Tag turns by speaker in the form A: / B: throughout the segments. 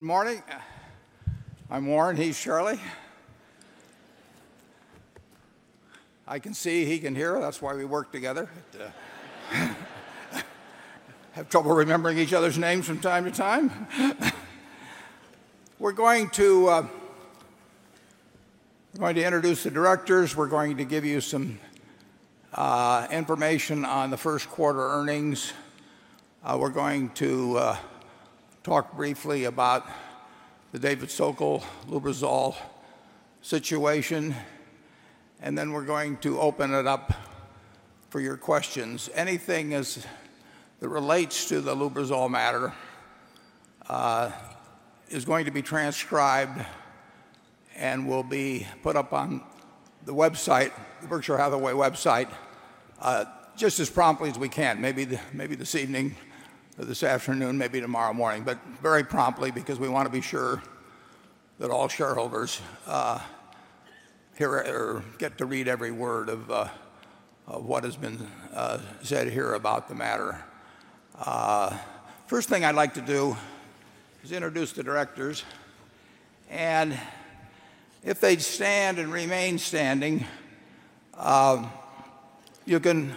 A: Good morning. I'm Warren. He's Charlie. I can see, he can hear. That's why we work together. Have trouble remembering each other's names from time to time. We're going to introduce the directors. We're going to give you some information on the first quarter earnings. We're going to talk briefly about the David Sokol-Lubrizol situation. Then we're going to open it up for your questions. Anything that relates to the Lubrizol matter is going to be transcribed and will be put up on the website, the Berkshire Hathaway website, just as promptly as we can. Maybe this evening, or this afternoon, maybe tomorrow morning. Very promptly because we want to be sure that all shareholders get to read every word of what has been said here about the matter. First thing I'd like to do is introduce the directors. If they stand and remain standing, you can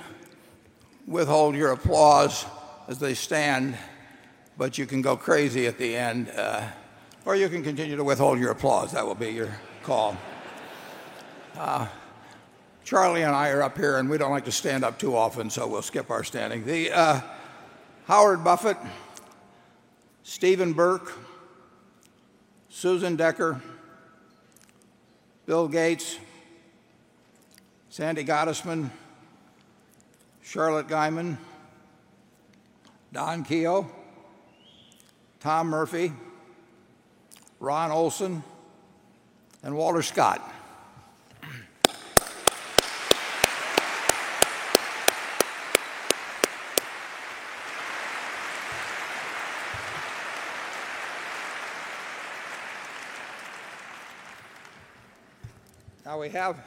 A: withhold your applause as they stand. You can go crazy at the end. Or you can continue to withhold your applause. That will be your call. Charlie and I are up here, and we don't like to stand up too often, so we'll skip our standing. Howard Buffett, Stephen Burke, Susan Decker, Bill Gates, Sandy Gottesman, Charlotte Guyman, Don Keough, Tom Murphy, Ronald Olson, and Walter Scott. Now we have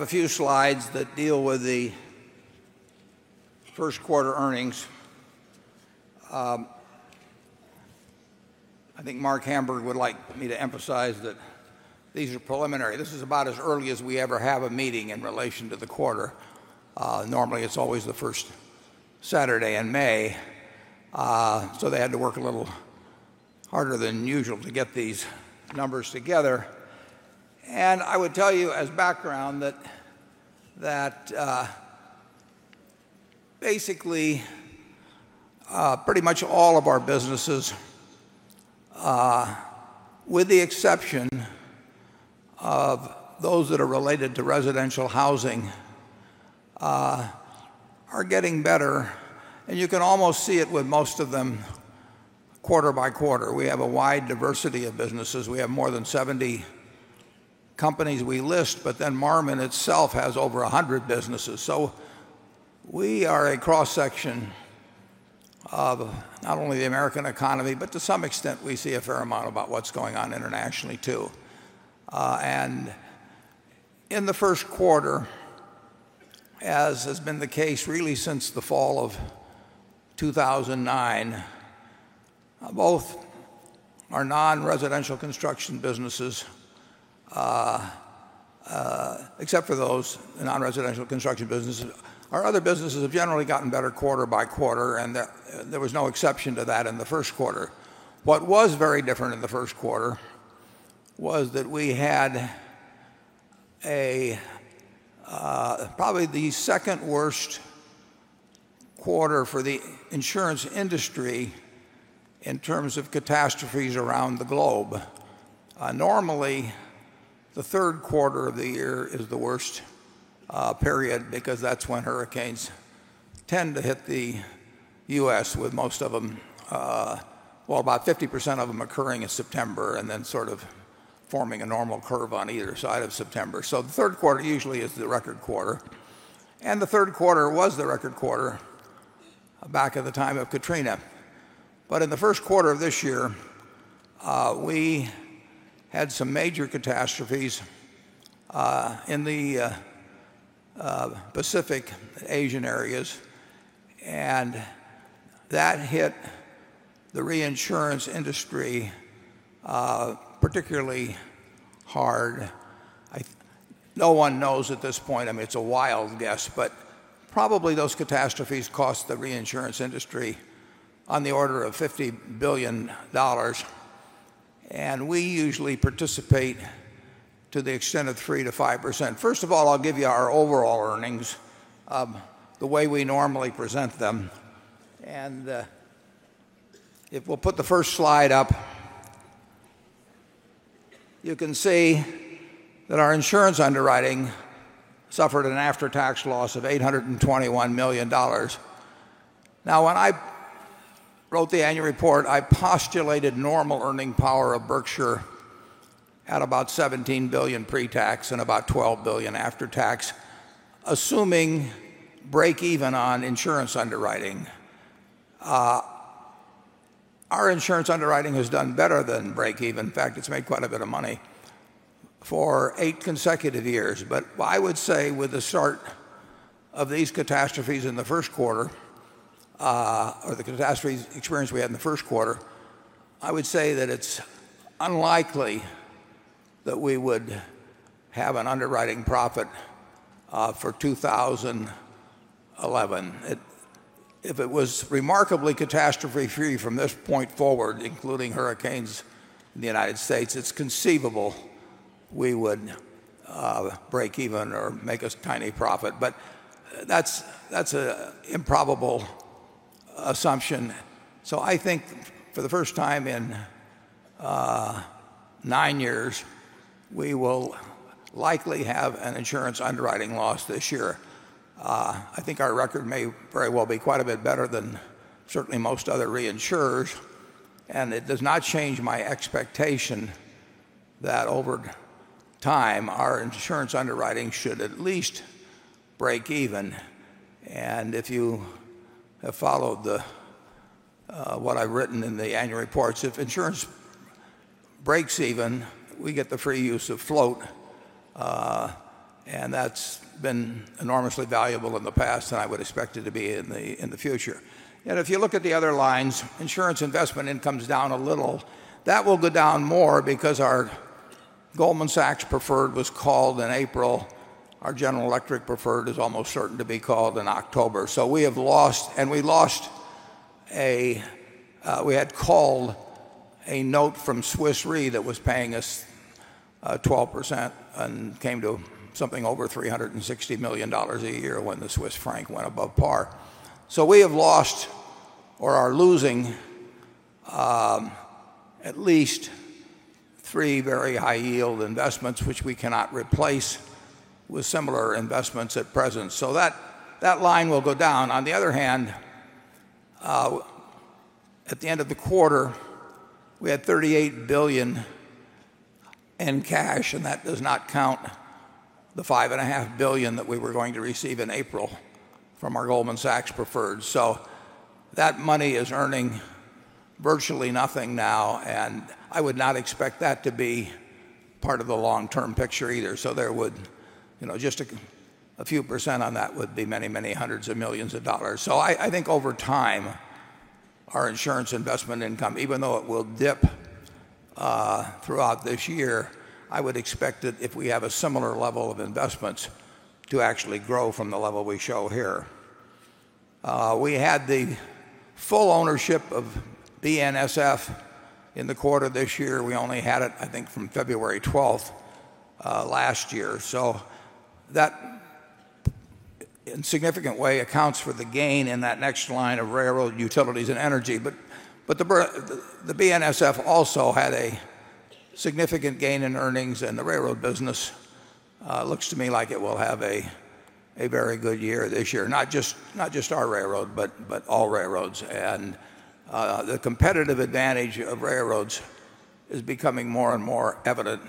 A: a few slides that deal with the first quarter earnings. I think Marc Hamburg would like me to emphasize that these are preliminary. This is about as early as we ever have a meeting in relation to the quarter. Normally, it's always the first Saturday in May. They had to work a little harder than usual to get these numbers together. I would tell you as background that basically pretty much all of our businesses, with the exception of those that are related to residential housing, are getting better. You can almost see it with most of them quarter-by-quarter. We have a wide diversity of businesses. We have more than 70 companies we list, but then Marmon itself has over 100 businesses. We are a cross-section of not only the American economy, but to some extent, we see a fair amount about what's going on internationally, too. In the first quarter, as has been the case really since the fall of 2009, both our non-residential construction businesses, except for those, the non-residential construction businesses, our other businesses have generally gotten better quarter-by-quarter. There was no exception to that in the first quarter. What was very different in the first quarter was that we had probably the second worst quarter for the insurance industry in terms of catastrophes around the globe. Normally, the third quarter of the year is the worst period because that's when hurricanes tend to hit the U.S., with most of them, about 50% of them, occurring in September and then forming a normal curve on either side of September. The third quarter usually is the record quarter. The third quarter was the record quarter back at the time of Katrina. In the first quarter of this year, we had some major catastrophes in the Pacific-Asia areas, and that hit the reinsurance industry particularly hard. No one knows at this point. It's a wild guess, but probably those catastrophes cost the reinsurance industry on the order of $50 billion. We usually participate to the extent of 3%-5%. First of all, I'll give you our overall earnings, the way we normally present them. If we'll put the first slide up, you can see that our insurance underwriting suffered an after-tax loss of $821 million. When I wrote the annual report, I postulated normal earning power of Berkshire Hathaway at about $17 billion pre-tax and about $12 billion after-tax, assuming break-even on insurance underwriting. Our insurance underwriting has done better than break-even. In fact, it's made quite a bit of money for eight consecutive years. I would say with the start of these catastrophes in the first quarter, or the catastrophes experienced we had in the first quarter, I would say that it's unlikely that we would have an underwriting profit for 2011. If it was remarkably catastrophe-free from this point forward, including hurricanes in the United States, it's conceivable we would break even or make a tiny profit. That's an improbable assumption. I think for the first time in nine years, we will likely have an insurance underwriting loss this year. I think our record may very well be quite a bit better than certainly most other reinsurers. It does not change my expectation that over time, our insurance underwriting should at least break even. If you have followed what I've written in the annual reports, if insurance breaks even, we get the free use of float. That's been enormously valuable in the past, and I would expect it to be in the future. If you look at the other lines, insurance investment income's down a little. That will go down more because our Goldman Sachs preferred was called in April. Our General Electric preferred is almost certain to be called in October. We have lost, and we lost a, we had called a note from Swiss Re that was paying us 12% and came to something over $360 million a year when the Swiss franc went above par. We have lost or are losing at least three very high-yield investments, which we cannot replace with similar investments at present. That line will go down. On the other hand, at the end of the quarter, we had $38 billion in cash, and that does not count the $5.5 billion that we were going to receive in April from our Goldman Sachs preferred. That money is earning virtually nothing now. I would not expect that to be part of the long-term picture either. There would, you know, just a few percent on that would be many, many hundreds of millions of dollars. I think over time, our insurance investment income, even though it will dip throughout this year, I would expect that if we have a similar level of investments to actually grow from the level we show here. We had the full ownership of BNSF in the quarter this year. We only had it, I think, from February 12th last year. That, in a significant way, accounts for the gain in that next line of railroad utilities and energy. The BNSF also had a significant gain in earnings, and the railroad business looks to me like it will have a very good year this year. Not just our railroad, but all railroads. The competitive advantage of railroads is becoming more and more evident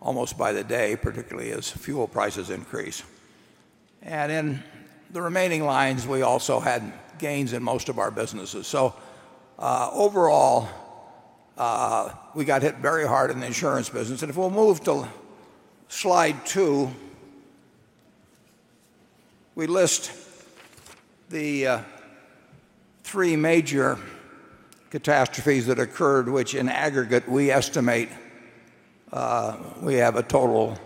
A: almost by the day, particularly as fuel prices increase. In the remaining lines, we also had gains in most of our businesses. Overall, we got hit very hard in the insurance business. If we'll move to slide two, we list the three major catastrophes that occurred, which in aggregate we estimate we have a total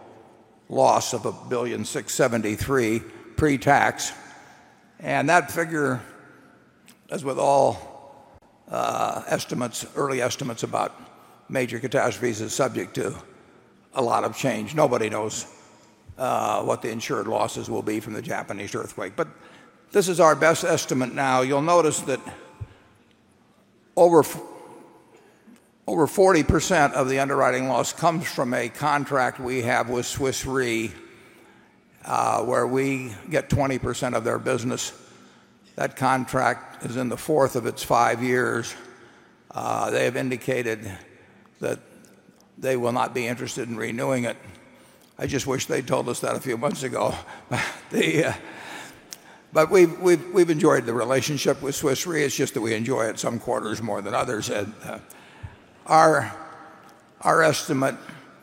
A: loss of $1.673 billion pre-tax. That figure, as with all early estimates about major catastrophes, is subject to a lot of change. Nobody knows what the insured losses will be from the Japanese earthquake. This is our best estimate now. You'll notice that over 40% of the underwriting loss comes from a contract we have with Swiss Re, where we get 20% of their business. That contract is in the fourth of its five years. They have indicated that they will not be interested in renewing it. I just wish they'd told us that a few months ago. We have enjoyed the relationship with Swiss Re. It's just that we enjoy it some quarters more than others. Our estimate,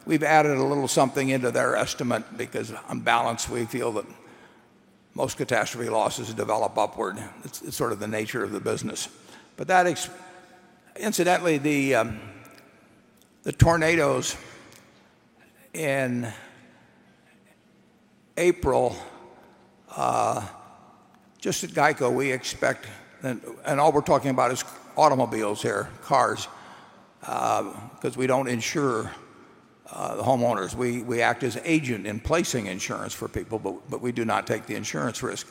A: we've added a little something into their estimate because on balance, we feel that most catastrophe losses develop upward. It's sort of the nature of the business. Incidentally, the tornadoes in April, just at GEICO, we expect, and all we're talking about is automobiles here, cars, because we don't insure the homeowners. We act as agents in placing insurance for people, but we do not take the insurance risk.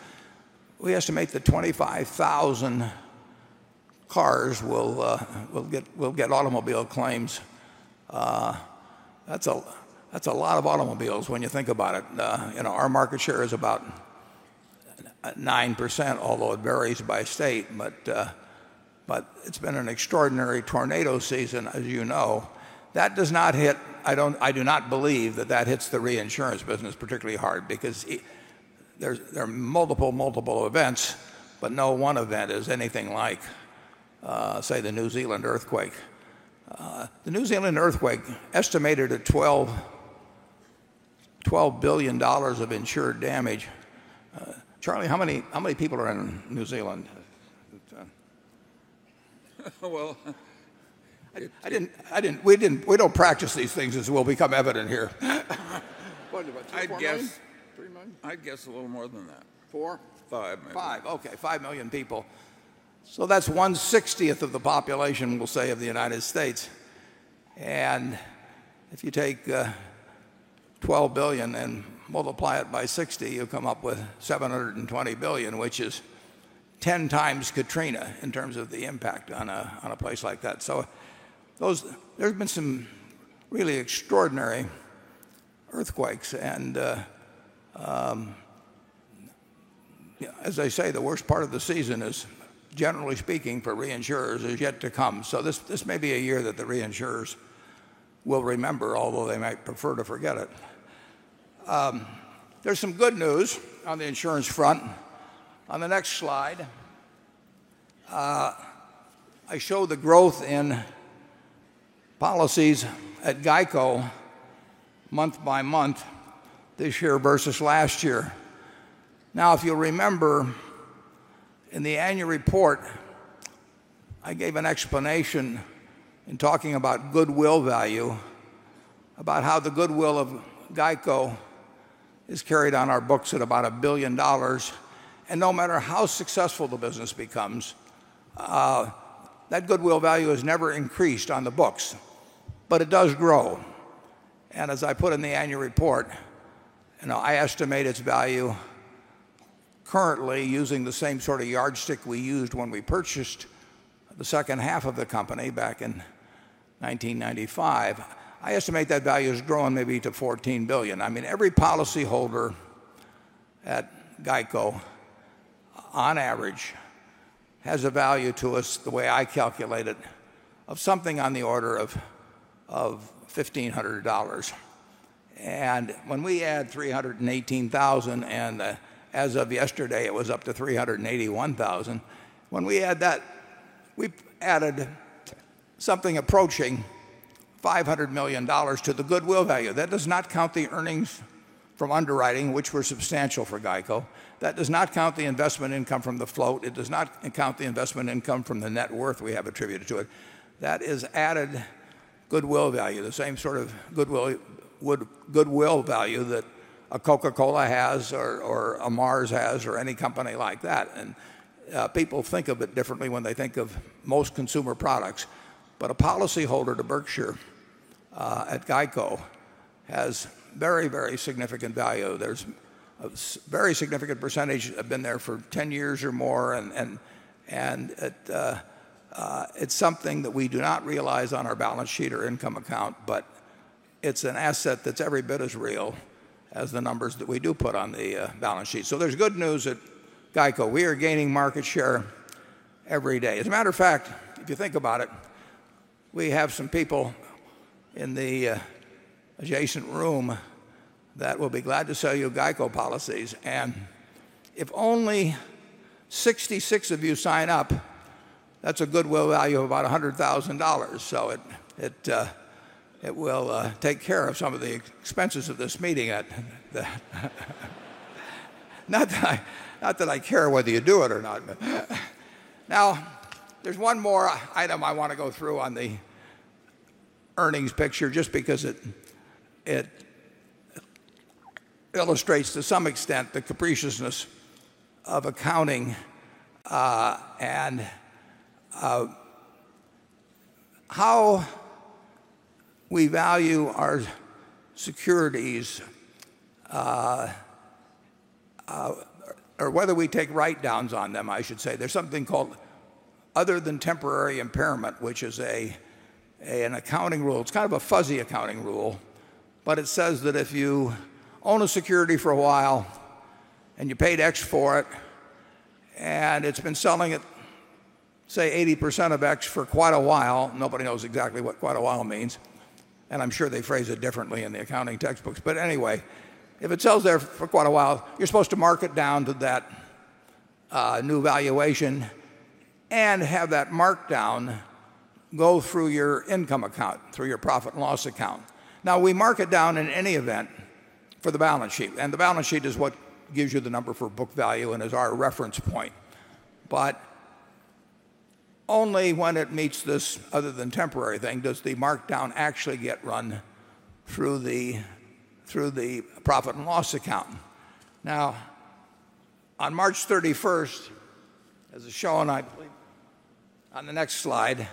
A: We estimate that 25,000 cars will get automobile claims. That's a lot of automobiles when you think about it. Our market share is about 9%, although it varies by state. It's been an extraordinary tornado season, as you know. That does not hit, I do not believe that that hits the reinsurance business particularly hard because there are multiple, multiple events, but no one event is anything like, say, the New Zealand earthquake. The New Zealand earthquake estimated at $12 billion of insured damage. Charlie, how many people are in New Zealand?
B: Well.
A: I didn't, we don't practice these things as will become evident here.
B: I'd guess.
A: What about four million? Three million?
B: I'd guess a little more than that.
A: Four?
B: Five maybe.
A: Five. Okay. Five million people. That's 1/60th of the population, we'll say, of the United States. If you take $12 billion and multiply it by 60, you come up with $720 billion, which is 10x Katrina in terms of the impact on a place like that. There have been some really extraordinary earthquakes. As I say, the worst part of the season is, generally speaking, for reinsurers, yet to come. This may be a year that the reinsurers will remember, although they might prefer to forget it. There's some good news on the insurance front. On the next slide, I show the growth in policies at GEICO month by month this year versus last year. If you'll remember, in the annual report, I gave an explanation in talking about goodwill value, about how the goodwill of GEICO is carried on our books at about $1 billion. No matter how successful the business becomes, that goodwill value has never increased on the books, but it does grow. As I put in the annual report, I estimate its value currently using the same sort of yardstick we used when we purchased the second half of the company back in 1995. I estimate that value has grown maybe to $14 billion. Every policyholder at GEICO, on average, has a value to us, the way I calculate it, of something on the order of $1,500. When we add 318,000, and as of yesterday, it was up to 381,000, when we add that, we've added something approaching $500 million to the goodwill value. That does not count the earnings from underwriting, which were substantial for GEICO. That does not count the investment income from the float. It does not count the investment income from the net worth we have attributed to it. That is added goodwill value, the same sort of goodwill value that a Coca-Cola has or a Mars has or any company like that. People think of it differently when they think of most consumer products. A policyholder to Berkshire Hathaway at GEICO has very, very significant value. There's a very significant percentage that have been there for 10 years or more. It's something that we do not realize on our balance sheet or income account, but it's an asset that's every bit as real as the numbers that we do put on the balance sheet. There's good news at GEICO. We are gaining market share every day. If you think about it, we have some people in the adjacent room that will be glad to sell you GEICO policies. If only 66 of you sign up, that's a goodwill value of about $100,000. It will take care of some of the expenses of this meeting. Not that I care whether you do it or not. There is one more item I want to go through on the earnings picture just because it illustrates to some extent the capriciousness of accounting and how we value our securities or whether we take write-downs on them, I should say. There is something called other than temporary impairment, which is an accounting rule. It is kind of a fuzzy accounting rule, but it says that if you own a security for a while and you paid X for it and it has been selling at, say, 80% of X for quite a while, nobody knows exactly what quite a while means. I am sure they phrase it differently in the accounting textbooks. If it sells there for quite a while, you are supposed to mark it down to that new valuation and have that markdown go through your income account, through your profit and loss account. We mark it down in any event for the balance sheet, and the balance sheet is what gives you the number for book value and is our reference point. Only when it meets this other than temporary thing does the markdown actually get run through the profit and loss account. On March 31st, as is shown on the next slide,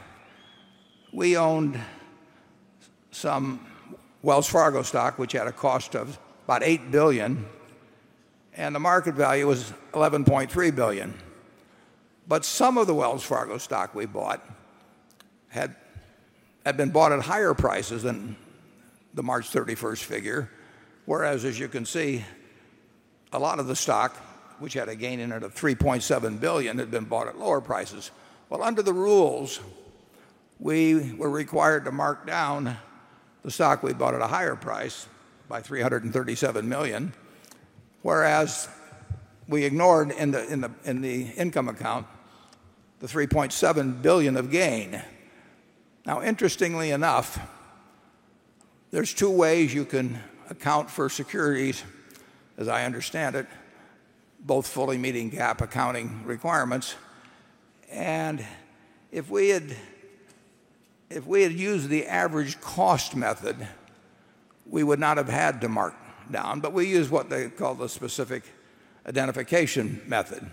A: we owned some Wells Fargo stock, which had a cost of about $8 billion, and the market value was $11.3 billion. Some of the Wells Fargo stock we bought had been bought at higher prices than the March 31st figure, whereas, as you can see, a lot of the stock, which had a gain in it of $3.7 billion, had been bought at lower prices. Under the rules, we were required to mark down the stock we bought at a higher price by $337 million, whereas we ignored in the income account the $3.7 billion of gain. Interestingly enough, there are two ways you can account for securities, as I understand it, both fully meeting GAAP accounting requirements. If we had used the average cost method, we would not have had to mark down, but we use what they call the specific identification method.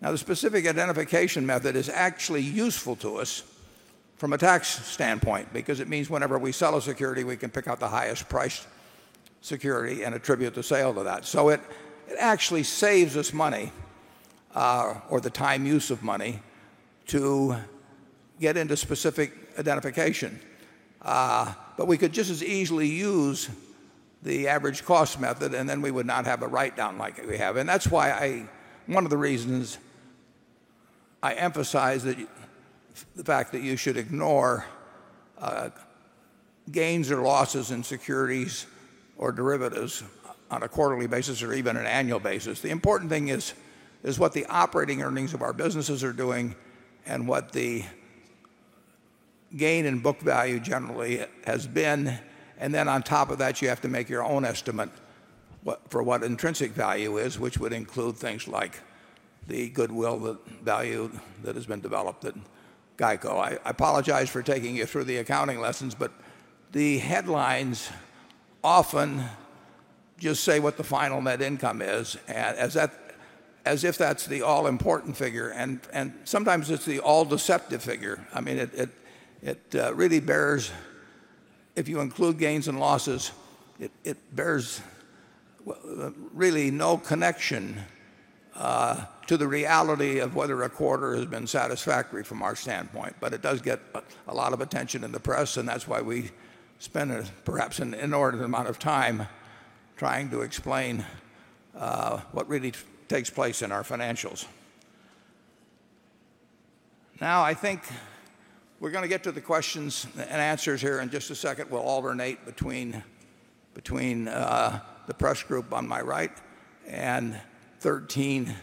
A: The specific identification method is actually useful to us from a tax standpoint because it means whenever we sell a security, we can pick out the highest priced security and attribute the sale to that. It actually saves us money or the time use of money to get into specific identification. We could just as easily use the average cost method, and then we would not have a write-down like we have. That is why one of the reasons I emphasize the fact that you should ignore gains or losses in securities or derivatives on a quarterly basis or even an annual basis. The important thing is what the operating earnings of our businesses are doing and what the gain in book value generally has been. On top of that, you have to make your own estimate for what intrinsic value is, which would include things like the goodwill value that has been developed at GEICO. I apologize for taking you through the accounting lessons, but the headlines often just say what the final net income is, as if that is the all-important figure. Sometimes it is the all-deceptive figure. It really bears, if you include gains and losses, it bears really no connection to the reality of whether a quarter has been satisfactory from our standpoint. It does get a lot of attention in the press, and that is why we spend perhaps an inordinate amount of time trying to explain what really takes place in our financials. Now, I think we are going to get to the questions and answers here in just a second. We will alternate between the press group on my right and 13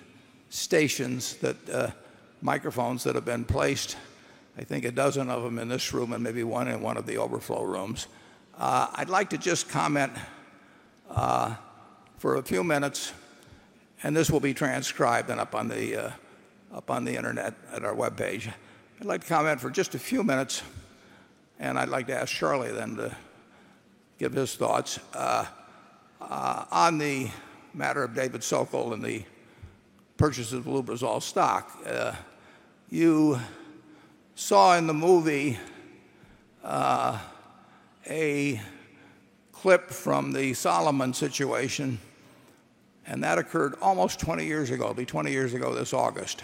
A: stations that microphones that have been placed, I think a dozen of them in this room and maybe one in one of the overflow rooms. I would like to just comment for a few minutes, and this will be transcribed and up on the internet at our web page. I would like to comment for just a few minutes, and I would like to ask Charlie then to give his thoughts on the matter of David Sokol and the purchase of Lubrizol stock. You saw in the movie a clip from the Salomon situation, and that occurred almost 20 years ago. It will be 20 years ago this August.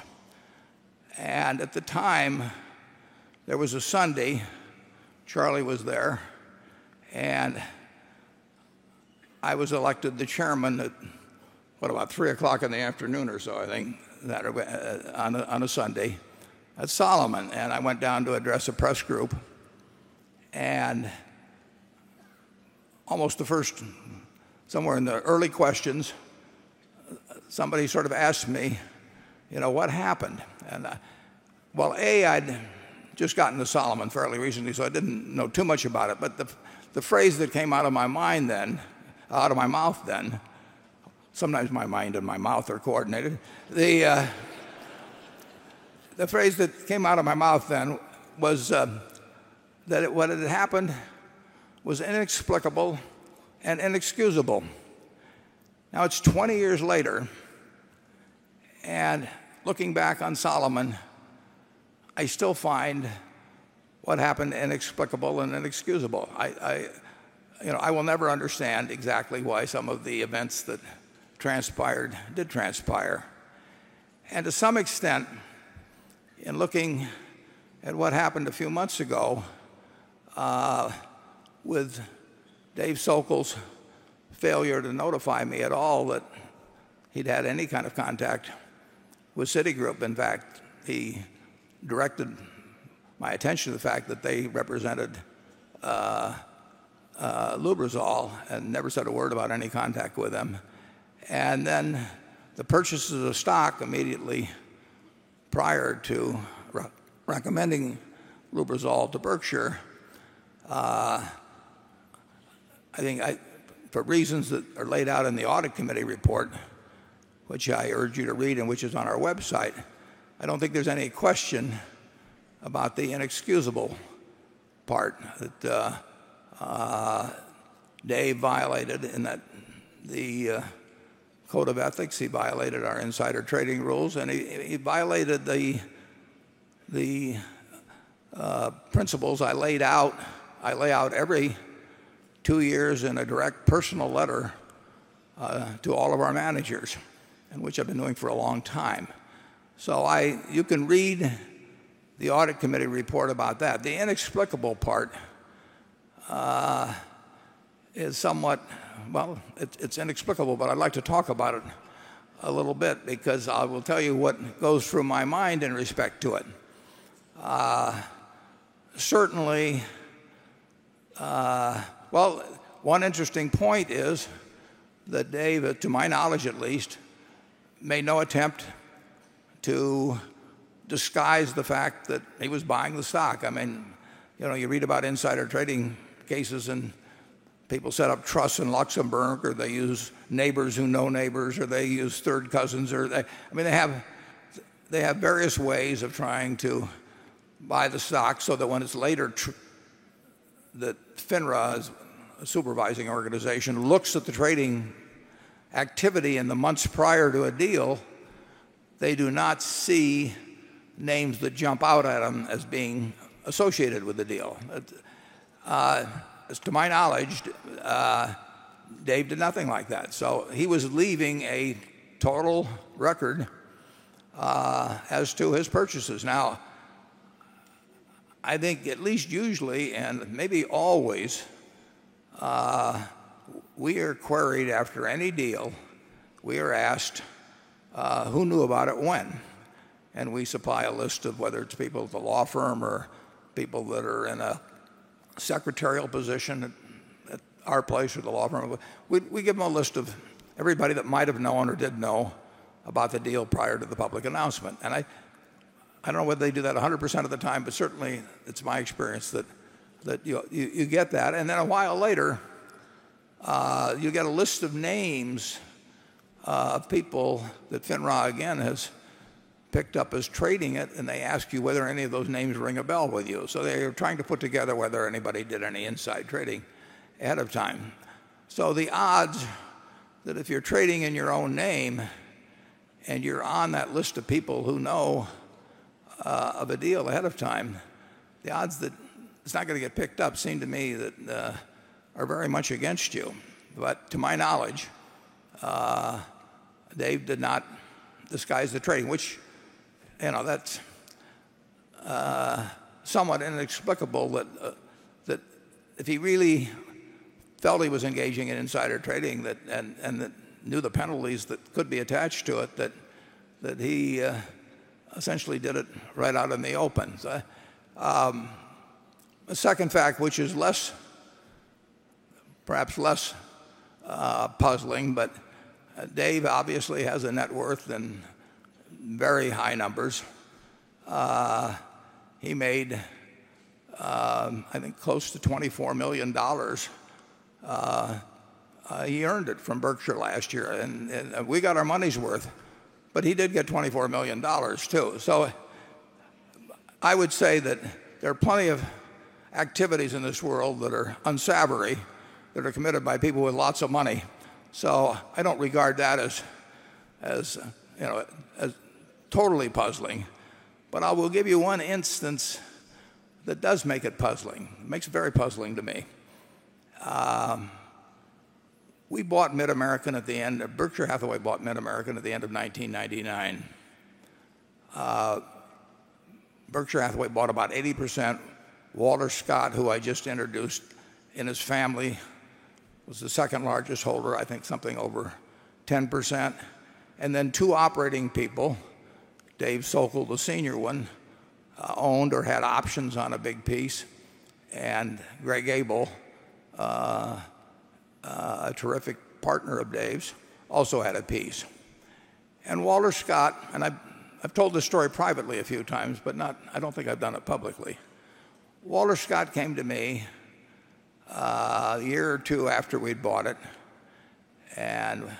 A: At the time, there was a Sunday, Charlie was there, and I was elected the Chairman at, what, about 3:00 P.M. or so, I think, on a Sunday at Salomon. I went down to address the press group. Almost the first, somewhere in the early questions, somebody sort of asked me, you know, what happened? A, I had just gotten to Salomon fairly recently, so I did not know too much about it. The phrase that came out of my mind then, out of my mouth then, sometimes my mind and my mouth are coordinated. The phrase that came out of my mouth then was that what had happened was inexplicable and inexcusable. Now it's 20 years later, and looking back on Salomon, I still find what happened inexplicable and inexcusable. I will never understand exactly why some of the events that transpired did transpire. To some extent, in looking at what happened a few months ago with Dave Sokol's failure to notify me at all that he'd had any kind of contact with Citigroup, in fact, he directed my attention to the fact that they represented Lubrizol and never said a word about any contact with them. The purchase of the stock immediately prior to recommending Lubrizol to Berkshire Hathaway, I think for reasons that are laid out in the audit committee report, which I urge you to read and which is on our website, I don't think there's any question about the inexcusable part that Dave violated in that the code of ethics, he violated our insider trading rules, and he violated the principles I laid out. I lay out every two years in a direct personal letter to all of our managers, and which I've been doing for a long time. You can read the audit committee report about that. The inexplicable part is somewhat, well, it's inexplicable, but I'd like to talk about it a little bit because I will tell you what goes through my mind in respect to it. Certainly, one interesting point is that Dave, to my knowledge at least, made no attempt to disguise the fact that he was buying the stock. I mean, you know, you read about insider trading cases and people set up trusts in Luxembourg, or they use neighbors who know neighbors, or they use third cousins. They have various ways of trying to buy the stock so that when it's later, the FINRA supervising organization looks at the trading activity in the months prior to a deal, they do not see names that jump out at them as being associated with the deal. As to my knowledge, Dave did nothing like that. He was leaving a total record as to his purchases. I think at least usually, and maybe always, we are queried after any deal. We are asked who knew about it when. We supply a list of whether it's people at the law firm or people that are in a secretarial position at our place or the law firm. We give them a list of everybody that might have known or did know about the deal prior to the public announcement. I don't know whether they do that 100% of the time, but certainly, it's my experience that you get that. A while later, you get a list of names of people that FINRA, again, has picked up as trading it, and they ask you whether any of those names ring a bell with you. They are trying to put together whether anybody did any inside trading ahead of time. The odds that if you're trading in your own name and you're on that list of people who know of a deal ahead of time, the odds that it's not going to get picked up seem to me that are very much against you. To my knowledge, Dave did not disguise the trading, which is somewhat inexplicable that if he really felt he was engaging in insider trading and knew the penalties that could be attached to it, he essentially did it right out in the open. A second fact, which is perhaps less puzzling, but Dave obviously has a net worth in very high numbers. He made, I think, close to $24 million. He earned it from Berkshire Hathaway last year. We got our money's worth, but he did get $24 million, too. There are plenty of activities in this world that are unsavory that are committed by people with lots of money. I don't regard that as totally puzzling. I will give you one instance that does make it puzzling. It makes it very puzzling to me. We bought Mid-American at the end of 1999. Berkshire Hathaway bought about 80%. Walter Scott, who I just introduced, and his family, was the second largest holder, I think something over 10%. Two operating people, David Sokol, the senior one, owned or had options on a big piece. Greg Abel, a terrific partner of Dave's, also had a piece. Walter Scott, and I've told this story privately a few times, but I don't think I've done it publicly. Walter Scott came to me a year or two after we'd bought it.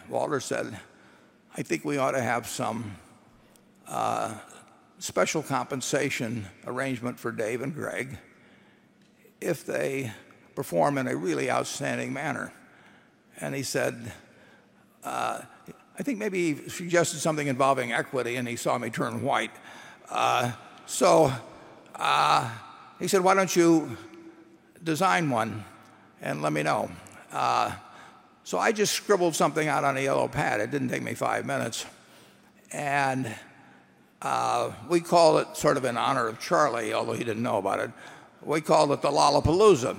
A: Walter said, "I think we ought to have some special compensation arrangement for Dave and Greg if they perform in a really outstanding manner." He said, "I think maybe," he suggested something involving equity, and he saw me turn white. He said, "Why don't you design one and let me know?" I just scribbled something out on a yellow pad. It didn't take me five minutes. We called it sort of in honor of Charlie, although he didn't know about it. We called it the Lollapalooza.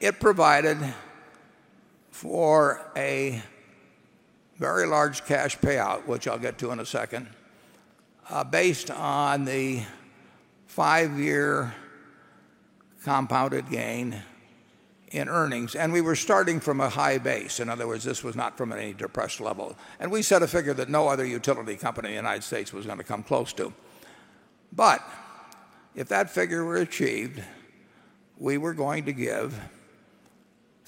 A: It provided for a very large cash payout, which I'll get to in a second, based on the five-year compounded gain in earnings. We were starting from a high base. In other words, this was not from any depressed level. We set a figure that no other utility company in the United States was going to come close to. If that figure were achieved, we were going to give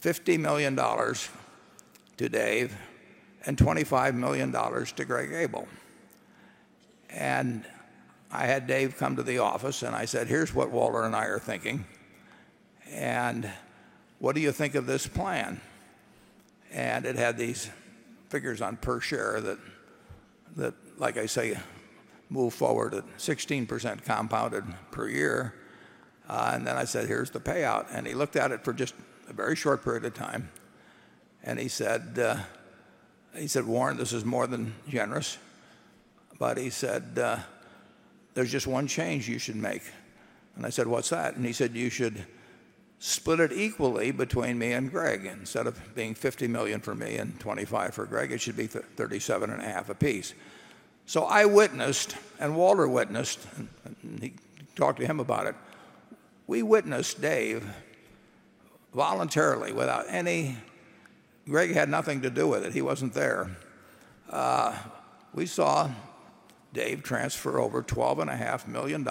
A: $50 million to Dave and $25 million to Greg Abel. I had Dave come to the office, and I said, "Here's what Walter and I are thinking. What do you think of this plan?" It had these figures on per share that, like I say, move forward at 16% compounded per year. I said, "Here's the payout." He looked at it for just a very short period of time and said, "Warren, this is more than generous." He said, "There's just one change you should make." I said, "What's that?" He said, "You should split it equally between me and Greg. Instead of being $50 million for me and $25 million for Greg, it should be $37.5 million apiece." I witnessed, and Walter witnessed, and he talked to him about it. We witnessed Dave voluntarily, without any, Greg had nothing to do with it. He wasn't there. We saw Dave transfer over $12.5 million,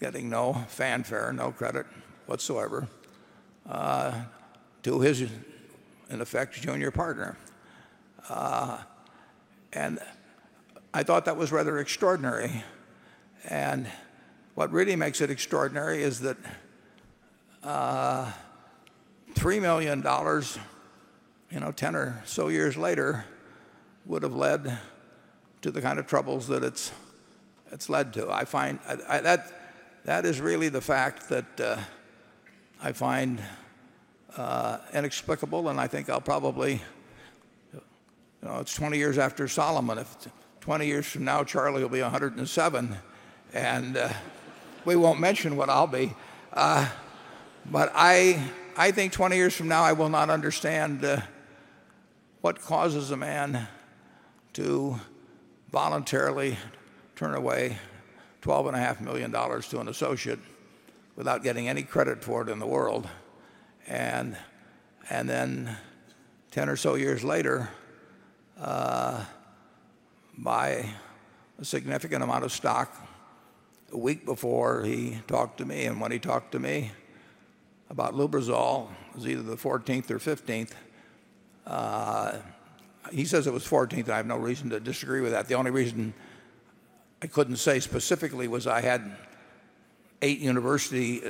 A: getting no fanfare, no credit whatsoever to his, in effect, junior partner. I thought that was rather extraordinary. What really makes it extraordinary is that $3 million, you know, 10 or so years later, would have led to the kind of troubles that it's led to. I find that that is really the fact that I find inexplicable. I think I'll probably, you know, it's 20 years after Salomon. If 20 years from now, Charlie will be 107, and we won't mention what I'll be. I think 20 years from now, I will not understand what causes a man to voluntarily turn away $12.5 million to an associate without getting any credit for it in the world. Then 10 or so years later, my significant amount of stock, a week before he talked to me, and when he talked to me about Lubrizol, it was either the 14th or 15th. He says it was 14th. I have no reason to disagree with that. The only reason I couldn't say specifically was I had eight university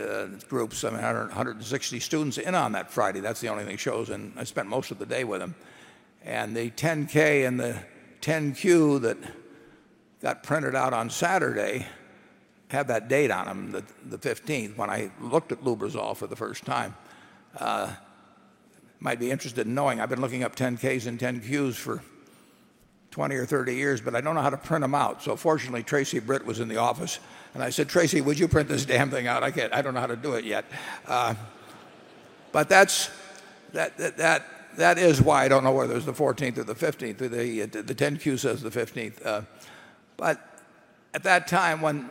A: groups, I mean, 160 students in on that Friday. That's the only thing that shows, and I spent most of the day with them. The Form 10-K and the Form 10-Q that got printed out on Saturday had that date on them, the 15th, when I looked at Lubrizol for the first time. Might be interested in knowing. I've been looking up Form 10-Ks and Form 10-Qs for 20 or 30 years, but I don't know how to print them out. Fortunately, Tracy Britt was in the office. I said, "Tracy, would you print this damn thing out? I don't know how to do it yet." That is why I don't know whether it was the 14th or the 15th. The Form 10-Q says the 15th. At that time, when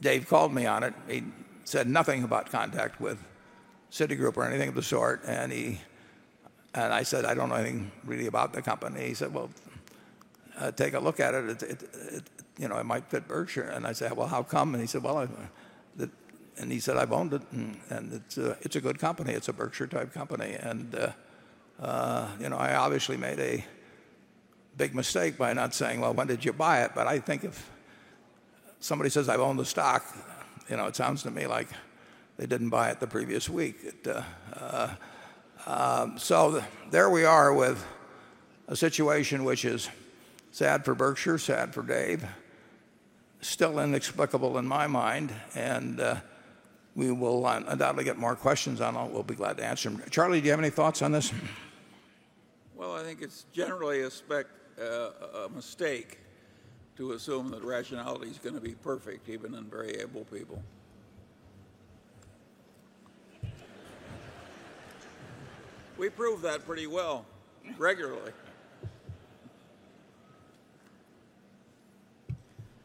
A: Dave called me on it, he said nothing about contact with Citigroup or anything of the sort. I said, "I don't know anything really about the company." He said, "Take a look at it. You know, it might fit Berkshire." I said, "How come?" He said, "I've owned it, and it's a good company. It's a Berkshire-type company." I obviously made a big mistake by not saying, "When did you buy it?" I think if somebody says I've owned the stock, it sounds to me like they didn't buy it the previous week. There we are with a situation which is sad for Berkshire, sad for Dave, still inexplicable in my mind. We will undoubtedly get more questions on it. We'll be glad to answer them. Charlie, do you have any thoughts on this?
B: I think it's generally a mistake to assume that rationality is going to be perfect, even in very able people. We prove that pretty well regularly.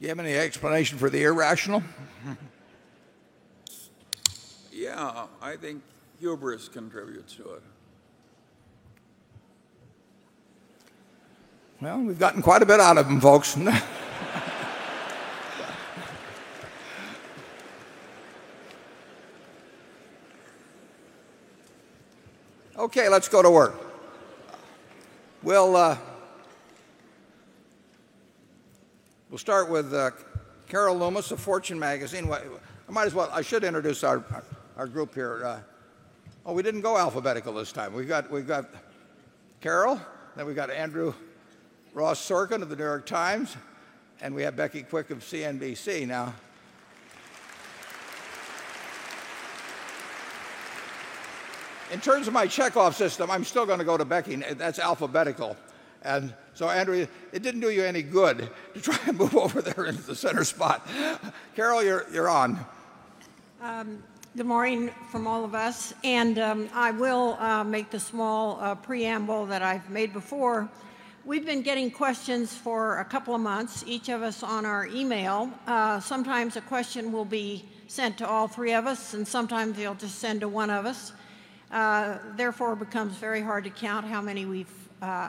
A: Do you have any explanation for the irrational?
B: Yeah, I think hubris contributes to it.
A: We've gotten quite a bit out of them, folks. Okay, let's go to work. We'll start with Carol Loomis of Fortune magazine. I might as well introduce our group here. Oh, we didn't go alphabetical this time. We've got Carol, and then we've got Andrew Ross Sorkin of The New York Times, and we have Becky Quick of CNBC. Now, in terms of my checkoff system, I'm still going to go to Becky. That's alphabetical. Andrew, it didn't do you any good to try and move over there into the center spot. Carol, you're on.
C: Good morning from all of us. I will make the small preamble that I've made before. We've been getting questions for a couple of months, each of us on our email. Sometimes a question will be sent to all three of us, and sometimes they'll just send to one of us. Therefore, it becomes very hard to count how many we've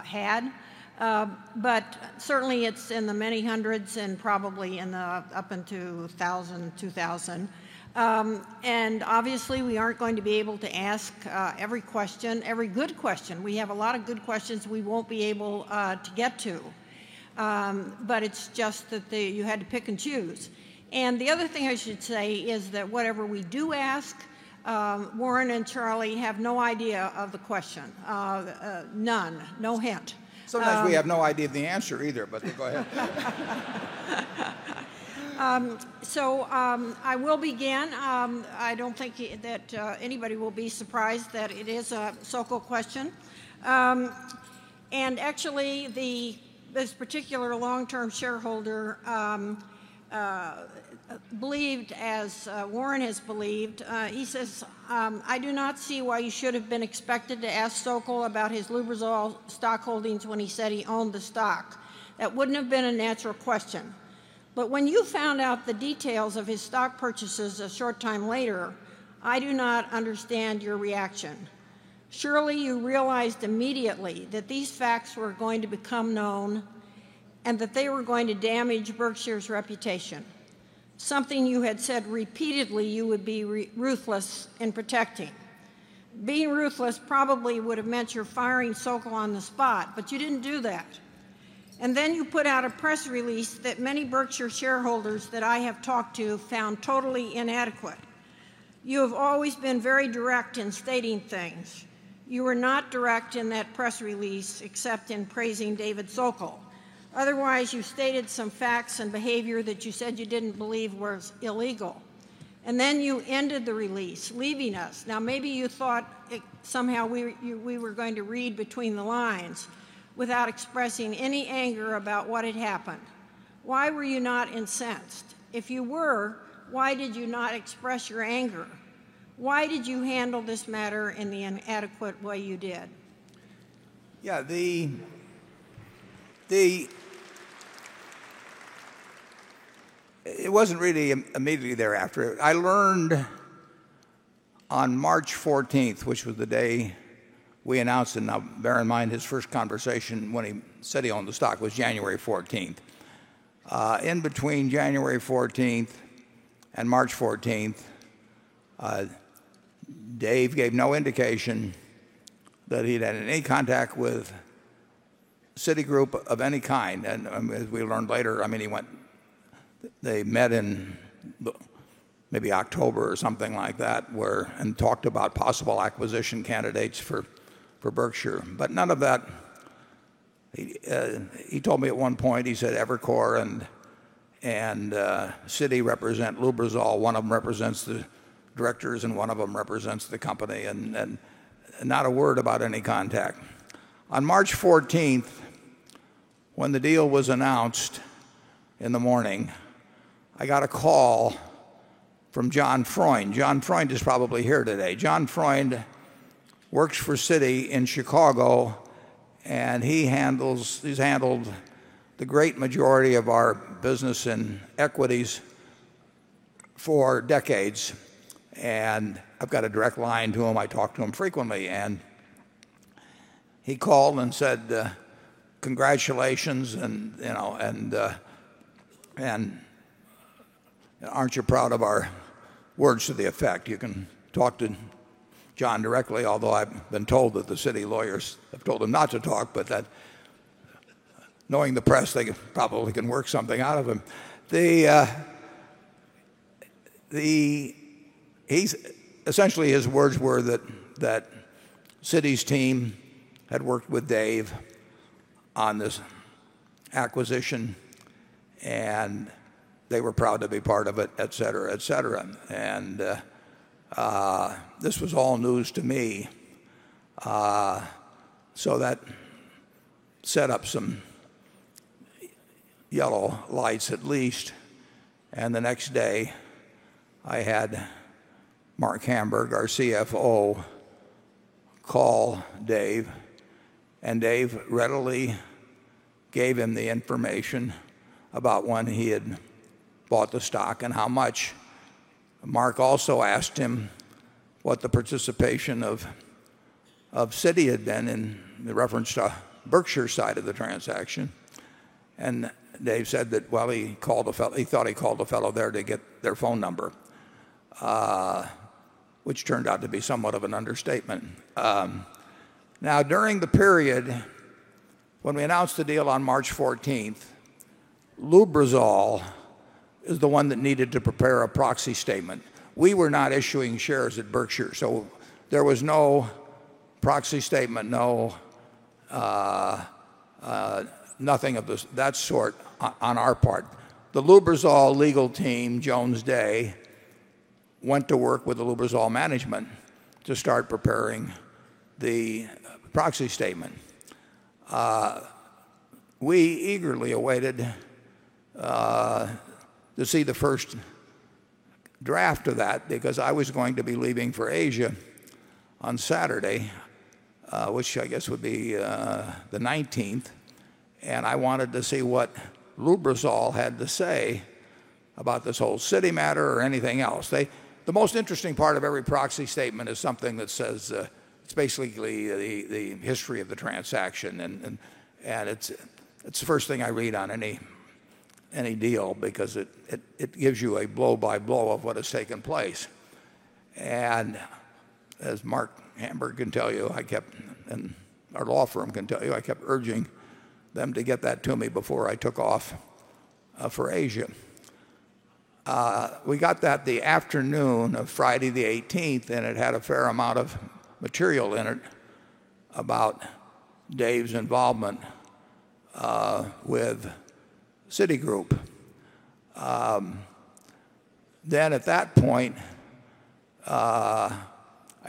C: had. Certainly, it's in the many hundreds and probably up into $1,000, $2,000. Obviously, we aren't going to be able to ask every question, every good question. We have a lot of good questions we won't be able to get to. It's just that you had to pick and choose. The other thing I should say is that whatever we do ask, Warren and Charlie have no idea of the question. None. No hint.
A: Sometimes we have no idea of the answer either, but go ahead.
C: I will begin. I don't think that anybody will be surprised that it is a Sokol question. Actually, this particular long-term shareholder believed, as Warren has believed, he says, "I do not see why you should have been expected to ask Sokol about his Lubrizol stockholdings when he said he owned the stock. That wouldn't have been a natural question. When you found out the details of his stock purchases a short time later, I do not understand your reaction. Surely, you realized immediately that these facts were going to become known and that they were going to damage Berkshire Hathaway's reputation. Something you had said repeatedly you would be ruthless in protecting. Being ruthless probably would have meant you're firing Sokol on the spot, but you didn't do that. You put out a press release that many Berkshire Hathaway shareholders that I have talked to found totally inadequate. You have always been very direct in stating things. You were not direct in that press release except in praising David Sokol. Otherwise, you stated some facts and behavior that you said you didn't believe were illegal. You ended the release, leaving us. Maybe you thought somehow we were going to read between the lines without expressing any anger about what had happened. Why were you not incensed? If you were, why did you not express your anger? Why did you handle this matter in the inadequate way you did?
A: Yeah, it wasn't really immediately thereafter. I learned on March 14th, which was the day we announced, and now bear in mind, his first conversation when he said he owned the stock was January 14th. In between January 14th and March 14th, Dave gave no indication that he'd had any contact with Citigroup of any kind. As we learned later, he went, they met in maybe October or something like that and talked about possible acquisition candidates for Berkshire Hathaway. None of that. He told me at one point, he said Evercore and Citi represent Lubrizol. One of them represents the directors and one of them represents the company. Not a word about any contact. On March 14th, when the deal was announced in the morning, I got a call from John Freund. John Freund is probably here today. John Freund works for Citi in Chicago, and he's handled the great majority of our business in equities for decades. I've got a direct line to him. I talk to him frequently. He called and said, "Congratulations, and aren't you proud of our words to the effect? You can talk to John directly, although I've been told that the Citi lawyers have told him not to talk, but that knowing the press, they probably can work something out of him." Essentially, his words were that Citi's team had worked with Dave on this acquisition, and they were proud to be part of it, et cetera, et cetera. This was all news to me. That set up some yellow lights at least. The next day, I had Marc Hamburg, our CFO, call Dave. Dave readily gave him the information about when he had bought the stock and how much. Marc also asked him what the participation of Citi had been in the reference to Berkshire Hathaway's side of the transaction. Dave said that he thought he called a fellow there to get their phone number, which turned out to be somewhat of an understatement. During the period when we announced the deal on March 14th, Lubrizol is the one that needed to prepare a proxy statement. We were not issuing shares at Berkshire Hathaway, so there was no proxy statement, nothing of that sort on our part. The Lubrizol legal team, Jones Day, went to work with the Lubrizol management to start preparing the proxy statement. We eagerly awaited to see the first draft of that because I was going to be leaving for Asia on Saturday, which I guess would be the 19th. I wanted to see what Lubrizol had to say about this whole Citi matter or anything else. The most interesting part of every proxy statement is something that says especially the history of the transaction. It's the first thing I read on any deal because it gives you a blow-by-blow of what has taken place. As Marc Hamburg can tell you, I kept, and our law firm can tell you, I kept urging them to get that to me before I took off for Asia. We got that the afternoon of Friday the 18th, and it had a fair amount of material in it about Dave's involvement with Citigroup. At that point, I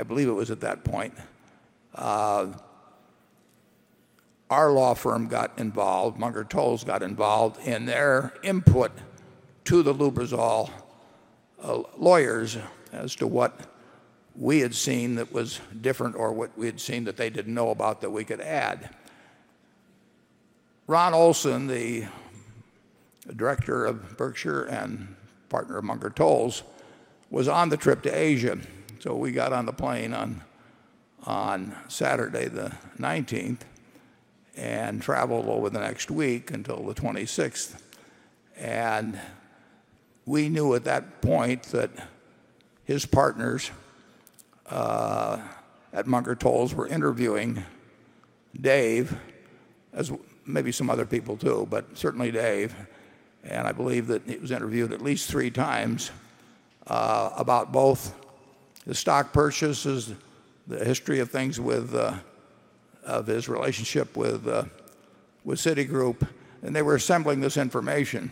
A: believe it was at that point, our law firm got involved, Munger Tolles got involved in their input to the Lubrizol lawyers as to what we had seen that was different or what we had seen that they didn't know about that we could add. Ronald Olson, the director of Berkshire Hathaway and partner of Munger Tolles, was on the trip to Asia. We got on the plane on Saturday the 19th and traveled over the next week until the 26th. We knew at that point that his partners at Munger Tolles were interviewing Dave, as maybe some other people too, but certainly Dave. I believe that he was interviewed at least three times about both his stock purchases, the history of things with his relationship with Citigroup. They were assembling this information.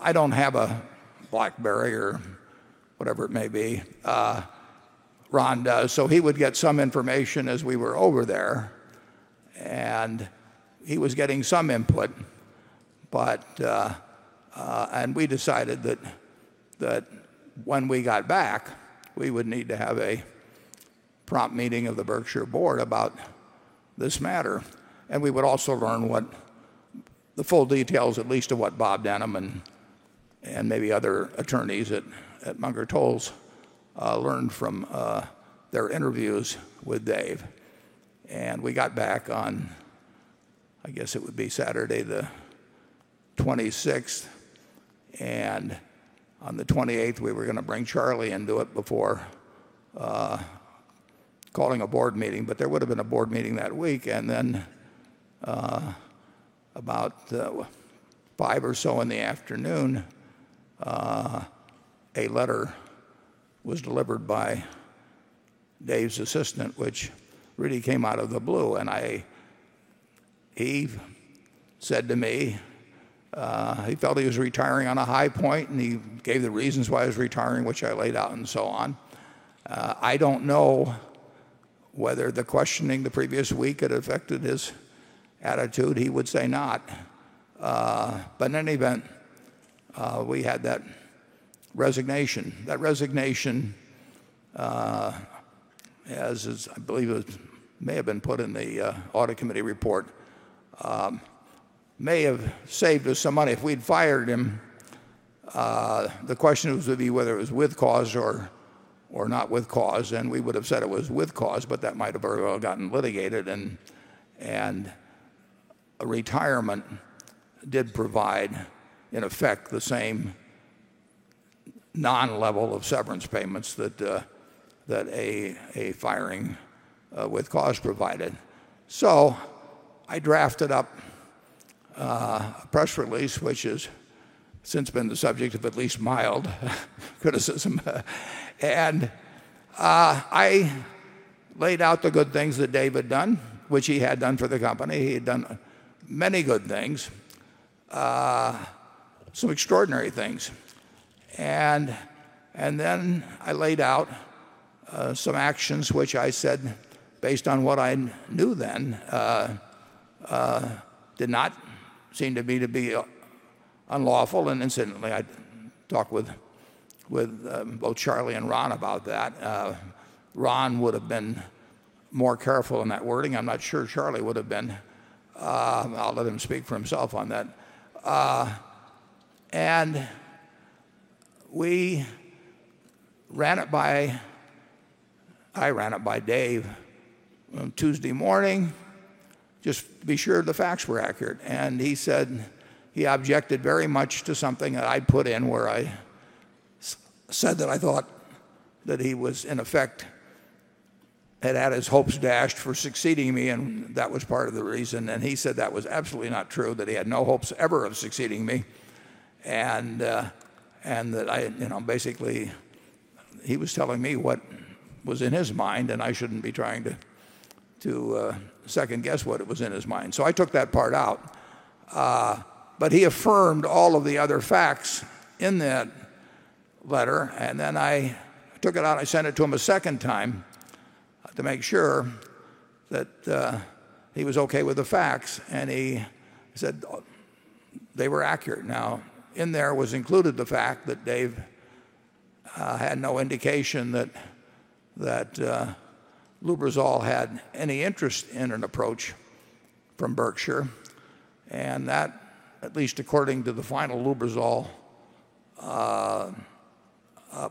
A: I don't have a BlackBerry or whatever it may be. He would get some information as we were over there. He was getting some input. We decided that when we got back, we would need to have a prompt meeting of the Berkshire Hathaway board about this matter. We would also learn what the full details, at least of what Bob Denham and maybe other attorneys at Munger Tolles learned from their interviews with Dave. We got back on, I guess it would be Saturday the 26th. On the 28th, we were going to bring Charlie into it before calling a board meeting. There would have been a board meeting that week. At about 5:00 P.M. or so in the afternoon, a letter was delivered by Dave's assistant, which really came out of the blue. Dave said to me he felt he was retiring on a high point, and he gave the reasons why he was retiring, which I laid out and so on. I don't know whether the questioning the previous week had affected his attitude. He would say not. In any event, we had that resignation. That resignation, as I believe it may have been put in the audit committee report, may have saved us some money. If we'd fired him, the question was to be whether it was with cause or not with cause. We would have said it was with cause, but that might have very well gotten litigated. A retirement did provide, in effect, the same non-level of severance payments that a firing with cause provided. I drafted up a press release, which has since been the subject of at least mild criticism. I laid out the good things that Dave had done, which he had done for the company. He had done many good things, some extraordinary things. I laid out some actions, which I said, based on what I knew then, did not seem to me to be unlawful. Incidentally, I talked with both Charlie and Ron about that. Ron would have been more careful in that wording. I'm not sure Charlie would have been. I'll let him speak for himself on that. I ran it by, I ran it by Dave on Tuesday morning, just to be sure the facts were accurate. He said he objected very much to something that I'd put in where I said that I thought that he was, in effect, had had his hopes dashed for succeeding me, and that was part of the reason. He said that was absolutely not true, that he had no hopes ever of succeeding me. He said that I, you know, basically, he was telling me what was in his mind, and I shouldn't be trying to second-guess what it was in his mind. I took that part out. He affirmed all of the other facts in that letter. I took it out. I sent it to him a second time to make sure that he was okay with the facts. He said they were accurate. In there was included the fact that Dave had no indication that Lubrizol had any interest in an approach from Berkshire Hathaway. At least according to the final Lubrizol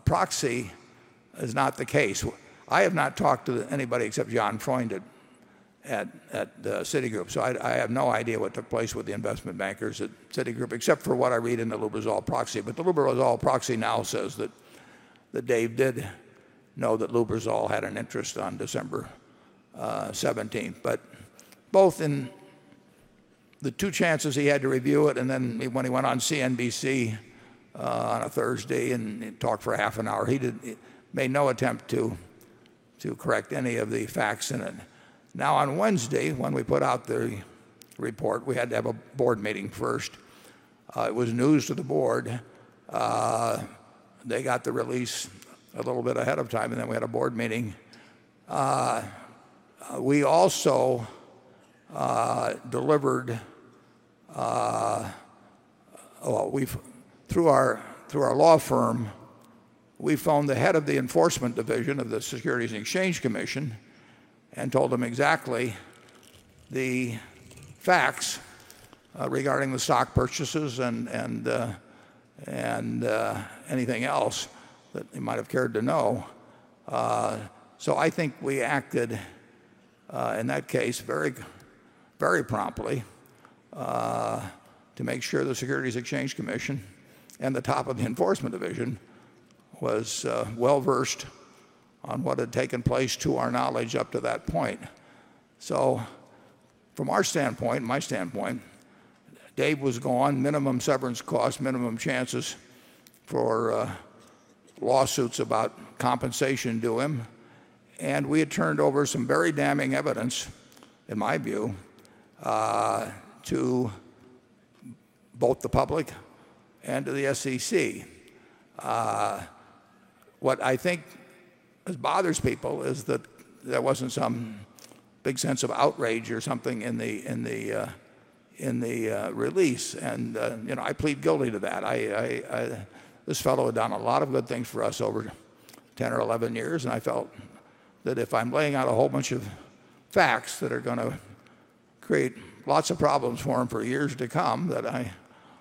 A: proxy, that is not the case. I have not talked to anybody except John Freund at Citigroup. I have no idea what took place with the investment bankers at Citigroup, except for what I read in the Lubrizol proxy. The Lubrizol proxy now says that Dave did know that Lubrizol had an interest on December 17th. Both in the two chances he had to review it, and then when he went on CNBC on a Thursday and talked for a half an hour, he made no attempt to correct any of the facts in it. On Wednesday, when we put out the report, we had to have a board meeting first. It was news to the board. They got the release a little bit ahead of time, and then we had a board meeting. We also delivered, through our law firm, we phoned the head of the enforcement division of the Securities and Exchange Commission and told him exactly the facts regarding the stock purchases and anything else that he might have cared to know. I think we acted in that case very, very promptly to make sure the Securities and Exchange Commission and the top of the enforcement division was well-versed on what had taken place, to our knowledge, up to that point. From our standpoint, my standpoint, Dave was gone, minimum severance cost, minimum chances for lawsuits about compensation to him. We had turned over some very damning evidence, in my view, to both the public and to the SEC. What I think bothers people is that there wasn't some big sense of outrage or something in the release. You know, I plead guilty to that. This fellow had done a lot of good things for us over 10 or 11 years. I felt that if I'm laying out a whole bunch of facts that are going to create lots of problems for him for years to come, that I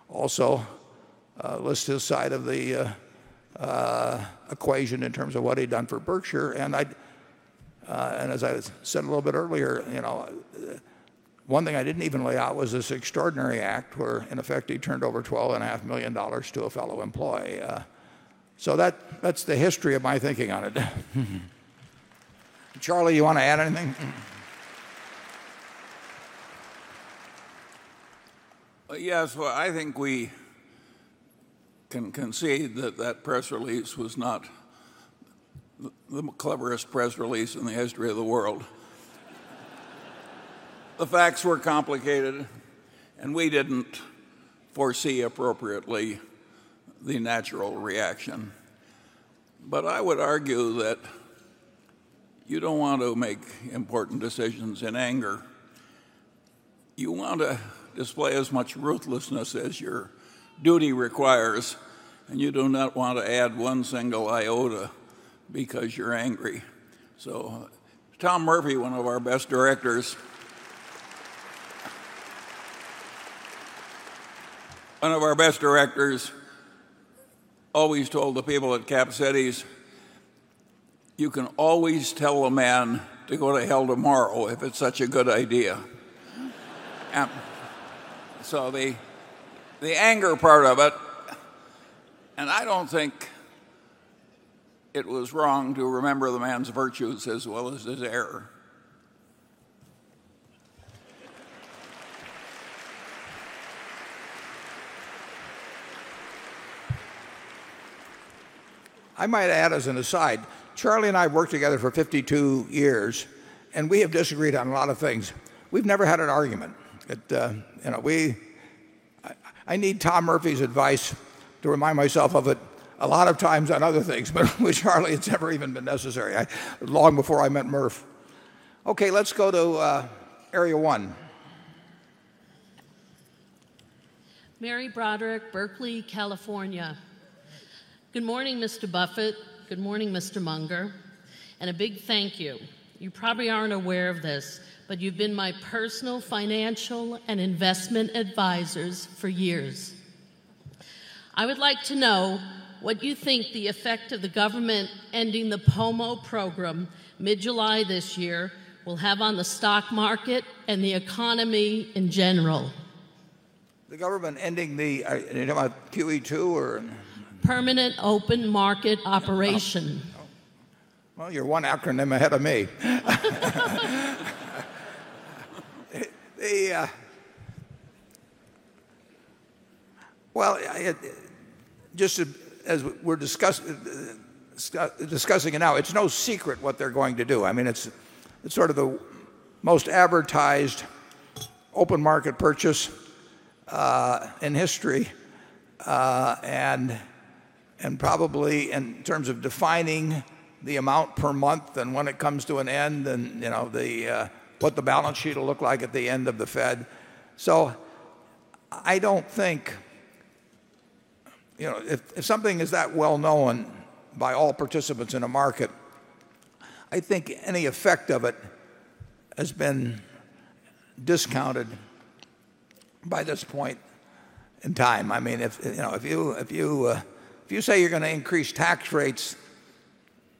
A: also list his side of the equation in terms of what he'd done for Berkshire Hathaway. As I said a little bit earlier, one thing I didn't even lay out was this extraordinary act where, in effect, he turned over $12.5 million to a fellow employee. That's the history of my thinking on it. Charlie, you want to add anything?
B: Yes. I think we can concede that that press release was not the cleverest press release in the history of the world. The facts were complicated, and we didn't foresee appropriately the natural reaction. I would argue that you don't want to make important decisions in anger. You want to display as much ruthlessness as your duty requires, and you do not want to add one single iota because you're angry. Tom Murphy, one of our best directors, always told the people at Cap Cities, "You can always tell a man to go to hell tomorrow if it's such a good idea." The anger part of it, and I don't think it was wrong to remember the man's virtues as well as his error.
A: I might add as an aside, Charlie and I have worked together for 52 years, and we have disagreed on a lot of things. We've never had an argument. I need Tom Murphy's advice to remind myself of it a lot of times on other things, but with Charlie, it's never even been necessary, long before I met Murphy. Okay, let's go to area one.
D: Mary Broderick, Berkeley, California. Good morning, Mr. Buffett. Good morning, Mr. Munger. A big thank you. You probably aren't aware of this, but you've been my personal financial and investment advisors for years. I would like to know what you think the effect of the government ending the POMO program mid-July this year will have on the stock market and the economy in general.
A: The government ending the, do you have a QE2 or?
D: Permanent open market operation.
A: You're one acronym ahead of me. Just as we're discussing it now, it's no secret what they're going to do. I mean, it's sort of the most advertised open market purchase in history, and probably in terms of defining the amount per month and when it comes to an end and what the balance sheet will look like at the end of the Fed. I don't think, you know, if something is that well known by all participants in a market, I think any effect of it has been discounted by this point in time. I mean, if you say you're going to increase tax rates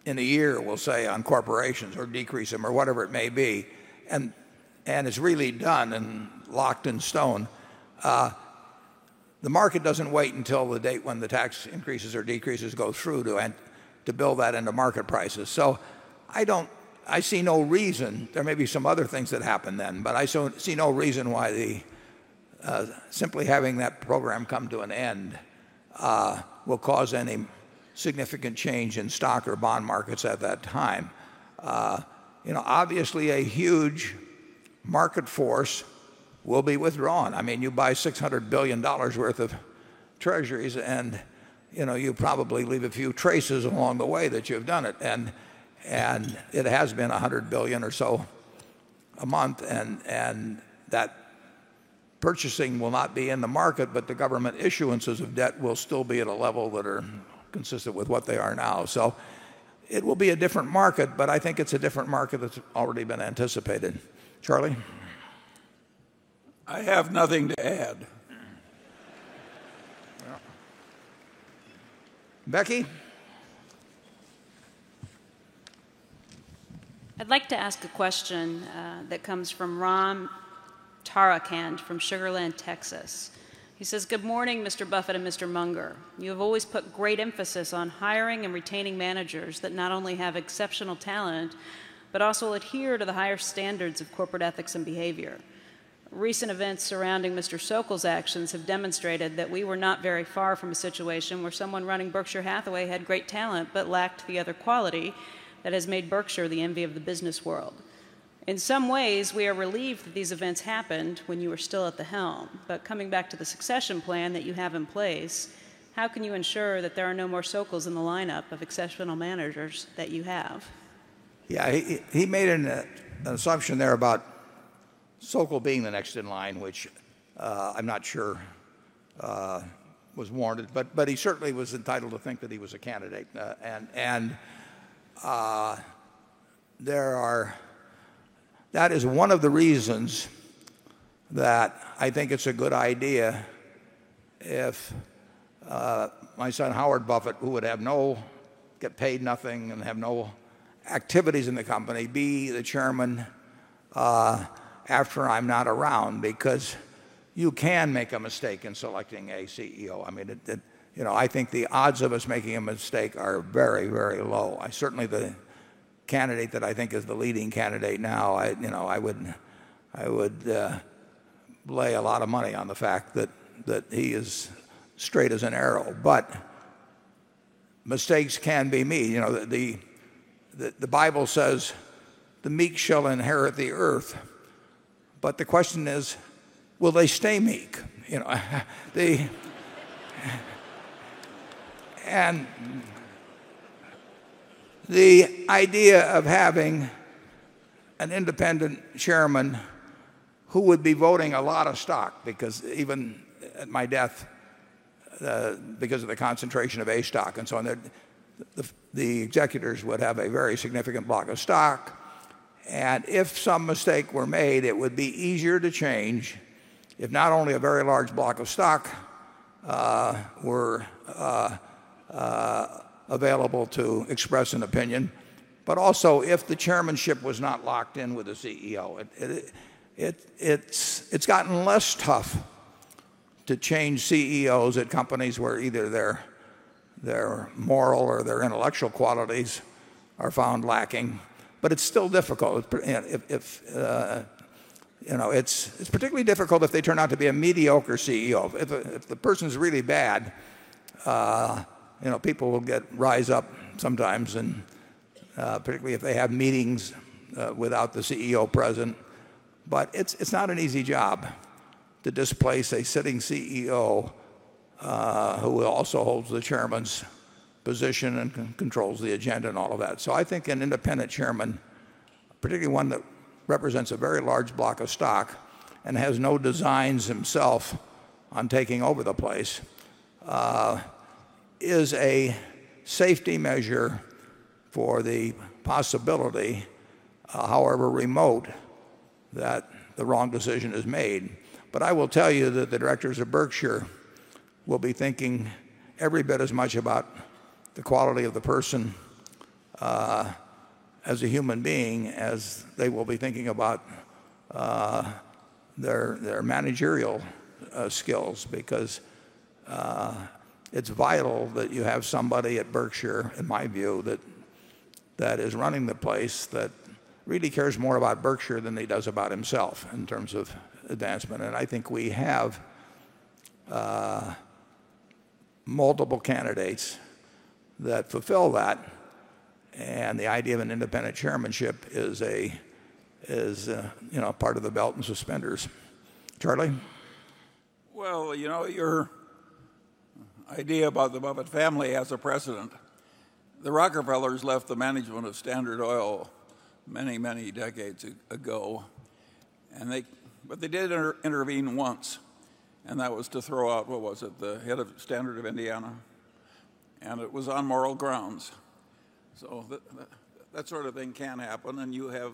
A: in a year, we'll say on corporations or decrease them or whatever it may be, and it's really done and locked in stone, the market doesn't wait until the date when the tax increases or decreases go through to build that into market prices. I see no reason. There may be some other things that happen then, but I see no reason why simply having that program come to an end will cause any significant change in stock or bond markets at that time. Obviously, a huge market force will be withdrawn. I mean, you buy $600 billion worth of treasuries, and you know, you probably leave a few traces along the way that you've done it. It has been $100 billion or so a month, and that purchasing will not be in the market, but the government issuances of debt will still be at a level that are consistent with what they are now. It will be a different market, but I think it's a different market that's already been anticipated. Charlie?
B: I have nothing to add.
A: Becky?
E: I'd like to ask a question that comes from Ron Taracant from Sugarland, Texas. He says, "Good morning, Mr. Buffett and Mr. Munger. You have always put great emphasis on hiring and retaining managers that not only have exceptional talent, but also adhere to the higher standards of corporate ethics and behavior. Recent events surrounding Mr. Sokol's actions have demonstrated that we were not very far from a situation where someone running Berkshire Hathaway had great talent, but lacked the other quality that has made Berkshire the envy of the business world. In some ways, we are relieved that these events happened when you were still at the helm. Coming back to the succession plan that you have in place, how can you ensure that there are no more Sokols in the lineup of exceptional managers that you have?
A: Yeah, he made an assumption there about Sokol being the next in line, which I'm not sure was warranted. He certainly was entitled to think that he was a candidate. That is one of the reasons that I think it's a good idea if my son, Howard Buffett, who would get paid nothing and have no activities in the company, be the Chairman after I'm not around, because you can make a mistake in selecting a CEO. I mean, I think the odds of us making a mistake are very, very low. The candidate that I think is the leading candidate now, I would lay a lot of money on the fact that he is straight as an arrow. Mistakes can be made. The Bible says, "The meek shall inherit the earth." The question is, will they stay meek? The idea of having an independent Chairman who would be voting a lot of stock, because even at my death, because of the concentration of A stock and so on, the executors would have a very significant block of stock. If some mistake were made, it would be easier to change if not only a very large block of stock were available to express an opinion, but also if the Chairmanship was not locked in with a CEO. It's gotten less tough to change CEOs at companies where either their moral or their intellectual qualities are found lacking. It's still difficult. It's particularly difficult if they turn out to be a mediocre CEO. If the person's really bad, people will rise up sometimes, particularly if they have meetings without the CEO present. It's not an easy job to displace a sitting CEO who also holds the Chairman's position and controls the agenda and all of that. I think an independent Chairman, particularly one that represents a very large block of stock and has no designs himself on taking over the place, is a safety measure for the possibility, however remote, that the wrong decision is made. I will tell you that the directors of Berkshire Hathaway will be thinking every bit as much about the quality of the person as a human being as they will be thinking about their managerial skills because it's vital that you have somebody at Berkshire Hathaway, in my view, that is running the place that really cares more about Berkshire Hathaway than he does about himself in terms of advancement. I think we have multiple candidates that fulfill that. The idea of an independent Chairmanship is a part of the belt and suspenders. Charlie?
B: Your idea about the Buffett family as a president, the Rockefellers left the management of Standard Oil many, many decades ago. They did intervene once, and that was to throw out, what was it, the head of Standard of Indiana? It was on moral grounds. That sort of thing can happen, and you have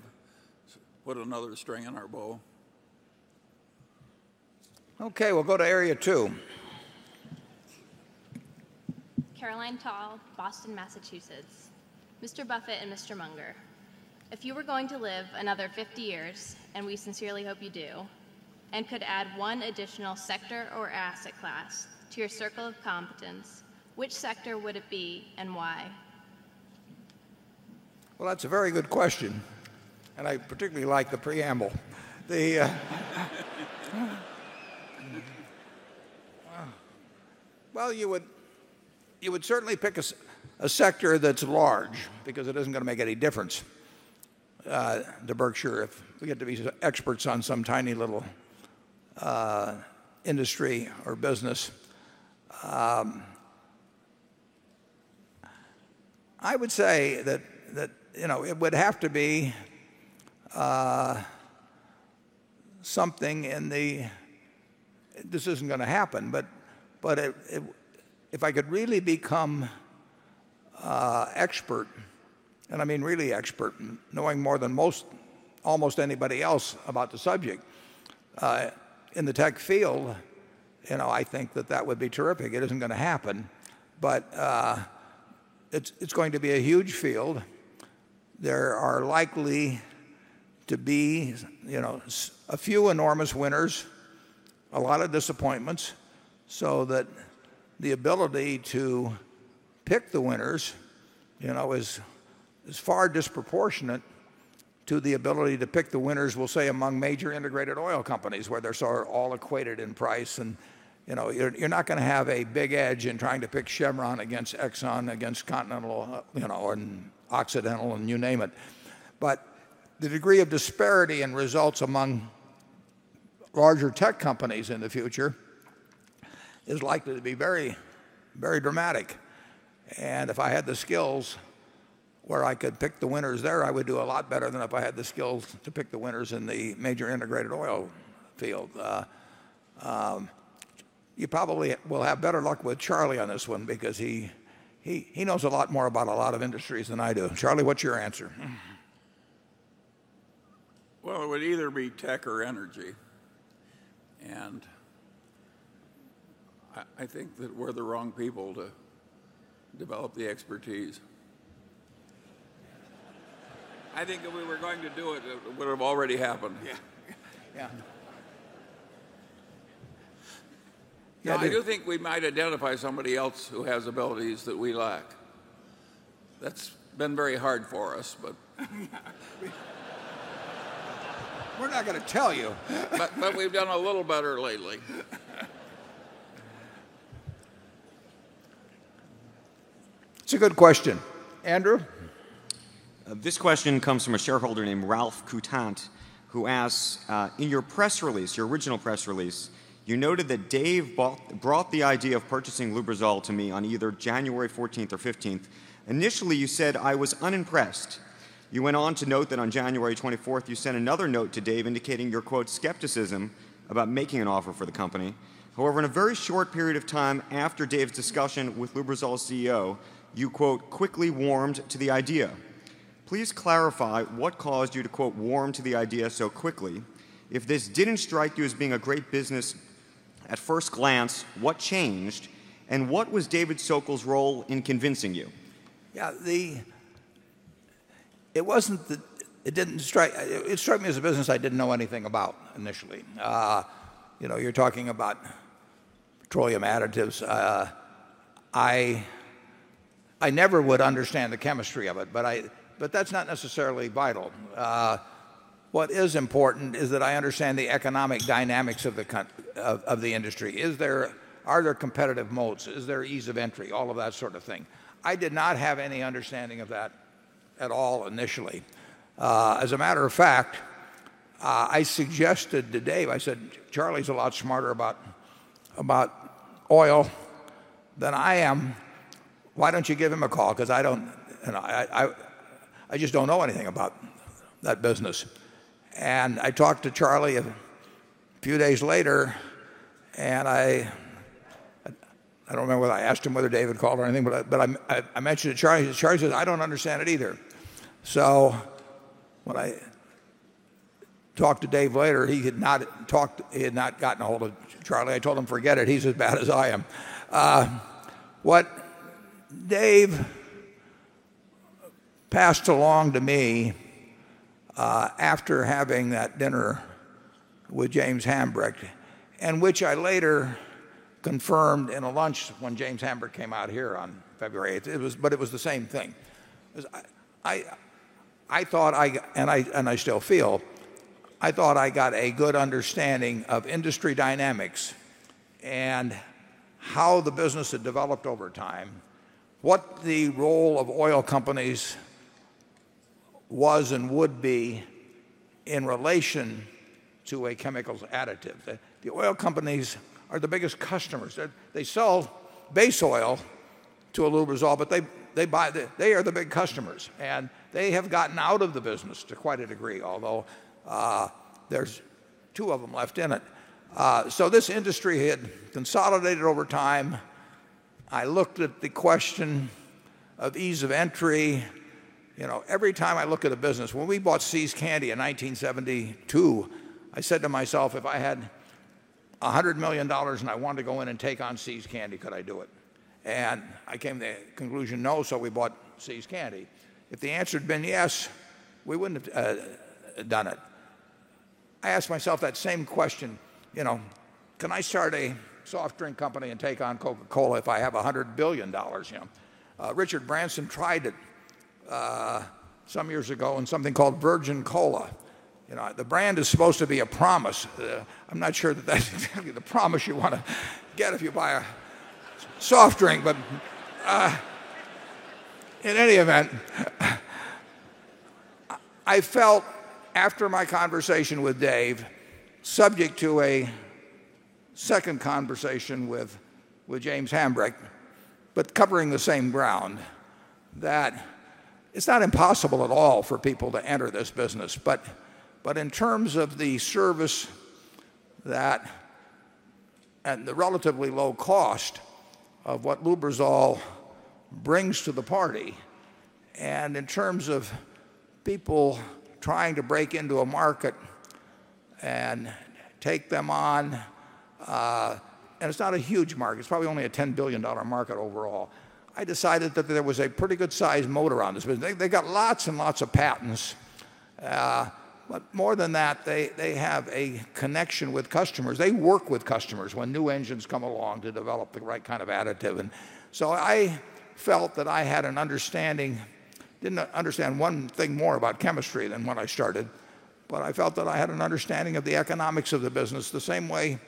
B: put another string in our bow.
A: Okay, we'll go to area two.
F: Caroline Tall, Boston, Massachusetts. Mr. Buffett and Mr. Munger, if you were going to live another 50 years, and we sincerely hope you do, and could add one additional sector or asset class to your circle of competence, which sector would it be and why?
A: That's a very good question. I particularly like the preamble. You would certainly pick a sector that's large because it isn't going to make any difference to Berkshire Hathaway if we get to be experts on some tiny little industry or business. I would say that it would have to be something in the, this isn't going to happen, but if I could really become expert, and I mean really expert, knowing more than almost anybody else about the subject in the tech field, I think that that would be terrific. It isn't going to happen. It's going to be a huge field. There are likely to be a few enormous winners, a lot of disappointments. The ability to pick the winners is far disproportionate to the ability to pick the winners, we'll say, among major integrated oil companies, where they're all equated in price. You're not going to have a big edge in trying to pick Chevron against Exxon against Continental, and Occidental, and you name it. The degree of disparity in results among larger tech companies in the future is likely to be very, very dramatic. If I had the skills where I could pick the winners there, I would do a lot better than if I had the skills to pick the winners in the major integrated oil field. You probably will have better luck with Charlie on this one because he knows a lot more about a lot of industries than I do. Charlie, what's your answer?
B: It would either be tech or energy. I think that we're the wrong people to develop the expertise. I think if we were going to do it, it would have already happened.
A: Yeah.
B: I do think we might identify somebody else who has abilities that we lack. That's been very hard for us, but we're not going to tell you, but we've done a little better lately.
A: It's a good question. Andrew?
G: This question comes from a shareholder named Ralph Cotant, who asks, "In your press release, your original press release, you noted that Dave brought the idea of purchasing Lubrizol to me on either January 14th or 15th. Initially, you said I was unimpressed. You went on to. On January 24th, you sent another note to Dave indicating your, quote, "skepticism" about making an offer for the company. However, in a very short period of time after Dave's discussion with Lubrizol's CEO, you, quote, "quickly warmed to the idea." Please clarify what caused you to, quote, "warm to the idea so quickly." If this didn't strike you as being a great business at first glance, what changed? What was David Sokol's role in convincing you?
A: It wasn't that it didn't strike me as a business I didn't know anything about initially. You're talking about petroleum additives. I never would understand the chemistry of it, but that's not necessarily vital. What is important is that I understand the economic dynamics of the industry. Are there competitive moats? Is there ease of entry? All of that sort of thing. I did not have any understanding of that at all initially. As a matter of fact, I suggested to Dave, I said, "Charlie's a lot smarter about oil than I am. Why don't you give him a call? Because I don't, you know, I just don't know anything about that business." I talked to Charlie a few days later, and I don't remember whether I asked him whether David called or anything, but I mentioned to Charlie, and Charlie says, "I don't understand it either." When I talked to Dave later, he had not gotten a hold of Charlie. I told him, "Forget it. He's as bad as I am." What Dave passed along to me after having that dinner with James Hambrecht, and which I later confirmed in a lunch when James Hambrecht came out here on February 8th, it was the same thing. I thought I, and I still feel, I thought I got a good understanding of industry dynamics and how the business had developed over time, what the role of oil companies was and would be in relation to a chemical additive. The oil companies are the biggest customers. They sell base oil to a Lubrizol, but they are the big customers. They have gotten out of the business to quite a degree, although there's two of them left in it. This industry had consolidated over time. I looked at the question of ease of entry. Every time I look at a business, when we bought See's Candy in 1972, I said to myself, "If I had $100 million and I wanted to go in and take on See's Candy, could I do it?" I came to the conclusion, no, so we bought See's Candy. If the answer had been yes, we wouldn't have done it. I asked myself that same question. Can I start a soft drink company and take on Coca-Cola if I have $100 billion? Richard Branson tried it some years ago in something called Virgin Cola. The brand is supposed to be a promise. I'm not sure that that's exactly the promise you want to get if you buy a soft drink, but in any event, I felt after my conversation with Dave, subject to a second conversation with James Hambrecht, but covering the same ground, that it's not impossible at all for people to enter this business. In terms of the service and the relatively low cost of what Lubrizol brings to the party, and in terms of people trying to break into a market and take them on, it's not a huge market. It's probably only a $10 billion market overall. I decided that there was a pretty good sized moat on this. They've got lots and lots of patents, but more than that, they have a connection with customers. They work with customers when new engines come along to develop the right kind of additive. I felt that I had an understanding, didn't understand one thing more about chemistry than when I started, but I felt that I had an understanding of the economics of the business. The same way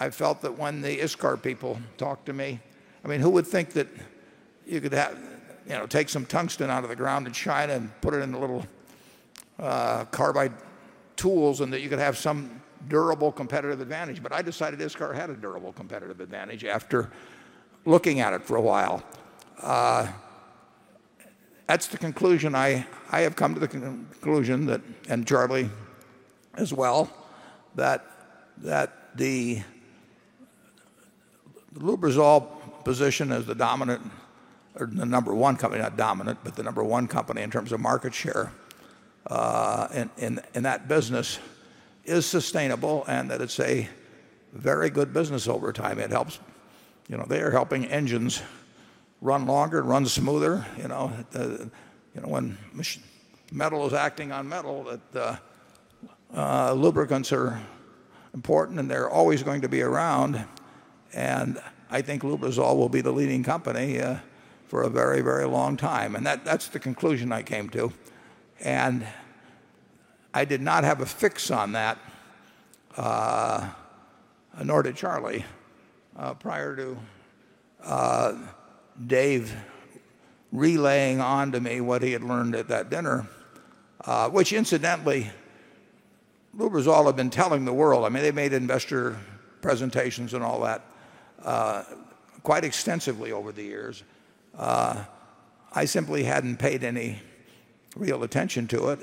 A: I felt that when the ISCAR people talked to me, I mean, who would think that you could have, you know, take some tungsten out of the ground and shine it and put it in the little carbide tools and that you could have some durable competitive advantage. I decided ISCAR had a durable competitive advantage after looking at it for a while. That's the conclusion I have come to, and Charlie as well, that the Lubrizol position as the number one company, not dominant, but the number one company in terms of market share in that business is sustainable and that it's a very good business over time. It helps, you know, they are helping engines run longer and run smoother. You know, when metal is acting on metal, lubricants are important and they're always going to be around. I think Lubrizol will be the leading company for a very, very long time. That's the conclusion I came to. I did not have a fix on that, nor did Charlie, prior to Dave relaying on to me what he had learned at that dinner, which incidentally, Lubrizol had been telling the world. I mean, they made investor presentations and all that quite extensively over the years. I simply hadn't paid any real attention to it.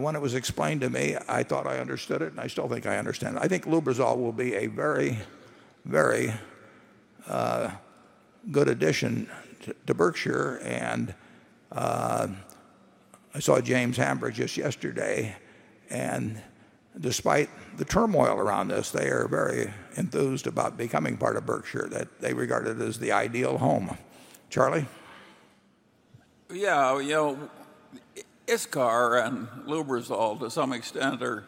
A: When it was explained to me, I thought I understood it, and I still think I understand it. I think Lubrizol will be a very, very good addition to Berkshire Hathaway. I saw James Hambrecht just yesterday, and despite the turmoil around this, they are very enthused about becoming part of Berkshire Hathaway, that they regard it as the ideal home. Charlie?
B: Yeah, you know, ISCAR and Lubrizol to some extent are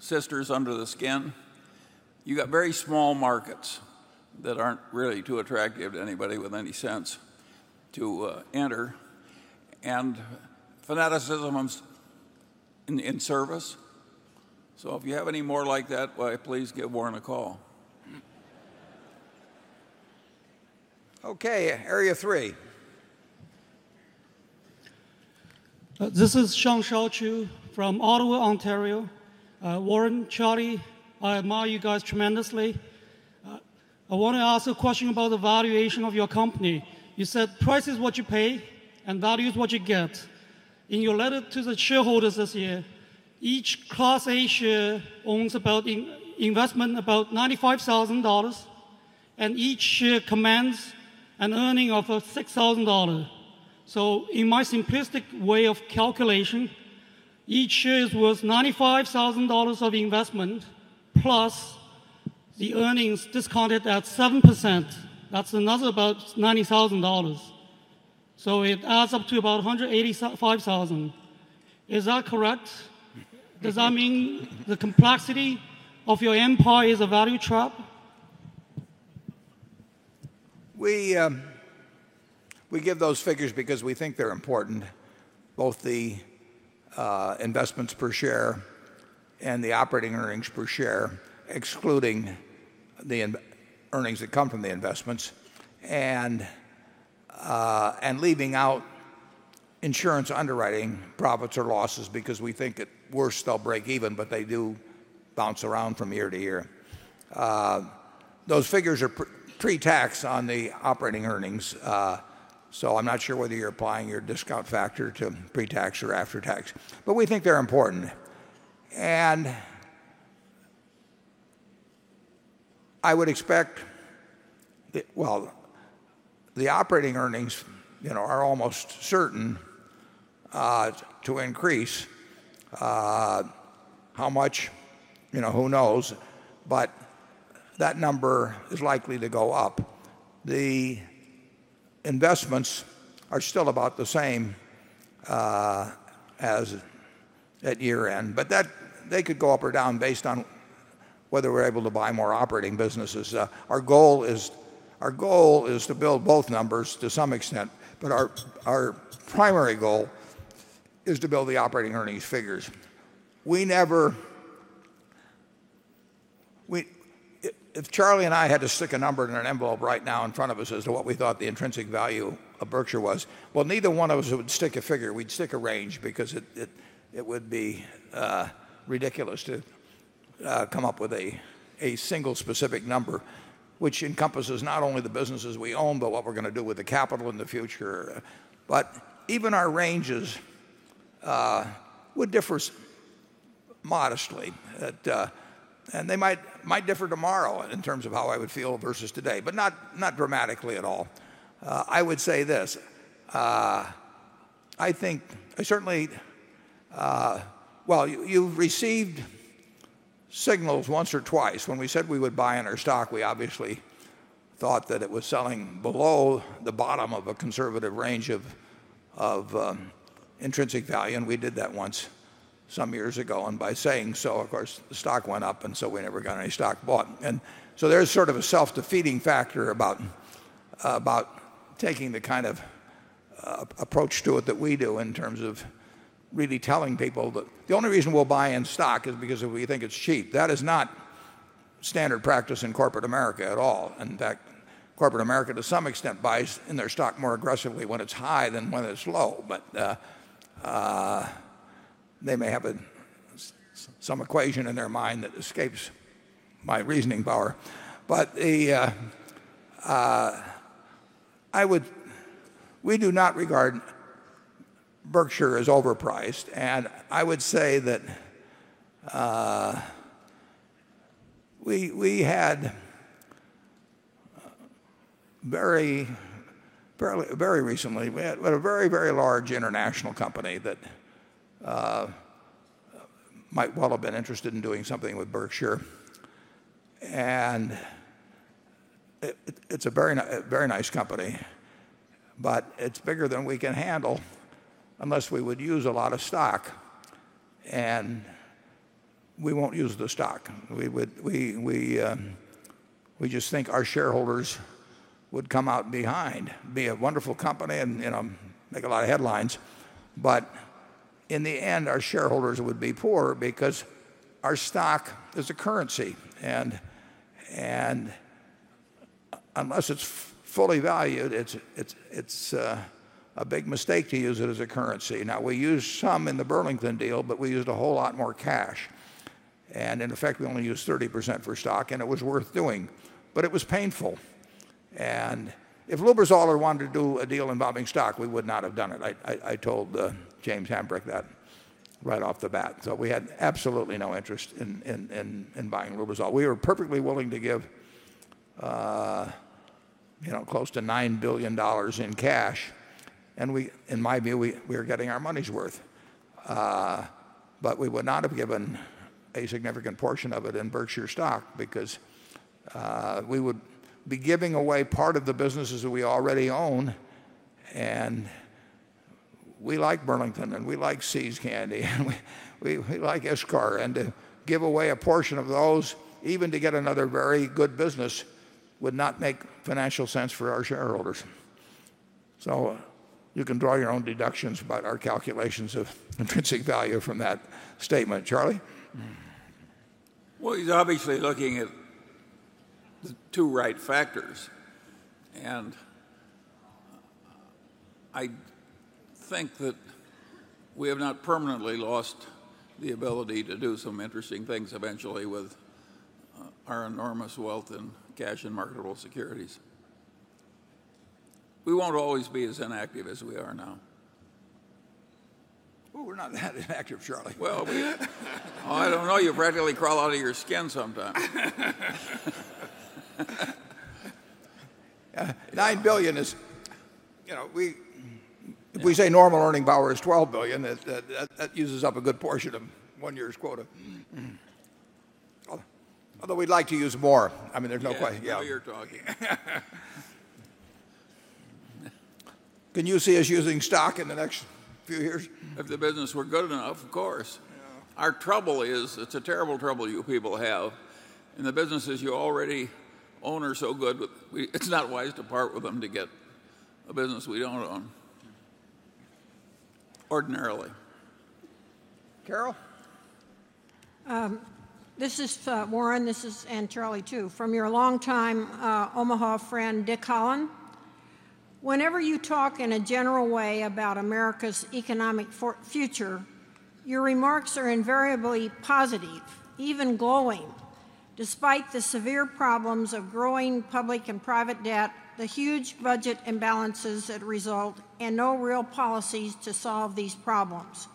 B: sisters under the skin. You've got very small markets that aren't really too attractive to anybody with any sense to enter. And fanaticism is in service. If you have any more like that, why please give Warren a call.
A: Okay, area three.
H: This is Sean Shauchu from Ottawa, Ontario. Warren, Charlie, I admire you guys tremendously. I want to ask a question about the valuation of your company. You said price is what you pay and value is what you get. In your letter to the shareholders this year, each Class A share owns about investment about $95,000, and each share commands an earning of $6,000. In my simplistic way of calculation, each share is worth $95,000 of investment plus the earnings discounted at 7%. That's another about $90,000. It adds up to about $185,000. Is that correct? Does that mean the complexity of your empire is a value trap?
A: We give those figures because we think they're important, both the investments per share and the operating earnings per share, excluding the earnings that come from the investments, and leaving out insurance underwriting profits or losses because we think it's worse they'll break even, but they do bounce around from year to year. Those figures are pre-tax on the operating earnings. I'm not sure whether you're applying your discount factor to pre-tax or after-tax. We think they're important. I would expect that the operating earnings, you know, are almost certain to increase. How much, you know, who knows, but that number is likely to go up. The investments are still about the same as at year-end, but they could go up or down based on whether we're able to buy more operating businesses. Our goal is to build both numbers to some extent, but our primary goal is to build the operating earnings figures. If Charlie and I had to stick a number in an envelope right now in front of us as to what we thought the intrinsic value of Berkshire Hathaway was, neither one of us would stick a figure. We'd stick a range because it would be ridiculous to come up with a single specific number, which encompasses not only the businesses we own, but what we're going to do with the capital in the future. Even our ranges would differ modestly. They might differ tomorrow in terms of how I would feel versus today, but not dramatically at all. I would say this. I think I certainly, you received signals once or twice when we said we would buy in our stock. We obviously thought that it was selling below the bottom of a conservative range of intrinsic value, and we did that once some years ago. By saying so, of course, the stock went up, and we never got any stock bought. There's sort of a self-defeating factor about taking the kind of approach to it that we do in terms of really telling people that the only reason we'll buy in stock is because we think it's cheap. That is not standard practice in corporate America at all. In fact, corporate America to some extent buys in their stock more aggressively when it's high than when it's low. They may have some equation in their mind that escapes my reasoning power. We do not regard Berkshire Hathaway as overpriced. I would say that we had very recently, we had a very, very large international company that might well have been interested in doing something with Berkshire Hathaway. It is a very nice company, but it is bigger than we can handle unless we would use a lot of stock. We will not use the stock. We just think our shareholders would come out behind, be a wonderful company, and, you know, make a lot of headlines. In the end, our shareholders would be poorer because our stock is a currency. Unless it is fully valued, it is a big mistake to use it as a currency. We used some in the Burlington deal, but we used a whole lot more cash. In fact, we only used 30% for stock, and it was worth doing, but it was painful. If Lubrizol had wanted to do a deal involving stock, we would not have done it. I told James Hambrecht that right off the bat. We had absolutely no interest in buying Lubrizol. We were perfectly willing to give, you know, close to $9 billion in cash. In my view, we were getting our money's worth. We would not have given a significant portion of it in Berkshire Hathaway stock because we would be giving away part of the businesses that we already own. We like Burlington, and we like See's Candy, and we like ISCAR. To give away a portion of those, even to get another very good business, would not make financial sense for our shareholders. You can draw your own deductions about our calculations of intrinsic value from that statement. Charlie?
B: He is obviously looking at the two right factors. I think that we have not permanently lost the ability to do some interesting things eventually with our enormous wealth in cash and marketable securities. We won't always be as inactive as we are now.
A: We're not that inactive, Charlie.
B: I don't know. You practically crawl out of your skin sometimes.
A: $9 billion is, you know, if we say normal earning power is $12 billion, that uses up a good portion of one year's quota. Although we'd like to use more. I mean, there's no question.
B: Yeah, now you're talking.
A: Can you see us using stock in the next few years?
B: If the business were good enough, of course. Our trouble is, it's a terrible trouble you people have. The businesses you already own are so good, it's not wise to part with them to get a business we don't own, ordinarily. Carol?
C: This is Warren, this is Charlie too, from your longtime Omaha friend, Dick Holland. Whenever you talk in a general way about America's economic future, your remarks are invariably positive, even glowing. Despite the severe problems of growing public and private debt, the huge budget imbalances that result, and no real policies to solve these problems,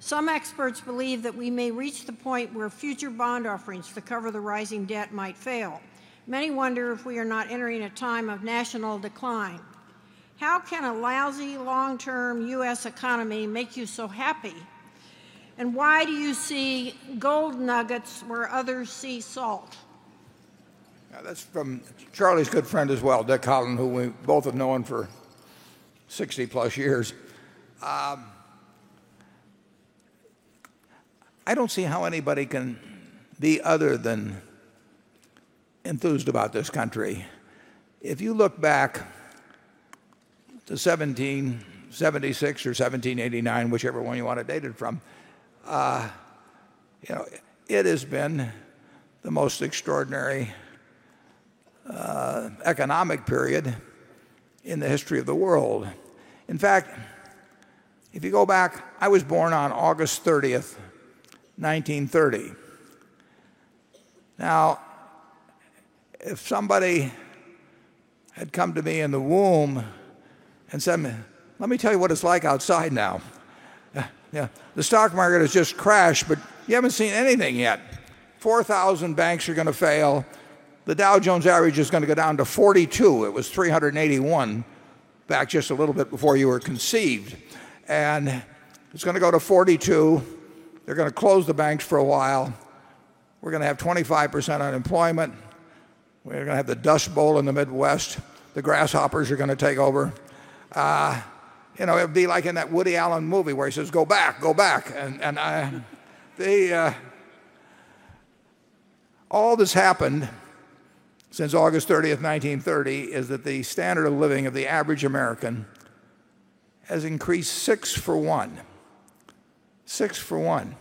C: some experts believe that we may reach the point where future bond offerings to cover the rising debt might fail. Many wonder if we are not entering a time of national decline. How can a lousy long-term U.S. economy make you so happy? Why do you see gold nuggets where others see salt?
A: That's from Charlie's good friend as well, Dick Holland, who we both have known for 60+ years. I don't see how anybody can be other than enthused about this country. If you look back to 1776 or 1789, whichever one you want to date it from, it has been the most extraordinary economic period in the history of the world. In fact, if you go back, I was born on August 30th, 1930. Now, if somebody had come to me in the womb and said, "Let me tell you what it's like outside now. Yeah, the stock market has just crashed, but you haven't seen anything yet. 4,000 banks are going to fail. The Dow Jones average is going to go down to 42. It was 381 back just a little bit before you were conceived. And it's going to go to 42. They're going to close the banks for a while. We're going to have 25% unemployment. We're going to have the Dust Bowl in the Midwest. The grasshoppers are going to take over. You know, it'd be like in that Woody Allen movie where he says, 'Go back, go back.'" All that's happened since August 30th, 1930, is that the standard of living of the average American has increased six for one. Six for one.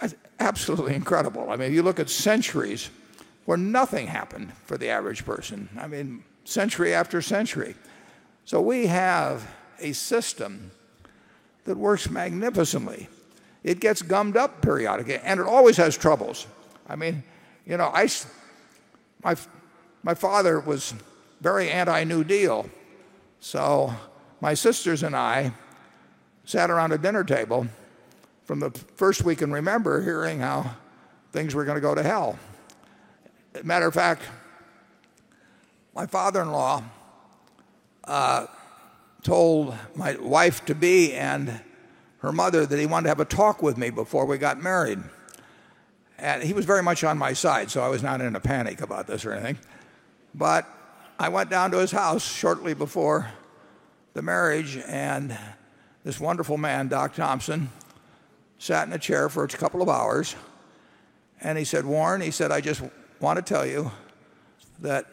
A: It's absolutely incredible. If you look at centuries where nothing happened for the average person, century after century. We have a system that works magnificently. It gets gummed up periodically, and it always has troubles. My father was very anti-New Deal, so my sisters and I sat around a dinner table from the first we can remember hearing how things were going to go to hell. As a matter of fact, my father-in-law told my wife-to-be and her mother that he wanted to have a talk with me before we got married. He was very much on my side, so I was not in a panic about this or anything. I went down to his house shortly before the marriage, and this wonderful man, Doc Thompson, sat in a chair for a couple of hours. He said, "Warren," he said, "I just want to tell you that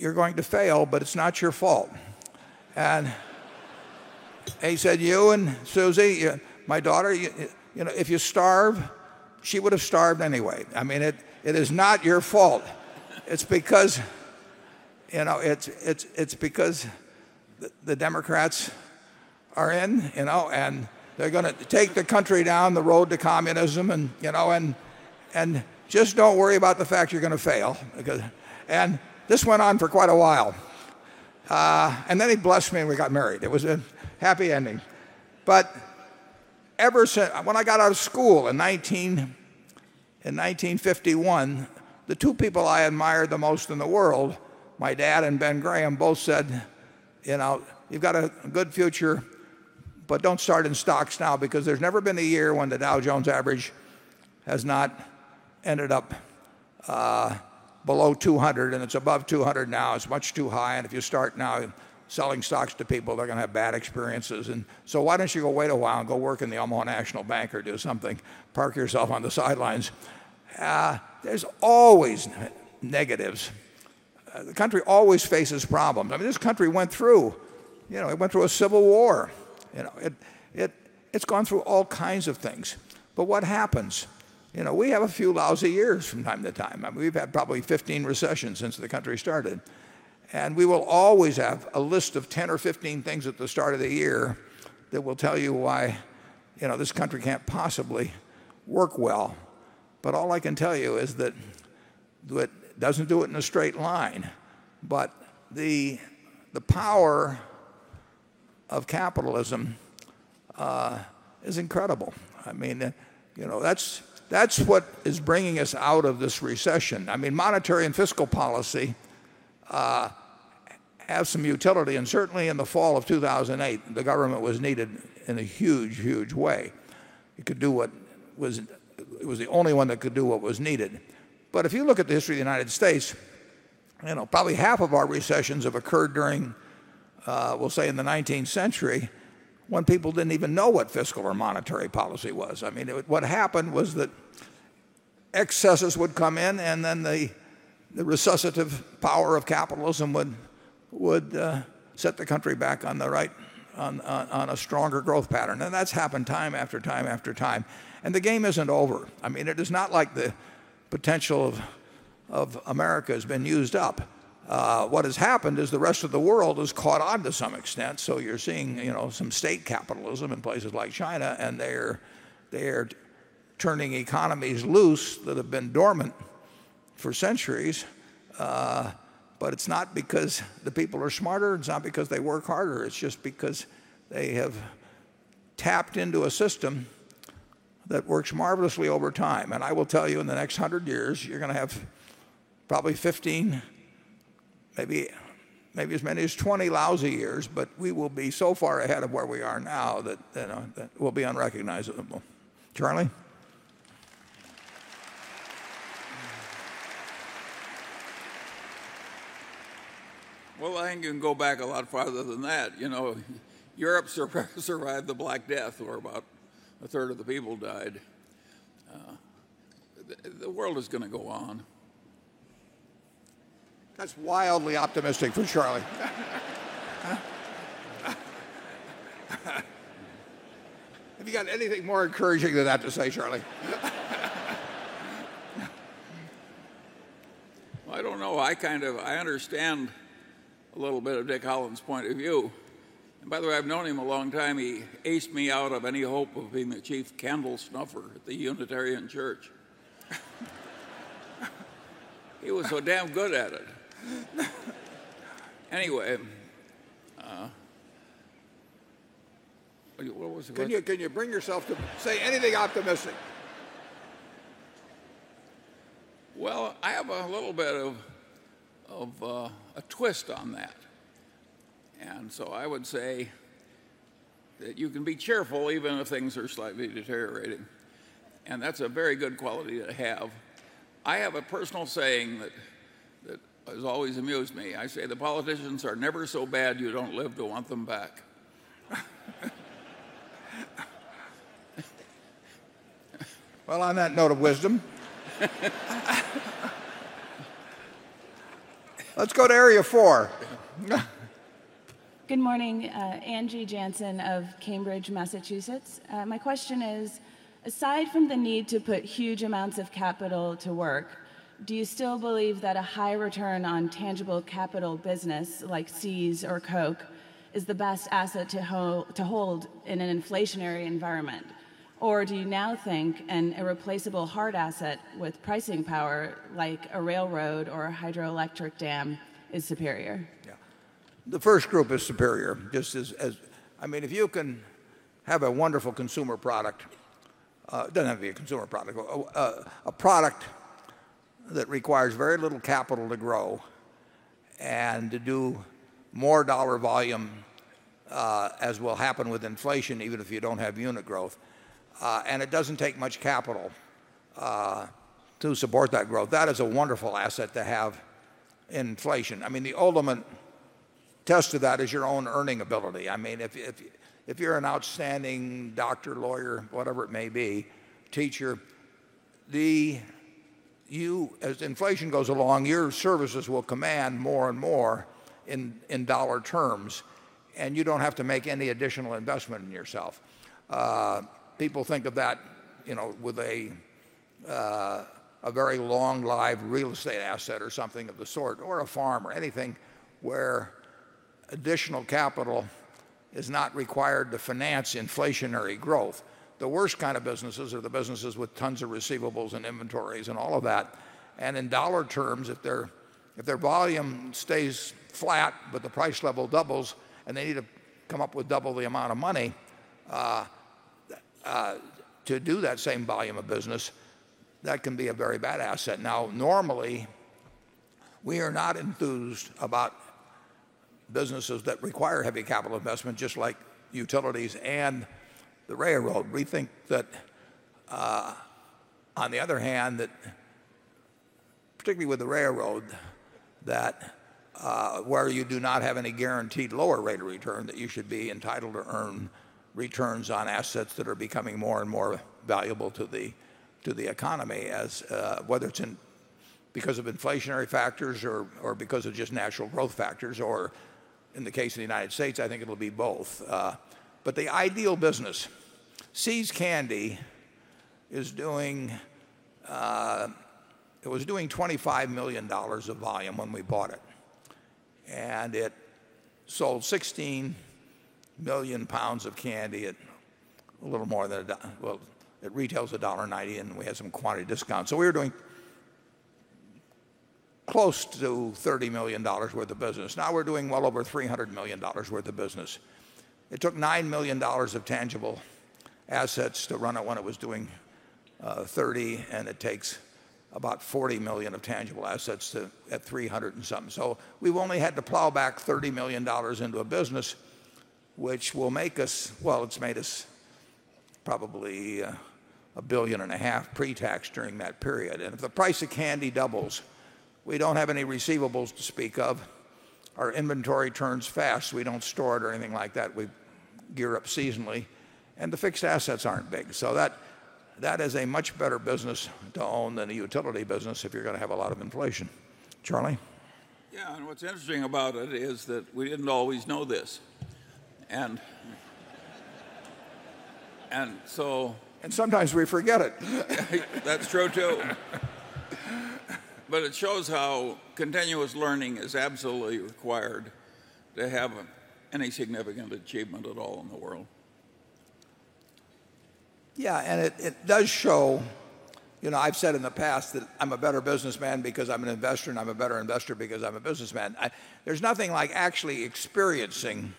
A: you're going to fail, but it's not your fault." He said, "You and Susie, my daughter, if you starve, she would have starved anyway. It is not your fault. It's because the Democrats are in, and they're going to take the country down the road to communism, and just don't worry about the fact you're going to fail." This went on for quite a while. Then he blessed me and we got married. It was a happy ending. Ever since I got out of school in 1951, the two people I admire the most in the world, my dad and Ben Graham, both said, "You know, you've got a good future, but don't start in stocks now because there's never been a year when the Dow Jones average has not ended up below 200, and it's above 200 now. It's much too high. If you start now selling stocks to people, they're going to have bad experiences. Why don't you wait a while and go work in the Omaha National Bank or do something, park yourself on the sidelines?" There are always negatives. The country always faces problems. This country went through a civil war. It's gone through all kinds of things. What happens? We have a few lousy years from time to time. We've had probably 15 recessions since the country started. We will always have a list of 10 or 15 things at the start of the year that will tell you why this country can't possibly work well. All I can tell you is that it doesn't do it in a straight line. The power of capitalism is incredible. That's what is bringing us out of this recession. Monetary and fiscal policy has some utility. Certainly in the fall of 2008, the government was needed in a huge, huge way. It was the only one that could do what was needed. If you look at the history of the United States, probably half of our recessions have occurred during, we'll say, in the 19th century when people didn't even know what fiscal or monetary policy was. What happened was that excesses would come in and then the resuscitative power of capitalism would set the country back on the right, on a stronger growth pattern. That's happened time after time after time. The game isn't over. It is not like the potential of America has been used up. What has happened is the rest of the world has caught on to some extent. You're seeing some state capitalism in places like China, and they are turning economies loose that have been dormant for centuries. It's not because the people are smarter. It's not because they work harder. It's just because they have tapped into a system that works marvelously over time. I will tell you, in the next 100 years, you're going to have probably 15, maybe as many as 20 lousy years, but we will be so far ahead of where we are now that we'll be unrecognizable. Charlie?
B: I think you can go back a lot farther than that. You know, Europe survived the Black Death where about a third of the people died. The world is going to go on.
A: That's wildly optimistic for Charlie. Have you got anything more encouraging than that to say, Charlie?
B: I don't know. I kind of understand a little bit of Dick Holland's point of view. By the way, I've known him a long time. He aced me out of any hope of being the Chief Candle Snuffer at the Unitarian Church. He was so damn good at it. Anyway, what was it?
A: Can you bring yourself to say anything optimistic?
B: I have a little bit of a twist on that. I would say that you can be cheerful even if things are slightly deteriorated, and that's a very good quality to have. I have a personal saying that has always amused me. I say the politicians are never so bad you don't live to want them back.
A: On that note of wisdom, let's go to area four.
I: Good morning. Angie Janssen of Cambridge, Massachusetts. My question is, aside from the need to put huge amounts of capital to work, do you still believe that a high return on tangible capital business like Sears or Coke is the best asset to hold in an inflationary environment? Or do you now think a replaceable hard asset with pricing power like a railroad or a hydroelectric dam is superior?
A: Yeah. The first group is superior. Just as, I mean, if you can have a wonderful consumer product, it doesn't have to be a consumer product, a product that requires very little capital to grow and to do more dollar volume, as will happen with inflation, even if you don't have unit growth, and it doesn't take much capital to support that growth, that is a wonderful asset to have in inflation. I mean, the ultimate test of that is your own earning ability. I mean, if you're an outstanding doctor, lawyer, whatever it may be, teacher, as inflation goes along, your services will command more and more in dollar terms, and you don't have to make any additional investment in yourself. People think of that, you know, with a very long-lived real estate asset or something of the sort, or a farm, or anything where additional capital is not required to finance inflationary growth. The worst kind of businesses are the businesses with tons of receivables and inventories and all of that. In dollar terms, if their volume stays flat, but the price level doubles, and they need to come up with double the amount of money to do that same volume of business, that can be a very bad asset. Normally, we are not enthused about businesses that require heavy capital investment, just like utilities and the railroad. We think that, on the other hand, particularly with the railroad, where you do not have any guaranteed lower rate of return, you should be entitled to earn returns on assets that are becoming more and more valuable to the economy, whether it's because of inflationary factors or because of just national growth factors, or in the case of the United States, I think it'll be both. The ideal business, See's Candy, it was doing $25 million of volume when we bought it. It sold 16 million pounds of candy at a little more than a dollar, well, it retails at $1.90 and we had some quantity discounts. We were doing close to $30 million worth of business. Now we're doing well over $300 million worth of business. It took $9 million of tangible assets to run it when it was doing $30 million, and it takes about $40 million of tangible assets at $300 million and something. We've only had to plow back $30 million into a business, which will make us, it's made us probably $1.5 billion pre-tax during that period. If the price of candy doubles, we don't have any receivables to speak of. Our inventory turns fast. We don't store it or anything like that. We gear up seasonally, and the fixed assets aren't big. That is a much better business to own than a utility business if you're going to have a lot of inflation. Charlie?
B: Yeah, what's interesting about it is that we didn't always know this.
A: And sometimes we forget it.
B: That's true too. But it shows how continuous learning is absolutely required to have any significant achievement at all in the world.
A: Yeah, and it does show, you know, I've said in the past that I'm a better businessman because I'm an investor and I'm a better investor because I'm a businessman. There's nothing like actually experiencing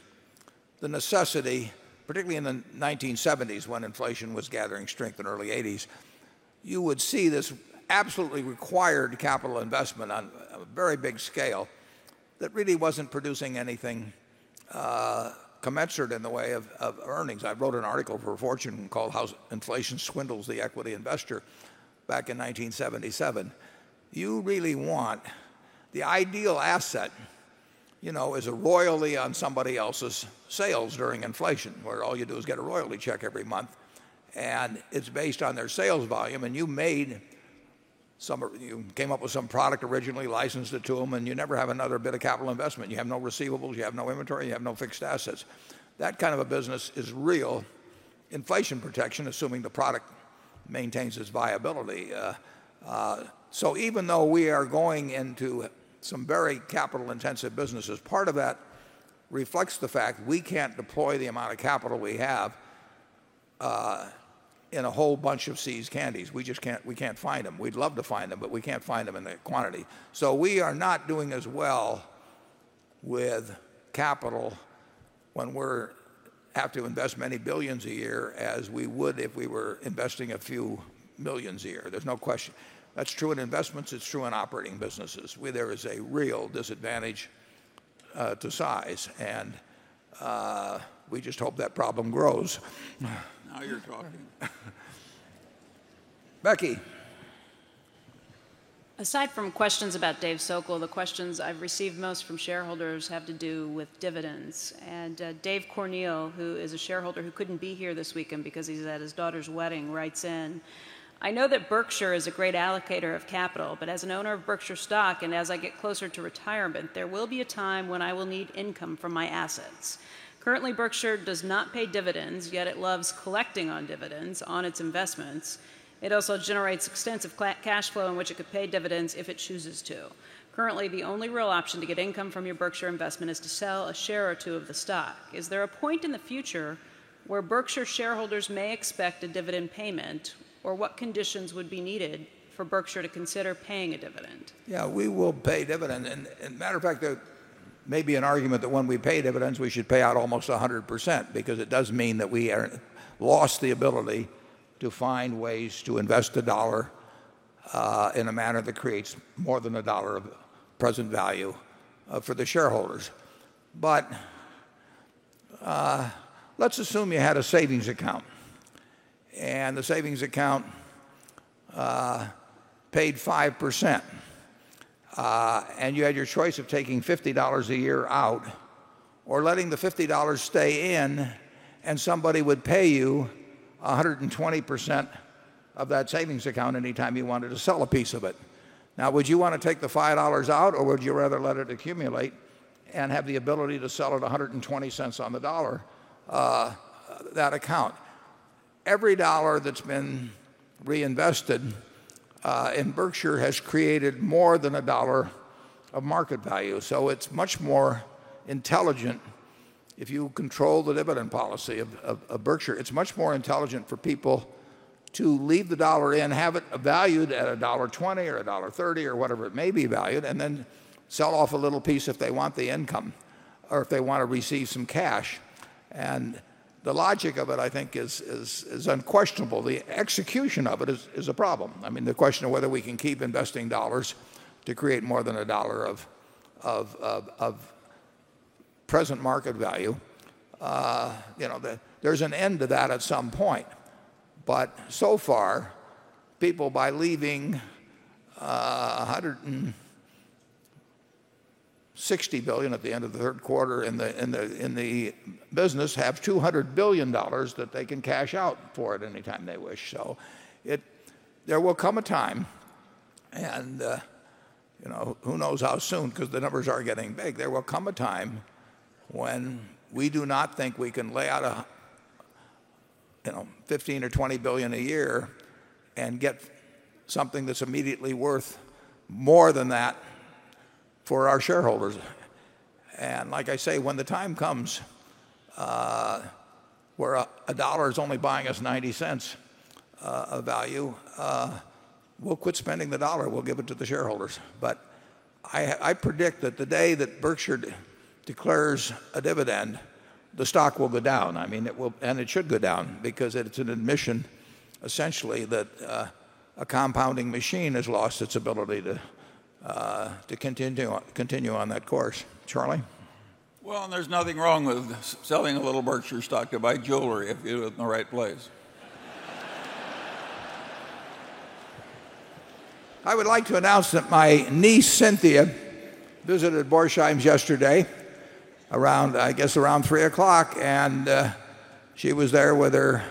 A: the necessity, particularly in the 1970s when inflation was gathering strength in the early 1980s. You would see this absolutely required capital investment on a very big scale that really wasn't producing anything commensurate in the way of earnings. I wrote an article for Fortune called "How Inflation Swindles the Equity Investor" back in 1977. You really want the ideal asset, you know, is a royalty on somebody else's sales during inflation, where all you do is get a royalty check every month. It's based on their sales volume. You made some, you came up with some product originally, licensed it to them, and you never have another bit of capital investment. You have no receivables, you have no inventory, you have no fixed assets. That kind of a business is real inflation protection, assuming the product maintains its viability. Even though we are going into some very capital-intensive businesses, part of that reflects the fact we can't deploy the amount of capital we have in a whole bunch of See's Candies. We just can't, we can't find them. We'd love to find them, but we can't find them in the quantity. We are not doing as well with capital when we're apt to invest many billions a year as we would if we were investing a few millions a year. There's no question. That's true in investments. It's true in operating businesses. There is a real disadvantage to size. We just hope that problem grows.
B: Now you're talking.
A: Becky.
E: Aside from questions about David Sokol, the questions I've received most from shareholders have to do with dividends. Dave Cornell, who is a shareholder who couldn't be here this weekend because he's at his daughter's wedding, writes in, "I know that Berkshire Hathaway is a great allocator of capital, but as an owner of Berkshire Hathaway stock and as I get closer to retirement, there will be a time when I will need income from my assets. Currently, Berkshire Hathaway does not pay dividends, yet it loves collecting on dividends on its investments. It also generates extensive cash flow in which it could pay dividends if it chooses to. Currently, the only real option to get income from your Berkshire Hathaway investment is to sell a share or two of the stock. Is there a point in the future where Berkshire Hathaway shareholders may expect a dividend payment, or what conditions would be needed for Berkshire Hathaway to consider paying a dividend?
A: Yeah, we will pay dividends. As a matter of fact, there may be an argument that when we pay dividends, we should pay out almost 100% because it does mean that we have lost the ability to find ways to invest the dollar in a manner that creates more than a dollar of present value for the shareholders. Let's assume you had a savings account and the savings account paid 5%. You had your choice of taking $50 a year out or letting the $50 stay in and somebody would pay you 120% of that savings account anytime you wanted to sell a piece of it. Now, would you want to take the $5 out or would you rather let it accumulate and have the ability to sell it at $1.20 on the dollar? That account. Every dollar that's been reinvested in Berkshire Hathaway has created more than a dollar of market value. It's much more intelligent if you control the dividend policy of Berkshire Hathaway. It's much more intelligent for people to leave the dollar in, have it valued at $1.20 or $1.30 or whatever it may be valued, and then sell off a little piece if they want the income or if they want to receive some cash. The logic of it, I think, is unquestionable. The execution of it is a problem. I mean, the question of whether we can keep investing dollars to create more than a dollar of present market value. You know, there's an end to that at some point. So far, people by leaving $160 billion at the end of the third quarter in the business have $200 billion that they can cash out for it anytime they wish. There will come a time, and who knows how soon, because the numbers are getting big. There will come a time when we do not think we can lay out, you know, $15 billion or $20 billion a year and get something that's immediately worth more than that for our shareholders. Like I say, when the time comes where a dollar is only buying us $0.90 of value, we'll quit spending the dollar. We'll give it to the shareholders. I predict that the day that Berkshire Hathaway declares a dividend, the stock will go down. It will, and it should go down because it's an admission, essentially, that a compounding machine has lost its ability to continue on that course. Charlie?
B: There's nothing wrong with selling a little Berkshire Hathaway stock to buy jewelry if you do it in the right place.
A: I would like to announce that my niece, Cynthia, visited Borsheims yesterday, I guess around 3:00 P.M., and she was there with her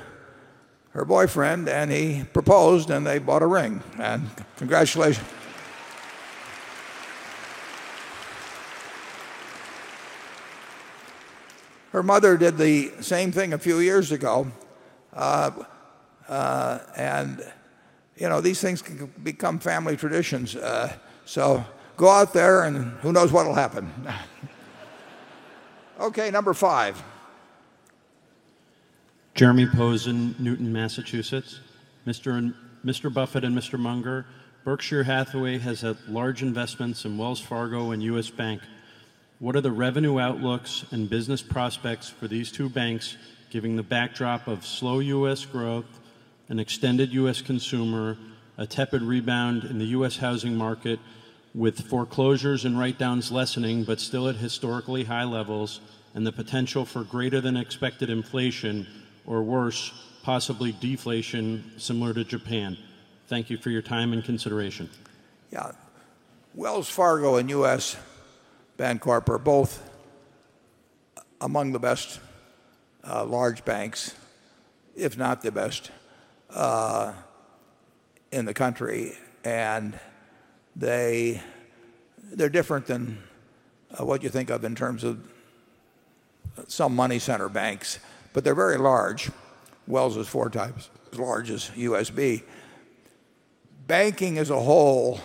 A: boyfriend, and he proposed, and they bought a ring. Congratulations. Her mother did the same thing a few years ago. You know, these things can become family traditions. Go out there and who knows what'll happen. Okay, number five.
J: Jeremy Pose in Newton, Massachusetts. Mr. Buffett and Mr. Munger, Berkshire Hathaway has had large investments in Wells Fargo and U.S. Bancorp. What are the revenue outlooks and business prospects for these two banks, given the backdrop of slow U.S. growth, an extended U.S. consumer, a tepid rebound in the U.S. housing market, with foreclosures and write-downs lessening, but still at historically high levels, and the potential for greater than expected inflation or worse, possibly deflation, similar to Japan? Thank you for your time and consideration.
A: Yeah, Wells Fargo and U.S. Bancorp are both among the best large banks, if not the best in the country. They're different than what you think of in terms of some money center banks, but they're very large. Wells is four times as large as U.S. Bancorp. Banking as a whole,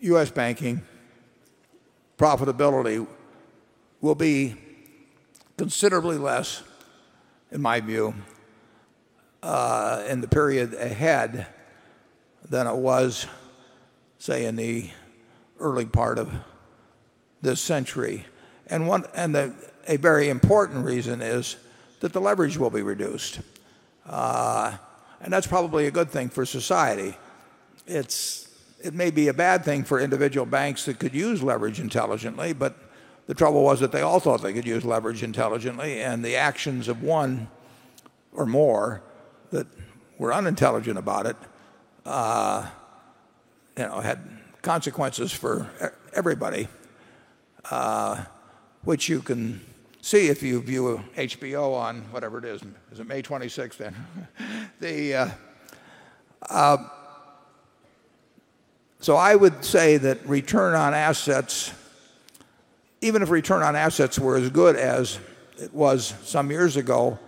A: U.S. banking profitability will be considerably less, in my view, in the period ahead than it was, say, in the early part of this century. A very important reason is that the leverage will be reduced. That's probably a good thing for society. It may be a bad thing for individual banks that could use leverage intelligently, but the trouble was that they all thought they could use leverage intelligently, and the actions of one or more that were unintelligent about it had consequences for everybody, which you can see if you view HBO on whatever it is. Is it May 26th? I would say that return on assets, even if return on assets were as good as it was some years ago,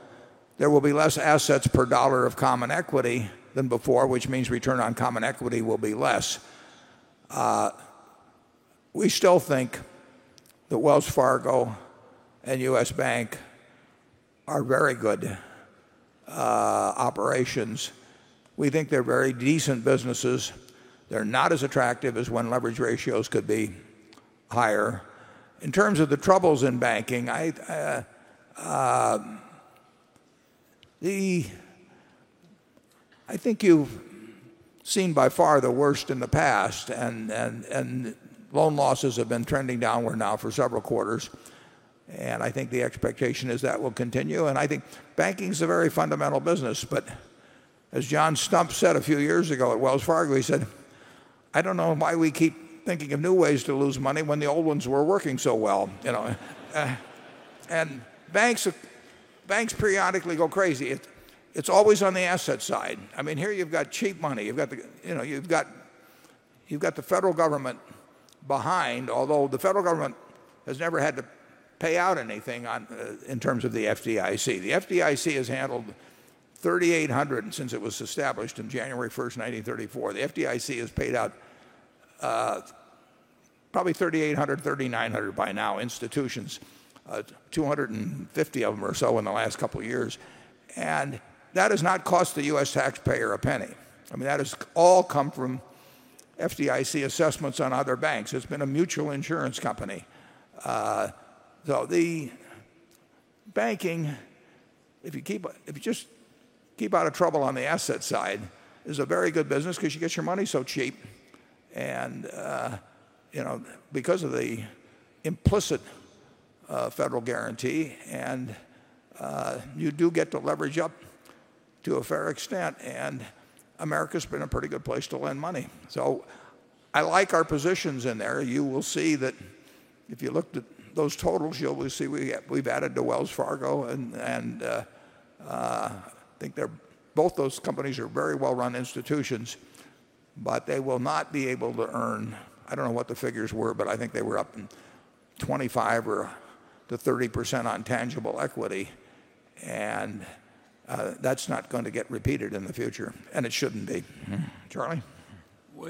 A: there will be less assets per dollar of common equity than before, which means return on common equity will be less. We still think that Wells Fargo and U.S. Bancorp are very good operations. We think they're very decent businesses. They're not as attractive as when leverage ratios could be higher. In terms of the troubles in banking, I think you've seen by far the worst in the past, and loan losses have been trending downward now for several quarters. I think the expectation is that will continue. I think banking is a very fundamental business. As John Stumpf said a few years ago at Wells Fargo, he said, "I don't know why we keep thinking of new ways to lose money when the old ones were working so well." Banks periodically go crazy. It's always on the asset side. Here you've got cheap money. You've got the federal government behind, although the federal government has never had to pay out anything in terms of the FDIC. The FDIC has handled 3,800 since it was established on January 1st, 1934. The FDIC has paid out probably 3,800, 3,900 by now institutions, 250 of them or so in the last couple of years. That has not cost the U.S. taxpayer a penny. That has all come from FDIC assessments on other banks. It's been a mutual insurance company. The banking, if you just keep out of trouble on the asset side, is a very good business because you get your money so cheap. You know, because of the implicit federal guarantee, you do get to leverage up to a fair extent. America's been a pretty good place to lend money. I like our positions in there. You will see that if you look at those totals, you'll see we've added to Wells Fargo. I think both those companies are very well-run institutions, but they will not be able to earn, I don't know what the figures were, but I think they were up 25% or to 30% on tangible equity. That's not going to get repeated in the future. It shouldn't be. Charlie?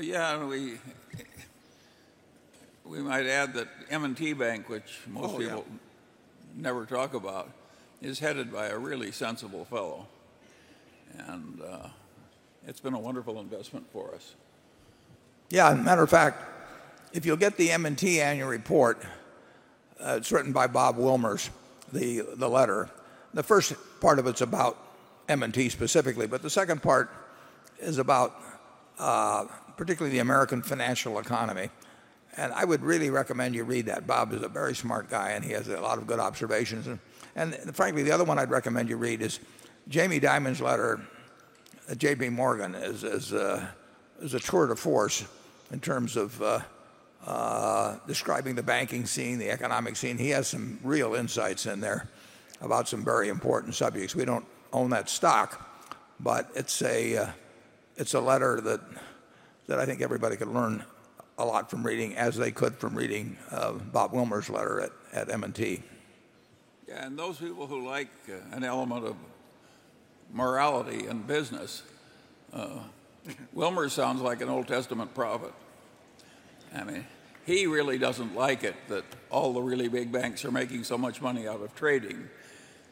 B: Yeah, we might add that M&T Bank, which most people never talk about, is headed by a really sensible fellow. It's been a wonderful investment for us.
A: Yeah, as a matter of fact, if you'll get the M&T annual report, it's written by Bob Wilmers, the letter. The first part of it's about M&T specifically, but the second part is about particularly the American financial economy. I would really recommend you read that. Bob is a very smart guy, and he has a lot of good observations. Frankly, the other one I'd recommend you read is Jamie Dimon's letter to JPMorgan as a tour de force in terms of describing the banking scene, the economic scene. He has some real insights in there about some very important subjects. We don't own that stock, but it's a letter that I think everybody could learn a lot from reading, as they could from reading Bob Wilmers' letter at M&T.
B: Yeah, and those people who like an element of morality in business, Wilmers sounds like an Old Testament prophet. He really doesn't like it that all the really big banks are making so much money out of trading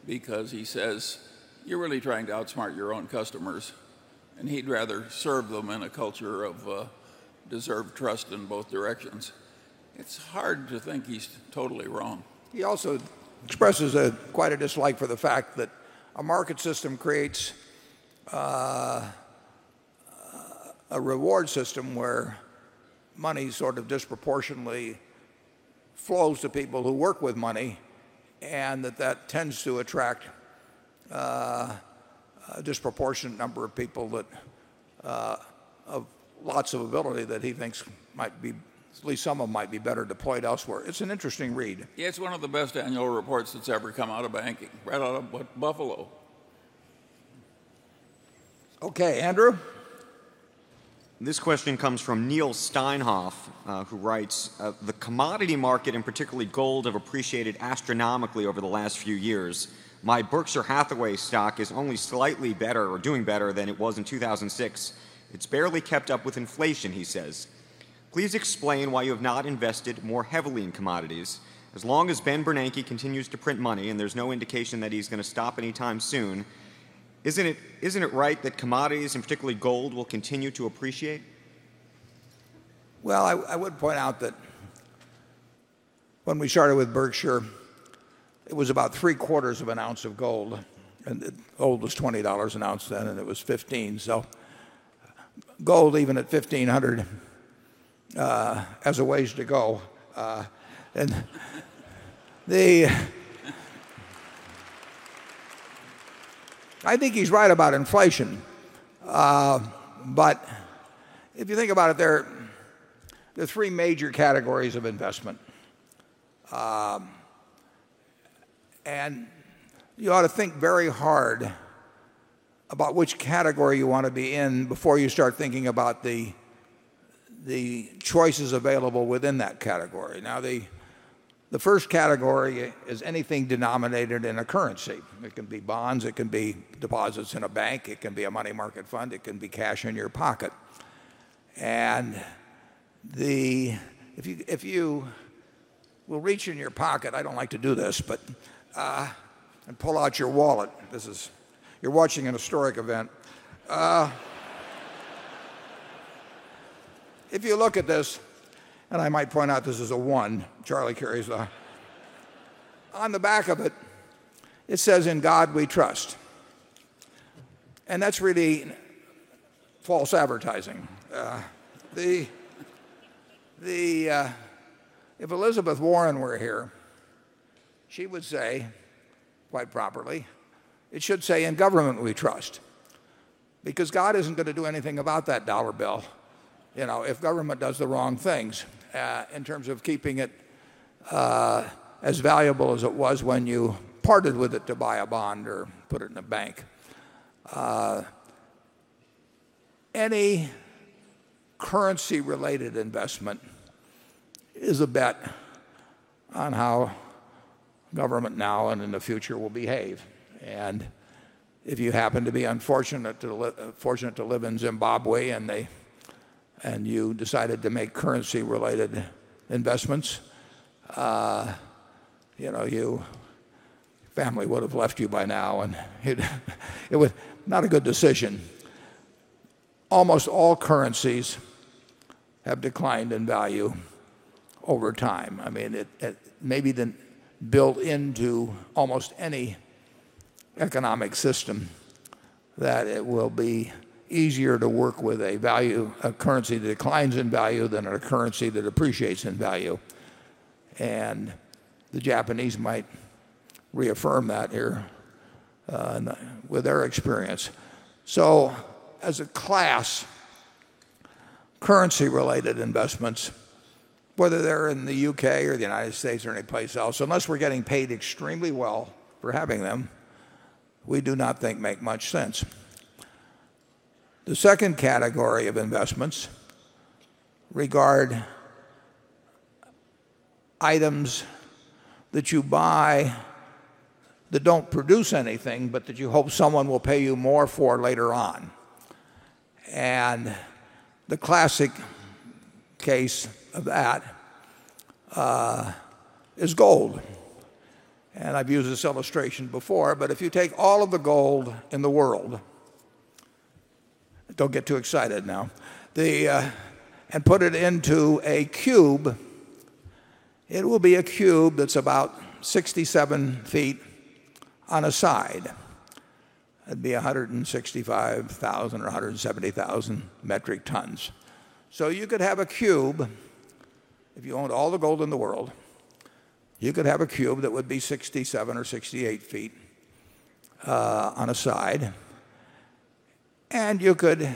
B: because he says you're really trying to outsmart your own customers, and he'd rather serve them in a culture of deserved trust in both directions. It's hard to think he's totally wrong.
A: He also expresses quite a dislike for the fact that a market system creates a reward system where money sort of disproportionately flows to people who work with money, and that that tends to attract a disproportionate number of people that have lots of ability that he thinks might be, at least some of them might be better deployed elsewhere. It's an interesting read.
B: Yeah, it's one of the best annual reports that's ever come out of banking, right out of Buffalo.
A: Okay, Andrew.
G: This question comes from Neil Steinhoff, who writes, "The commodity market, and particularly gold, have appreciated astronomically over the last few years. My Berkshire Hathaway stock is only slightly better or doing better than it was in 2006. It's barely kept up with inflation," he says. Please explain why you have not invested more heavily in commodities. As long as Ben Bernanke continues to print money and there's no indication that he's going to stop anytime soon, isn't it right that commodities and particularly gold will continue to appreciate?
A: I would point out that when we started with Berkshire Hathaway, it was about three quarters of an ounce of gold. Gold was $20 an ounce then, and it was $15. Gold even at $1,500 has a ways to go. I think he's right about inflation. If you think about it, there are three major categories of investment. You ought to think very hard about which category you want to be in before you start thinking about the choices available within that category. The first category is anything denominated in a currency. It can be bonds, it can be deposits in a bank, it can be a money market fund, it can be cash in your pocket. If you will reach in your pocket, I don't like to do this, but pull out your wallet. This is, you're watching a historic event. If you look at this, and I might point out this is a one, Charlie carries on the back of it, it says, "In God we trust." That's really false advertising. If Elizabeth Warren were here, she would say, quite properly, it should say, "In government we trust." God isn't going to do anything about that dollar bill. If government does the wrong things in terms of keeping it as valuable as it was when you parted with it to buy a bond or put it in a bank, any currency-related investment is a bet on how government now and in the future will behave. If you happen to be fortunate to live in Zimbabwe and you decided to make currency-related investments, your family would have left you by now. It was not a good decision. Almost all currencies have declined in value over time. It may be then built into almost any economic system that it will be easier to work with a currency that declines in value than a currency that appreciates in value. The Japanese might reaffirm that here with their experience. As a class, currency-related investments, whether they're in the UK or the United States or any place else, unless we're getting paid extremely well for having them, we do not think make much sense. The second category of investments regard items that you buy that don't produce anything, but that you hope someone will pay you more for later on. The classic case of that is gold. I've used this illustration before, but if you take all of the gold in the world, don't get too excited now, and put it into a cube, it will be a cube that's about 67 feet on a side. That would be 165,000 or 170,000 metric tons. You could have a cube, if you owned all the gold in the world, you could have a cube that would be 67 or 68 feet on a side. You could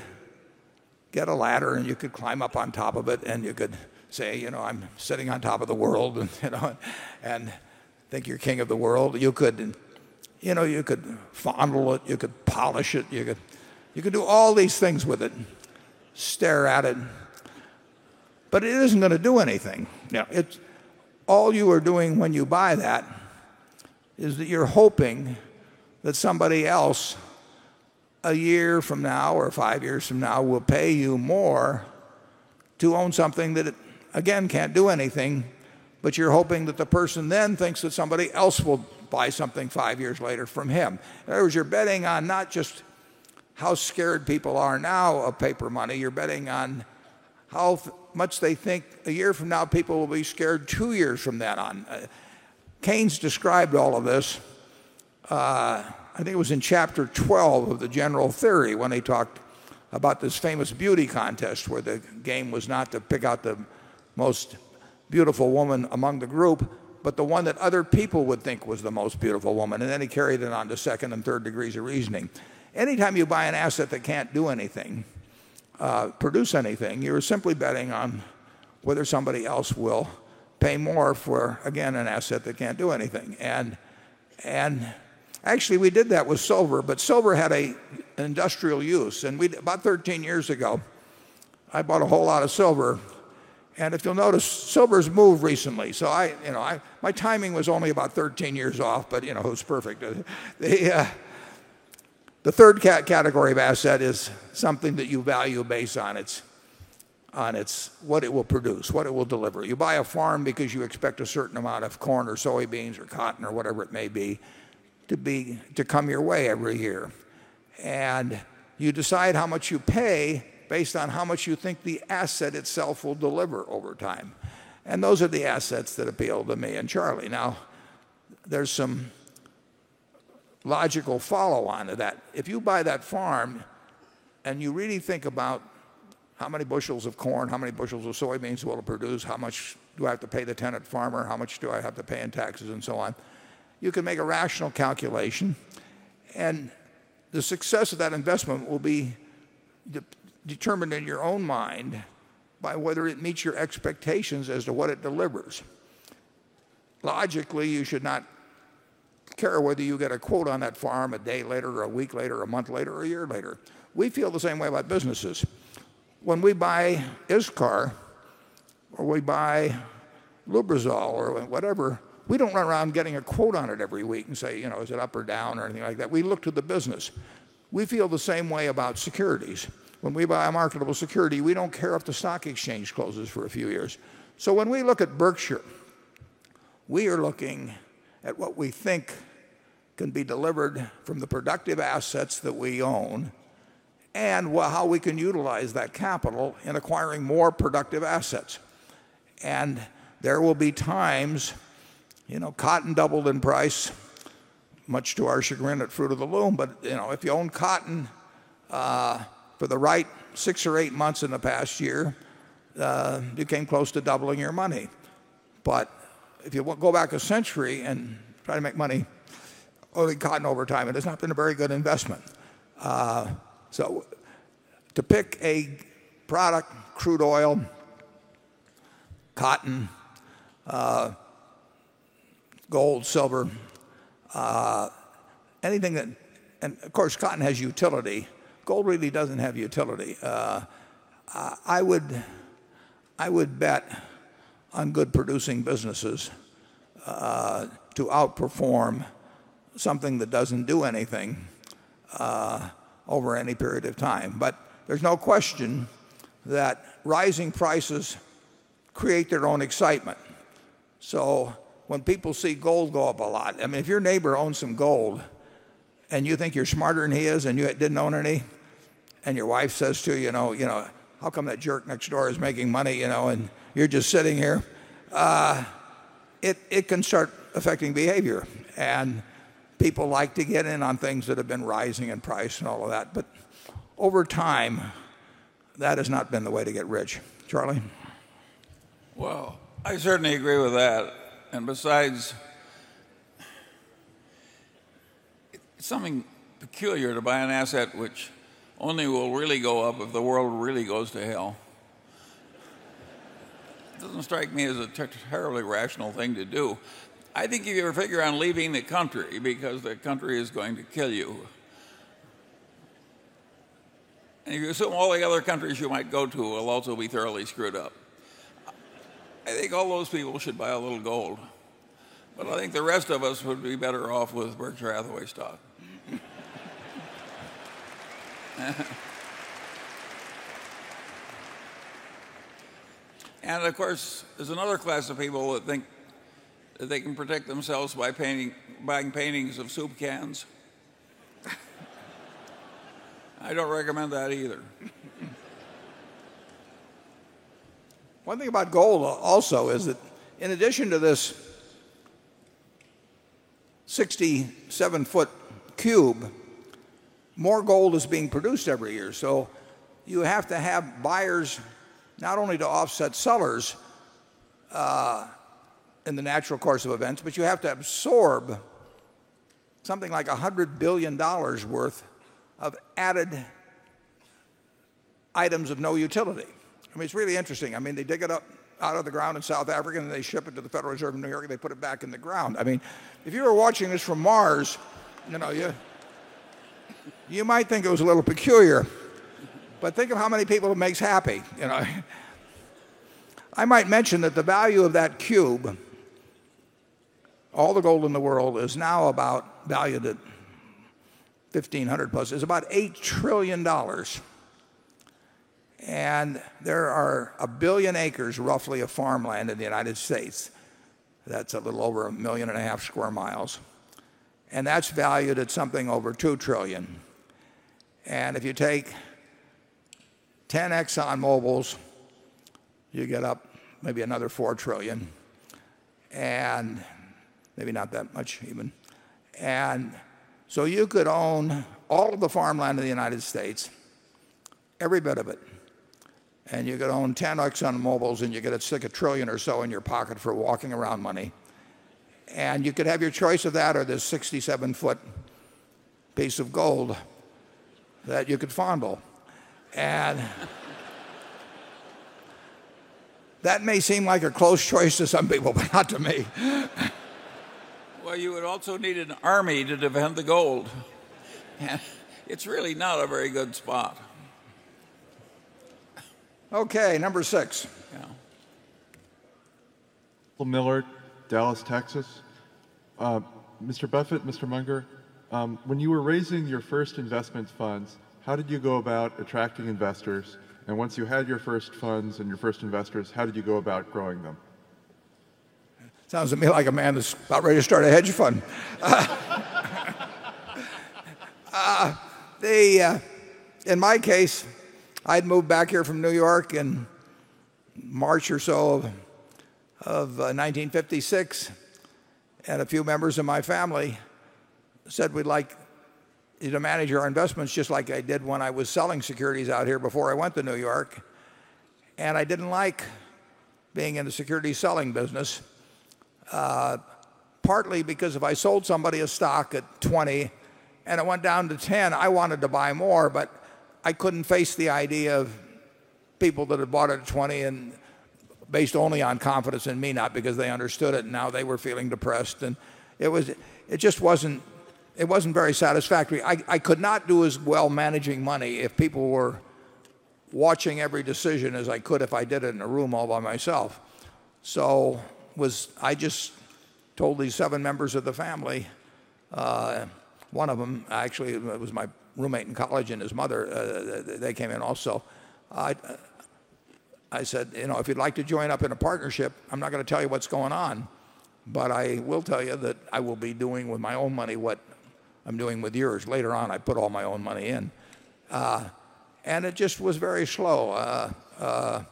A: get a ladder and you could climb up on top of it and you could say, "You know, I'm sitting on top of the world," and think you're king of the world. You could fondle it, you could polish it, you could do all these things with it, stare at it. It isn't going to do anything. All you are doing when you buy that is that you're hoping that somebody else a year from now or five years from now will pay you more to own something that it again can't do anything, but you're hoping that the person then thinks that somebody else will buy something five years later from him. In other words, you're betting on not just how scared people are now of paper money, you're betting on how much they think a year from now people will be scared two years from then on. Keynes described all of this. I think it was in chapter 12 of The General Theory when he talked about this famous beauty contest where the game was not to pick out the most beautiful woman among the group, but the one that other people would think was the most beautiful woman. He carried it on to second and third degrees of reasoning. Anytime you buy an asset that can't do anything, produce anything, you're simply betting on whether somebody else will pay more for, again, an asset that can't do anything. Actually, we did that with silver, but silver had an industrial use. About 13 years ago, I bought a whole lot of silver. If you'll notice, silver's moved recently. My timing was only about 13 years off, but it was perfect. The third category of asset is something that you value based on what it will produce, what it will deliver. You buy a farm because you expect a certain amount of corn or soybeans or cotton or whatever it may be to come your way every year. You decide how much you pay based on how much you think the asset itself will deliver over time. Those are the assets that appeal to me and Charlie. There's some logical follow-on to that. If you buy that farm and you really think about how many bushels of corn, how many bushels of soybeans you want to produce, how much do I have to pay the tenant farmer, how much do I have to pay in taxes and so on, you can make a rational calculation. The success of that investment will be determined in your own mind by whether it meets your expectations as to what it delivers. Logically, you should not care whether you get a quote on that farm a day later, a week later, a month later, or a year later. We feel the same way about businesses. When we buy ISCAR or we buy Lubrizol or whatever, we do not run around getting a quote on it every week and say, you know, is it up or down or anything like that. We look to the business. We feel the same way about securities. When we buy a marketable security, we do not care if the stock exchange closes for a few years. When we look at Berkshire Hathaway, we are looking at what we think can be delivered from the productive assets that we own and how we can utilize that capital in acquiring more productive assets. There will be times, you know, cotton doubled in price, much to our chagrin at Fruit of the Loom, but if you own cotton for the right six or eight months in the past year, you came close to doubling your money. If you go back a century and try to make money only on cotton over time, it has not been a very good investment. To pick a product, crude oil, cotton, gold, silver, anything that, and of course, cotton has utility. Gold really does not have utility. I would bet on good producing businesses to outperform something that does not do anything over any period of time. There is no question that rising prices create their own excitement. When people see gold go up a lot, if your neighbor owns some gold and you think you are smarter than he is and you did not own any, and your wife says to you, you know, how come that jerk next door is making money and you are just sitting here, it can start affecting behavior. People like to get in on things that have been rising in price and all of that. Over time, that has not been the way to get rich. Charlie?
B: I certainly agree with that. Besides, it's something peculiar to buy an asset which only will really go up if the world really goes to hell. It doesn't strike me as a terribly rational thing to do. I think if you ever figure on leaving the country because the country is going to kill you, and you assume all the other countries you might go to will also be thoroughly screwed up, I think all those people should buy a little gold. I think the rest of us would be better off with Berkshire Hathaway stock. Of course, there's another class of people that think that they can protect themselves by buying paintings of soup cans. I don't recommend that either.
A: One thing about gold also is that in addition to this 67-foot cube, more gold is being produced every year. You have to have buyers not only to offset sellers in the natural course of events, but you have to absorb something like $100 billion worth of added items of no utility. It's really interesting. They dig it up out of the ground in South Africa and they ship it to the Federal Reserve of New York and they put it back in the ground. If you were watching this from Mars, you might think it was a little peculiar, but think of how many people it makes happy. I might mention that the value of that cube, all the gold in the world, is now about valued at $1,500+. It's about $8 trillion. There are a billion acres, roughly, of farmland in the United States. That's a little over a million and a half square miles, and that's valued at something over $2 trillion. If you take 10 ExxonMobils, you get up maybe another $4 trillion, and maybe not that much even. You could own all of the farmland in the United States, every bit of it, and you could own 10 ExxonMobils, and you get $6 trillion or so in your pocket for walking around money. You could have your choice of that or this 67-foot piece of gold that you could fondle. That may seem like a close choice to some people, but not to me.
B: You would also need an army to defend the gold.
A: It's really not a very good spot. Okay, number six.
K: Miller Dallas, Texas. Mr. Buffett, Mr. Munger, when you were raising your first investment funds, how did you go about attracting investors? Once you had your first funds and your first investors, how did you go about growing them?
A: Sounds to me like a man who's about ready to start a hedge fund. In my case, I moved back here from New York in March or so of 1956. A few members of my family said, "We'd like you to manage our investments just like you did when you were selling securities out here before you went to New York." I didn't like being in the securities selling business, partly because if I sold somebody a stock at $20 and it went down to $10, I wanted to buy more, but I couldn't face the idea of people that had bought it at $20 and based only on confidence in me, not because they understood it, and now they were feeling depressed. It just wasn't very satisfactory. I could not do as well managing money if people were watching every decision as I could if I did it in a room all by myself. I just told these seven members of the family, one of them actually was my roommate in college and his mother, they came in also. I said, "You know, if you'd like to join up in a partnership, I'm not going to tell you what's going on, but I will tell you that I will be doing with my own money what I'm doing with yours. Later on, I put all my own money in." It just was very slow. A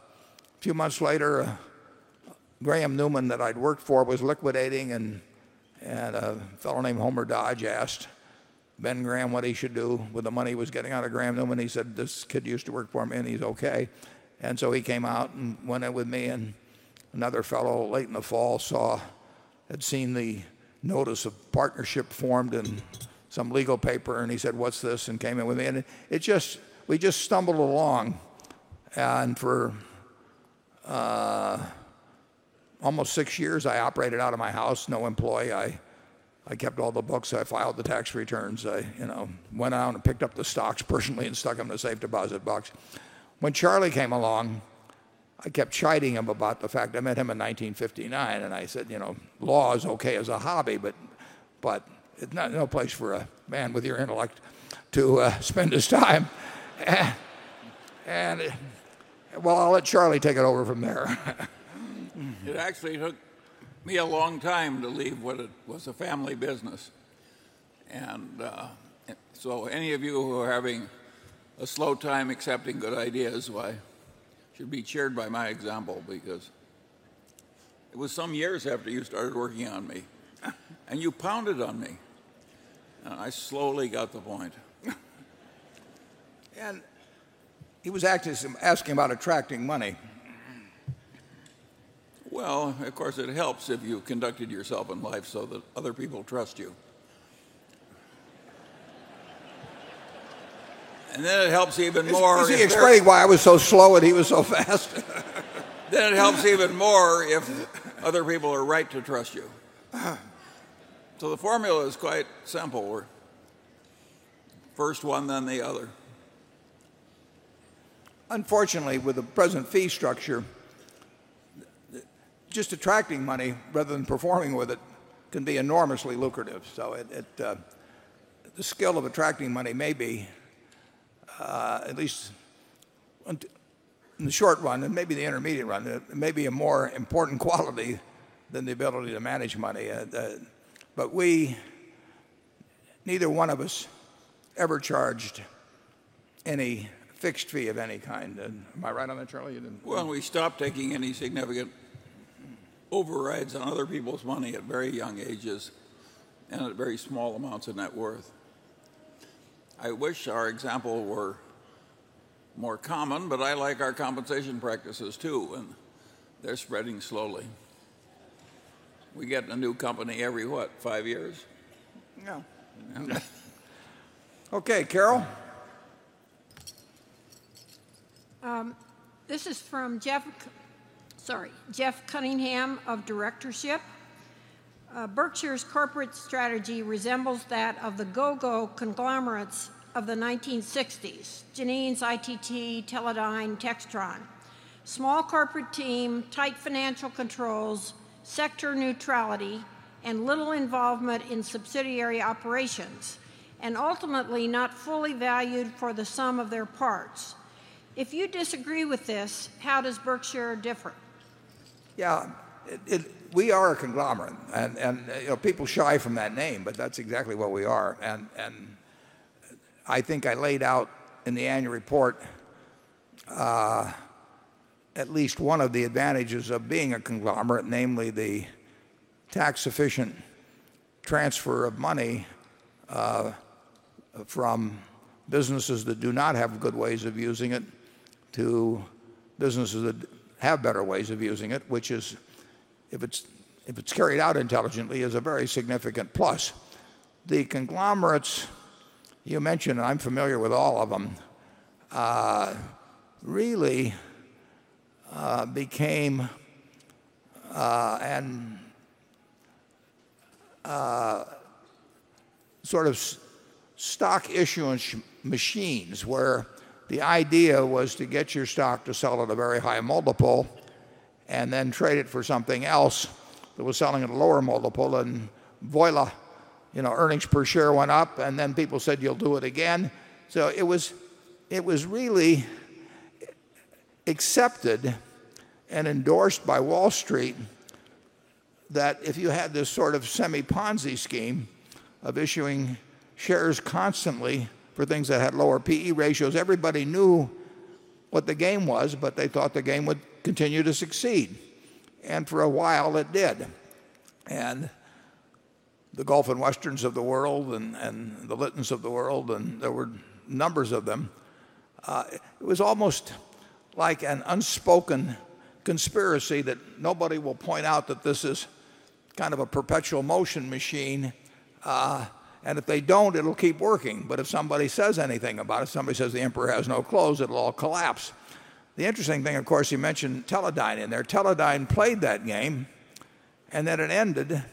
A: few months later, Graham-Newman that I'd worked for was liquidating and a fellow named Homer Dodge asked Ben Graham what he should do with the money he was getting out of Graham-Newman. He said, "This kid used to work for me and he's okay." He came out and went in with me. Another fellow late in the fall had seen the notice of partnership formed in some legal paper and he said, "What's this?" and came in with me. We just stumbled along. For almost six years, I operated out of my house, no employee. I kept all the books, I filed the tax returns, I went out and picked up the stocks personally and stuck them in the same deposit box. When Charlie came along, I kept chiding him about the fact I met him in 1959 and I said, "You know, law is okay as a hobby, but it's no place for a man with your intellect to spend his time." I'll let Charlie take it over from there.
B: It actually took me a long time to leave what was a family business. Any of you who are having a slow time accepting good ideas should be cheered by my example because it was some years after you started working on me and you pounded on me. I slowly got the point.
A: He was asking about attracting money.
B: Of course, it helps if you conducted yourself in life so that other people trust you. It helps even more.
A: You see, explain why I was so slow and he was so fast.
B: It helps even more if other people are right to trust you. The formula is quite simple. First one, then the other.
A: Unfortunately, with the present fee structure, just attracting money rather than performing with it can be enormously lucrative. The skill of attracting money may be, at least in the short run and maybe the intermediate run, a more important quality than the ability to manage money. We, neither one of us ever charged any fixed fee of any kind.
B: By right on the trail, you didn't.
A: We stopped taking any significant overrides on other people's money at very young ages and at very small amounts of net worth. I wish our example were more common, but I like our compensation practices too, and they're spreading slowly. We get a new company every, what, five years?
B: No.
A: Okay, Carol.
C: This is from Jeff Cunningham of Directorship. Berkshire's corporate strategy resembles that of the go-go conglomerates of the 1960s, Janine's ITT, Teledyne, Textron. Small corporate team, tight financial controls, sector neutrality, and little involvement in subsidiary operations, and ultimately not fully valued for the sum of their parts. If you disagree with this, how does Berkshire differ?
A: Yeah, we are a conglomerate. You know, people shy from that name, but that's exactly what we are. I think I laid out in the annual report at least one of the advantages of being a conglomerate, namely the tax-efficient transfer of money from businesses that do not have good ways of using it to businesses that have better ways of using it, which is, if it's carried out intelligently, is a very significant plus. The conglomerates you mentioned, and I'm familiar with all of them, really became sort of stock issuance machines where the idea was to get your stock to sell at a very high multiple and then trade it for something else that was selling at a lower multiple and voila, you know, earnings per share went up and then people said you'll do it again. It was really accepted and endorsed by Wall Street that if you had this sort of semi-ponzi scheme of issuing shares constantly for things that had lower PE ratios, everybody knew what the game was, but they thought the game would continue to succeed. For a while, it did. The Gulf and Westerns of the world and the Littons of the world, and there were numbers of them. It was almost like an unspoken conspiracy that nobody will point out that this is kind of a perpetual motion machine. If they don't, it'll keep working. If somebody says anything about it, somebody says the emperor has no clothes, it'll all collapse. The interesting thing, of course, you mentioned Teledyne in there. Teledyne played that game, and then it ended,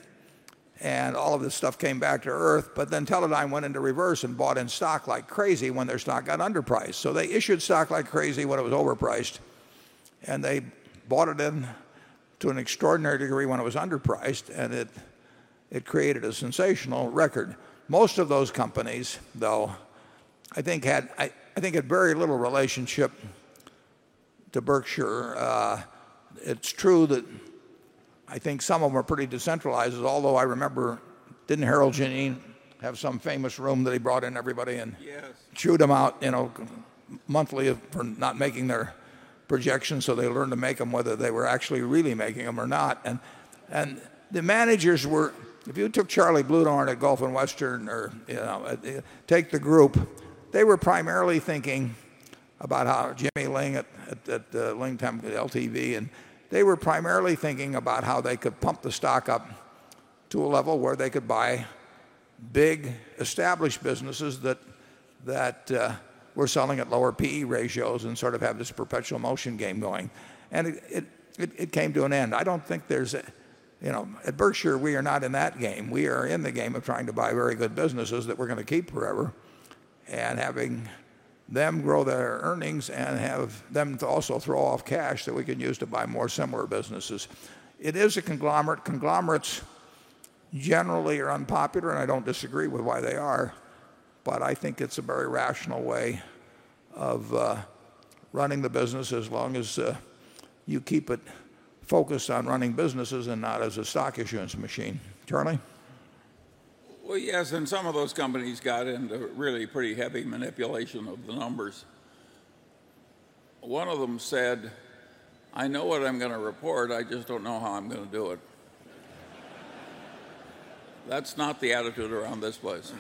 A: and all of this stuff came back to earth. Teledyne went into reverse and bought in stock like crazy when their stock got underpriced. They issued stock like crazy when it was overpriced, and they bought it in to an extraordinary degree when it was underpriced, and it created a sensational record. Most of those companies, though, I think had very little relationship to Berkshire Hathaway. It's true that I think some of them are pretty decentralized, although I remember, didn't Harold Janine have some famous room that he brought in everybody and chewed them out, you know, monthly for not making their projections so they learned to make them whether they were actually really making them or not. The managers were, if you took Charlie Bludorn at Gulf and Western or, you know, take the group, they were primarily thinking about how Jimmy Ling at LTV, and they were primarily thinking about how they could pump the stock up to a level where they could buy big established businesses that were selling at lower PE ratios and sort of have this perpetual motion game going. It came to an end. I don't think there's, you know, at Berkshire Hathaway, we are not in that game. We are in the game of trying to buy very good businesses that we're going to keep forever and having them grow their earnings and have them also throw off cash that we can use to buy more similar businesses. It is a conglomerate. Conglomerates generally are unpopular, and I don't disagree with why they are, but I think it's a very rational way of running the business as long as you keep it focused on running businesses and not as a stock issuance machine. Charlie?
B: Yes, and some of those companies got into really pretty heavy manipulation of the numbers. One of them said, "I know what I'm going to report. I just don't know how I'm going to do it." That's not the attitude around this place.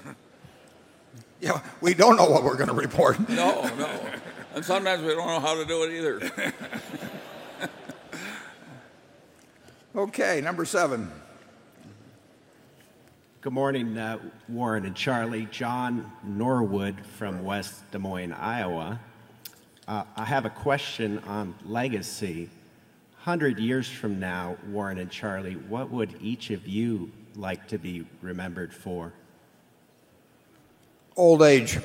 A: Yeah, we don't know what we're going to report.
B: No, no. Sometimes we don't know how to do it either.
A: Okay, number seven.
L: Good morning, Warren and Charlie. John Norwood from West Des Moines, Iowa. I have a question on legacy. A hundred years from now, Warren and Charlie, what would each of you like to be remembered for?
A: Old age.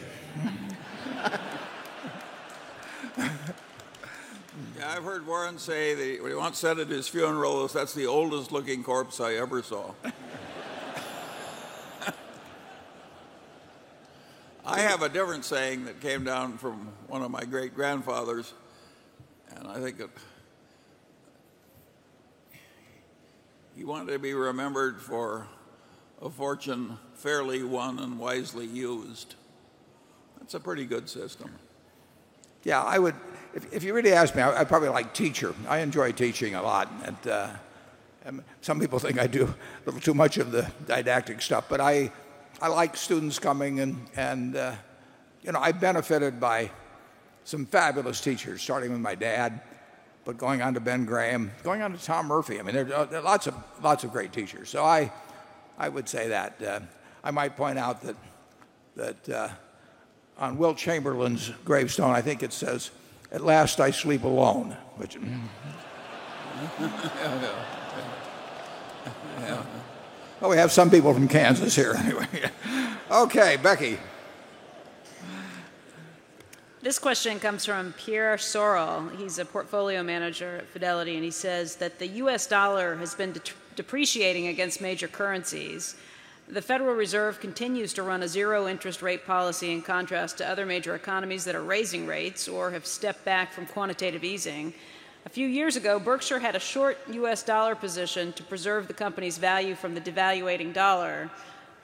B: I've heard Warren say that we want to send it to his funeral as that's the oldest looking corpse I ever saw. I have a different saying that came down from one of my great-grandfathers, and I think he wanted to be remembered for a fortune fairly won and wisely used. That's a pretty good system.
A: Yeah, I would, if you were to ask me, I'd probably like to teach. I enjoy teaching a lot. Some people think I do a little too much of the didactic stuff, but I like students coming in, and you know, I benefited by some fabulous teachers, starting with my dad, but going on to Ben Graham, going on to Tom Murphy. I mean, there are lots of great teachers. I would say that. I might point out that on Wilt Chamberlain's gravestone, I think it says, "At last I sleep alone. Yeah, I know. Oh, we have some people from Kansas here anyway. Okay, Becky.
E: This question comes from Pierre Sorel. He's a Portfolio Manager at Fidelity, and he says that the U.S. dollar has been depreciating against major currencies. The Federal Reserve continues to run a zero-interest rate policy in contrast to other major economies that are raising rates or have stepped back from quantitative easing. A few years ago, Berkshire Hathaway had a short U.S. dollar position to preserve the company's value from the devaluating dollar.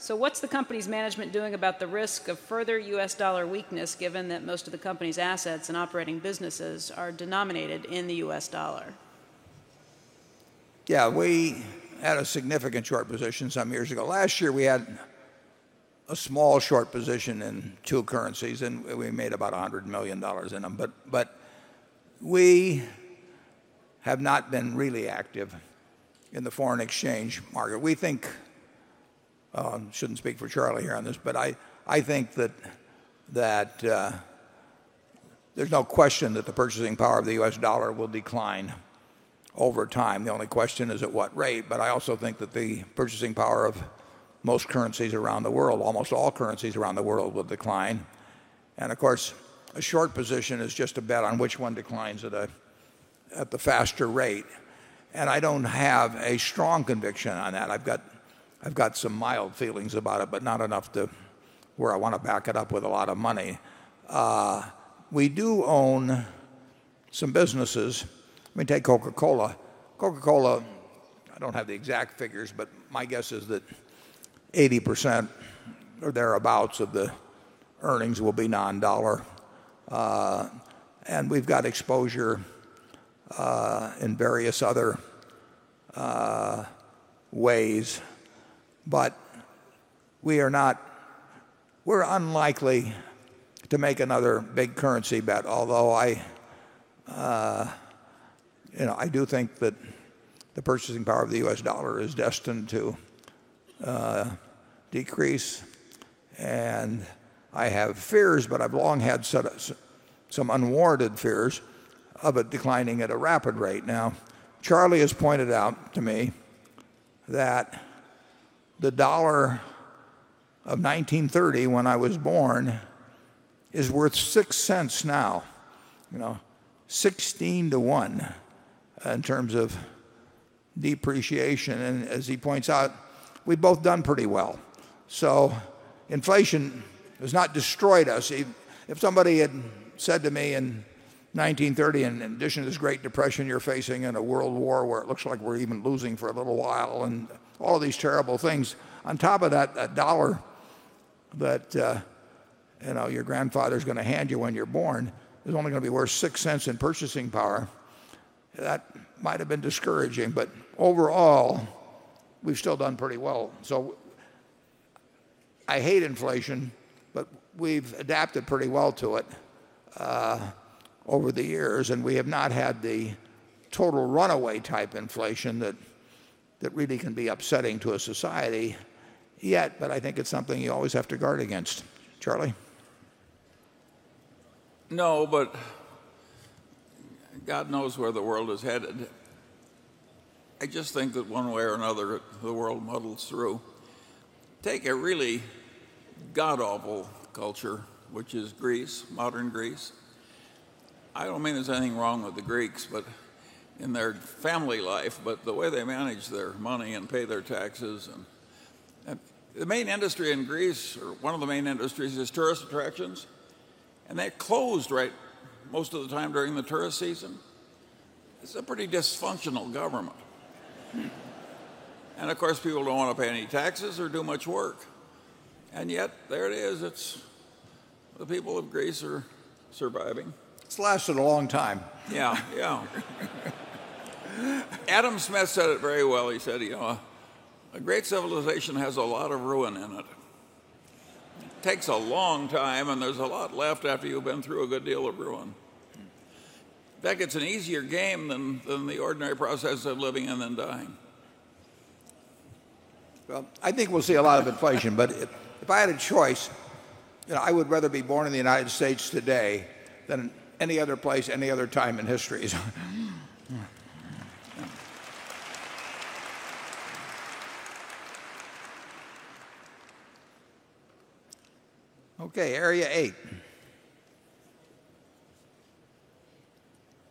E: What's the company's management doing about the risk of further U.S. dollar weakness, given that most of the company's assets and operating businesses are denominated in the U.S. dollar?
A: Yeah, we had a significant short position some years ago. Last year, we had a small short position in two currencies, and we made about $100 million in them. We have not been really active in the foreign exchange market. I shouldn't speak for Charlie here on this, but I think that there's no question that the purchasing power of the U.S. dollar will decline over time. The only question is at what rate. I also think that the purchasing power of most currencies around the world, almost all currencies around the world, will decline. Of course, a short position is just a bet on which one declines at a faster rate. I don't have a strong conviction on that. I've got some mild feelings about it, but not enough to where I want to back it up with a lot of money. We do own some businesses. I mean, take Coca-Cola. Coca-Cola, I don't have the exact figures, but my guess is that 80% or thereabouts of the earnings will be non-dollar. We've got exposure in various other ways, but we are unlikely to make another big currency bet. Although I do think that the purchasing power of the U.S. dollar is destined to decrease, and I have fears, but I've long had some unwarranted fears of it declining at a rapid rate. Charlie has pointed out to me that the dollar of 1930, when I was born, is worth $0.06 now. Sixteen to one in terms of depreciation. As he points out, we've both done pretty well. Inflation has not destroyed us. If somebody had said to me in 1930, in addition to this Great Depression you're facing and a World War where it looks like we're even losing for a little while and all of these terrible things, on top of that, that dollar that you know your grandfather's going to hand you when you're born is only going to be worth $0.06 in purchasing power, that might have been discouraging, but overall, we've still done pretty well. I hate inflation, but we've adapted pretty well to it over the years, and we have not had the total runaway type inflation that really can be upsetting to a society yet. I think it's something you always have to guard against. Charlie?
B: No, but God knows where the world is headed. I just think that one way or another, the world muddles through. Take a really god-awful culture, which is Greece, modern Greece. I don't mean there's anything wrong with the Greeks, in their family life, but the way they manage their money and pay their taxes, and the main industry in Greece, or one of the main industries, is tourist attractions, and they're closed right most of the time during the tourist season. It's a pretty dysfunctional government. Of course, people don't want to pay any taxes or do much work. Yet, there it is. The people of Greece are surviving.
A: Slashed it a long time.
B: Yeah, Adam Smith said it very well. He said, you know, a great civilization has a lot of ruin in it. It takes a long time, and there's a lot left after you've been through a good deal of ruin. That gets an easier game than the ordinary process of living and then dying.
A: I think we'll see a lot of inflation, but if I had a choice, you know, I would rather be born in the United States today than any other place, any other time in history. Okay, area eight.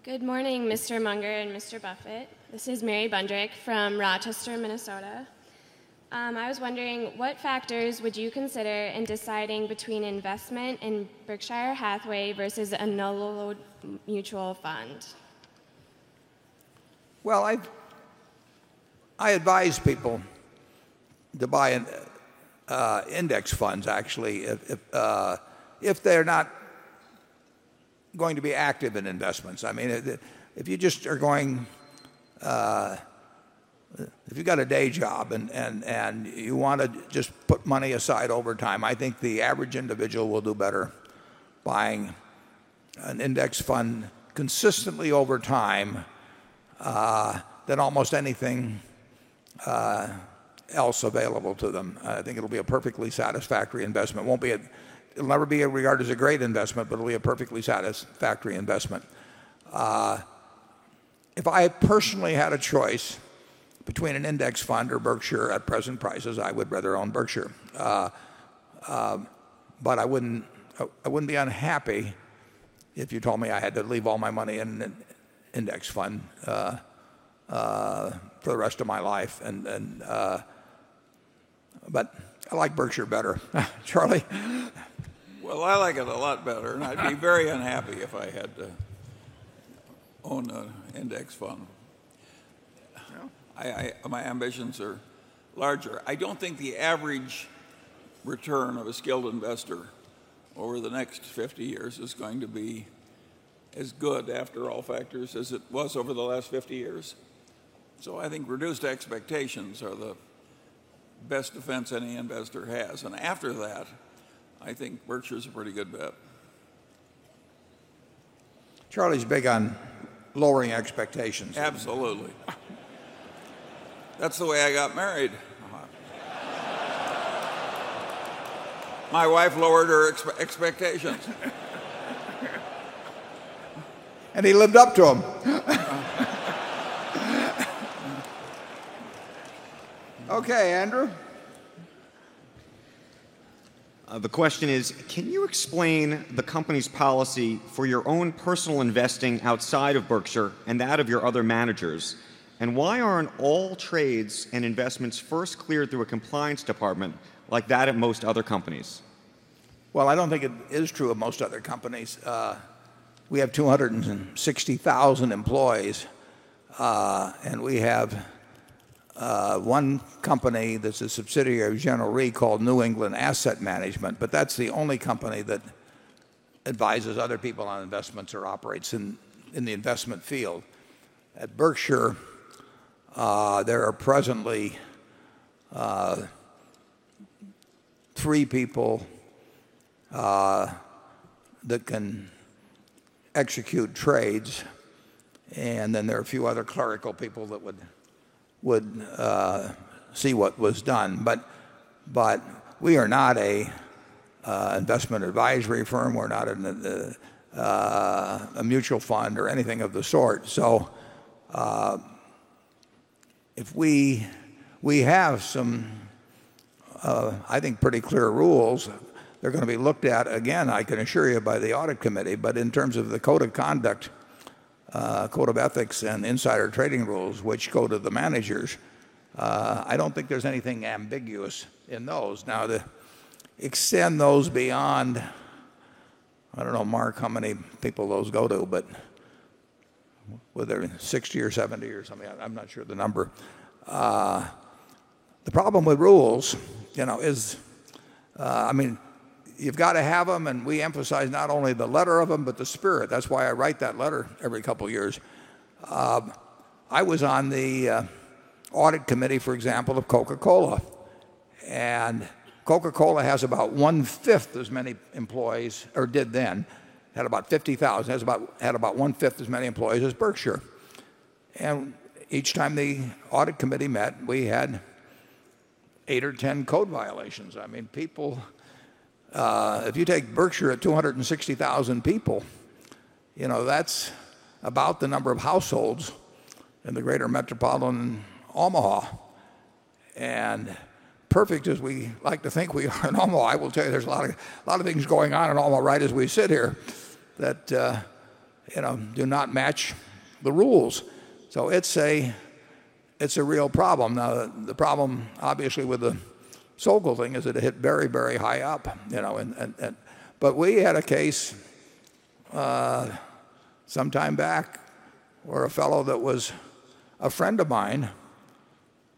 M: Good morning, Mr. Munger and Mr. Buffett. This is Mary Bondrick from Rochester, Minnesota. I was wondering, what factors would you consider in deciding between investment in Berkshire Hathaway versus a NYSE mutual fund?
A: I advise people to buy index funds, actually, if they're not going to be active in investments. If you just are going, if you've got a day job and you want to just put money aside over time, I think the average individual will do better buying an index fund consistently over time than almost anything else available to them. I think it'll be a perfectly satisfactory investment. It'll never be regarded as a great investment, but it'll be a perfectly satisfactory investment. If I personally had a choice between an index fund or Berkshire Hathaway at present prices, I would rather own Berkshire Hathaway. I wouldn't be unhappy if you told me I had to leave all my money in an index fund for the rest of my life. I like Berkshire Hathaway better. Charlie?
B: I like it a lot better, and I'd be very unhappy if I had to own an index fund. My ambitions are larger. I don't think the average return of a skilled investor over the next 50 years is going to be as good after all factors as it was over the last 50 years. I think reduced expectations are the best defense any investor has. After that, I think Berkshire Hathaway's a pretty good bet.
A: Charlie’s big on lowering expectations.
B: Absolutely. That's the way I got married. My wife lowered her expectations.
A: He lived up to them. Okay, Andrew.
G: The question is, can you explain the company's policy for your own personal investing outside of Berkshire Hathaway and that of your other managers? Why aren't all trades and investments first cleared through a compliance department like that at most other companies?
A: I don't think it is true of most other companies. We have 260,000 employees, and we have one company that's a subsidiary of General Re called New England Asset Management, but that's the only company that advises other people on investments or operates in the investment field. At Berkshire Hathaway, there are presently three people that can execute trades, and then there are a few other clerical people that would see what was done. We are not an investment advisory firm. We're not a mutual fund or anything of the sort. If we have some, I think, pretty clear rules, they're going to be looked at again, I can assure you, by the Audit Committee. In terms of the code of conduct, code of ethics, and insider trading rules, which go to the managers, I don't think there's anything ambiguous in those. To extend those beyond, I don't know, Mark, how many people those go to, but whether it's 60 or 70 or something, I'm not sure of the number. The problem with rules is, I mean, you've got to have them, and we emphasize not only the letter of them, but the spirit. That's why I write that letter every couple of years. I was on the Audit Committee, for example, of Coca-Cola. Coca-Cola has about one-fifth as many employees, or did then, had about 50,000, had about one-fifth as many employees as Berkshire Hathaway. Each time the Audit Committee met, we had eight or ten code violations. People, if you take Berkshire Hathaway at 260,000 people, that's about the number of households in the greater metropolitan Omaha. Perfect, as we like to think we are in Omaha, I will tell you there's a lot of things going on in Omaha, right as we sit here, that do not match the rules. It's a real problem. The problem, obviously, with the Sokol thing is that it hit very, very high up. We had a case some time back where a fellow that was a friend of mine,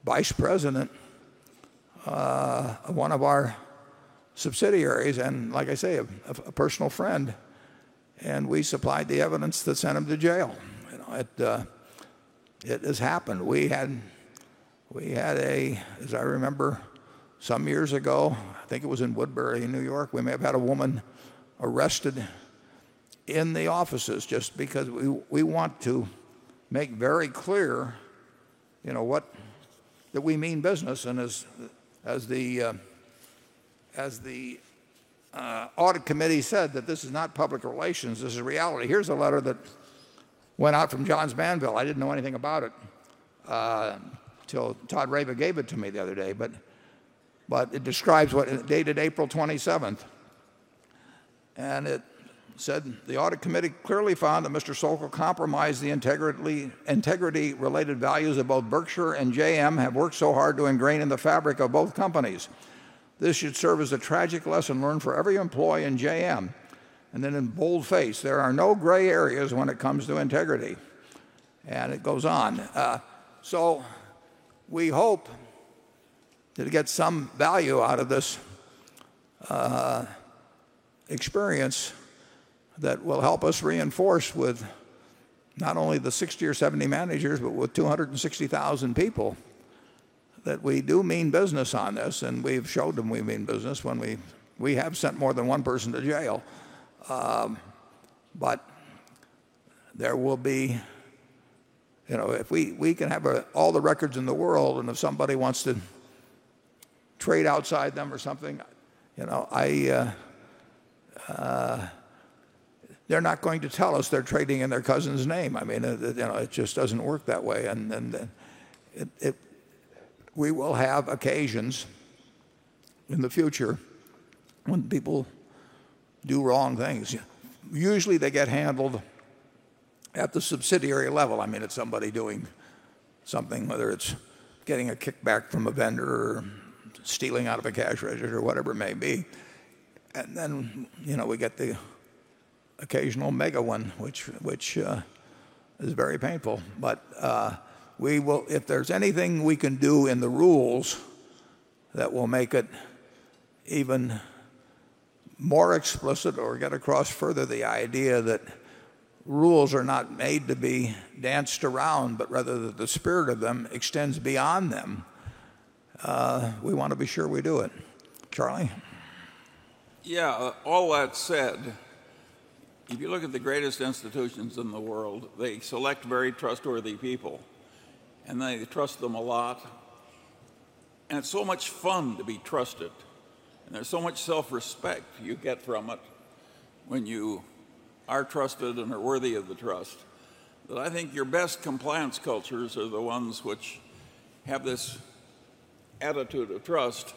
A: Vice President of one of our subsidiaries, and like I say, a personal friend, and we supplied the evidence that sent him to jail. It has happened. As I remember, some years ago, I think it was in Woodbury, New York, we may have had a woman arrested in the offices just because we want to make very clear that we mean business. As the Audit Committee said, this is not public relations, this is a reality. Here's a letter that went out from Johns Manville. I didn't know anything about it until Todd Rava gave it to me the other day, but it describes what dated April 27th. It said, "The audit committee clearly found that Mr. Sokol compromised the integrity-related values of both Berkshire Hathaway and JM, have worked so hard to ingrain in the fabric of both companies. This should serve as a tragic lesson learned for every employee in JM." In boldface, "There are no gray areas when it comes to integrity." It goes on. We hope that it gets some value out of this experience that will help us reinforce with not only the 60 or 70 managers, but with 260,000 people that we do mean business on this, and we've showed them we mean business when we have sent more than one person to jail. There will be, you know, if we can have all the records in the world, and if somebody wants to trade outside them or something, you know, they're not going to tell us they're trading in their cousin's name. I mean, you know, it just doesn't work that way. We will have occasions in the future when people do wrong things. Usually, they get handled at the subsidiary level. I mean, it's somebody doing something, whether it's getting a kickback from a vendor or stealing out of a cash register or whatever it may be. We get the occasional mega one, which is very painful. If there's anything we can do in the rules that will make it even more explicit or get across further the idea that rules are not made to be danced around, but rather that the spirit of them extends beyond them, we want to be sure we do it. Charlie?
B: Yeah, all that said, if you look at the greatest institutions in the world, they select very trustworthy people, and they trust them a lot. It's so much fun to be trusted, and there's so much self-respect you get from it when you are trusted and are worthy of the trust. I think your best compliance cultures are the ones which have this attitude of trust.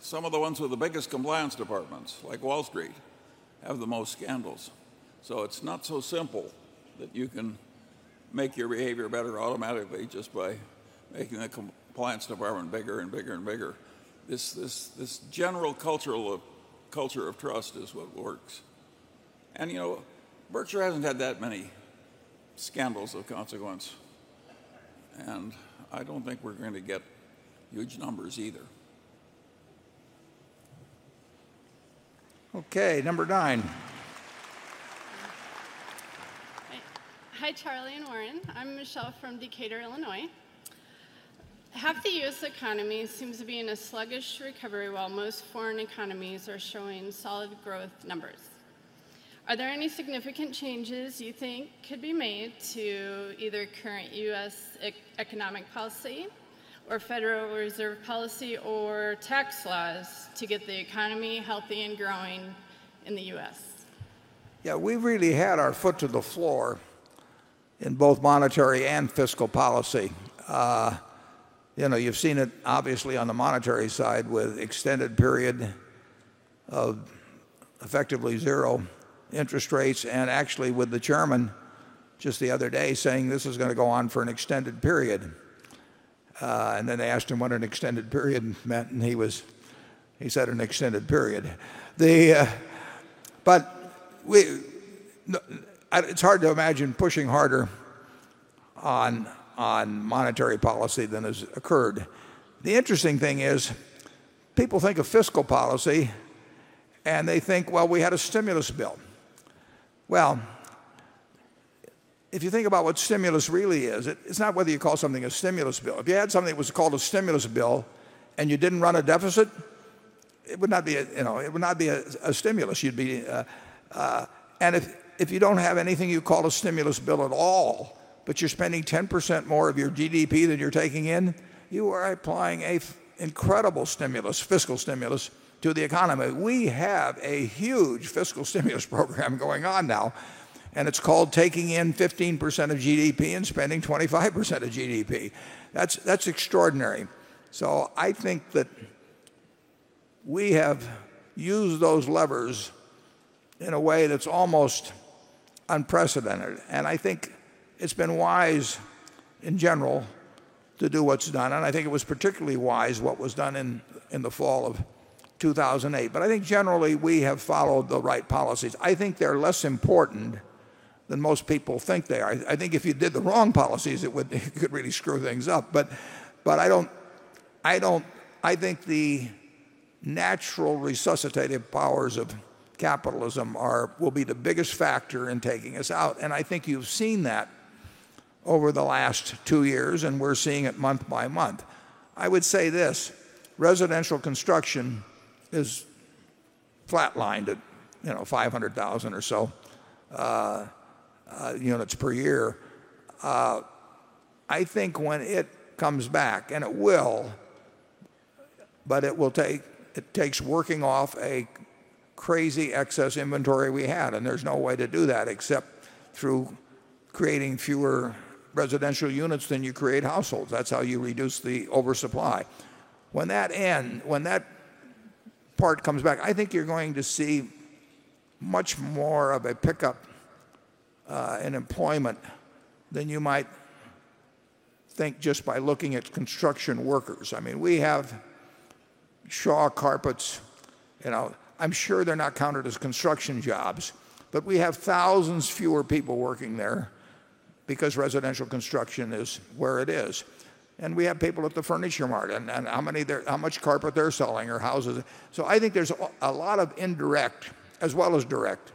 B: Some of the ones with the biggest compliance departments, like Wall Street, have the most scandals. It is not so simple that you can make your behavior better automatically just by making the compliance department bigger and bigger and bigger. This general culture of trust is what works. You know, Berkshire Hathaway hasn't had that many scandals of consequence, and I don't think we're going to get huge numbers either. Okay, number nine.
N: Hi, Charlie and Warren. I'm Michelle from Decatur, Illinois. Half the U.S. economy seems to be in a sluggish recovery while most foreign economies are showing solid growth numbers. Are there any significant changes you think could be made to either current U.S. economic policy or Federal Reserve policy or tax laws to get the economy healthy and growing in the U.S.?
A: Yeah, we've really had our foot to the floor in both monetary and fiscal policy. You've seen it obviously on the monetary side with extended periods of effectively zero interest rates. Actually, with the Chairman just the other day saying this is going to go on for an extended period. They asked him what an extended period meant, and he said an extended period. It's hard to imagine pushing harder on monetary policy than has occurred. The interesting thing is people think of fiscal policy and they think, we had a stimulus bill. If you think about what stimulus really is, it's not whether you call something a stimulus bill. If you had something that was called a stimulus bill and you didn't run a deficit, it would not be a stimulus. If you don't have anything you call a stimulus bill at all, but you're spending 10% more of your GDP than you're taking in, you are applying an incredible stimulus, fiscal stimulus to the economy. We have a huge fiscal stimulus program going on now, and it's called taking in 15% of GDP and spending 25% of GDP. That's extraordinary. I think that we have used those levers in a way that's almost unprecedented. I think it's been wise in general to do what's done. I think it was particularly wise what was done in the fall of 2008. I think generally we have followed the right policies. I think they're less important than most people think they are. If you did the wrong policies, it could really screw things up. I don't, I think the natural resuscitative powers of capitalism will be the biggest factor in taking us out. I think you've seen that over the last two years, and we're seeing it month by month. I would say this, residential construction is flatlined at 500,000 or so units per year. I think when it comes back, and it will, but it takes working off a crazy excess inventory we had. There's no way to do that except through creating fewer residential units than you create households. That's how you reduce the oversupply. When that ends, when that part comes back, I think you're going to see much more of a pickup in employment than you might think just by looking at construction workers. We have Shaw Carpets. I'm sure they're not counted as construction jobs, but we have thousands fewer people working there because residential construction is where it is. We have people at the furniture market and how much carpet they're selling or houses. I think there's a lot of indirect, as well as direct,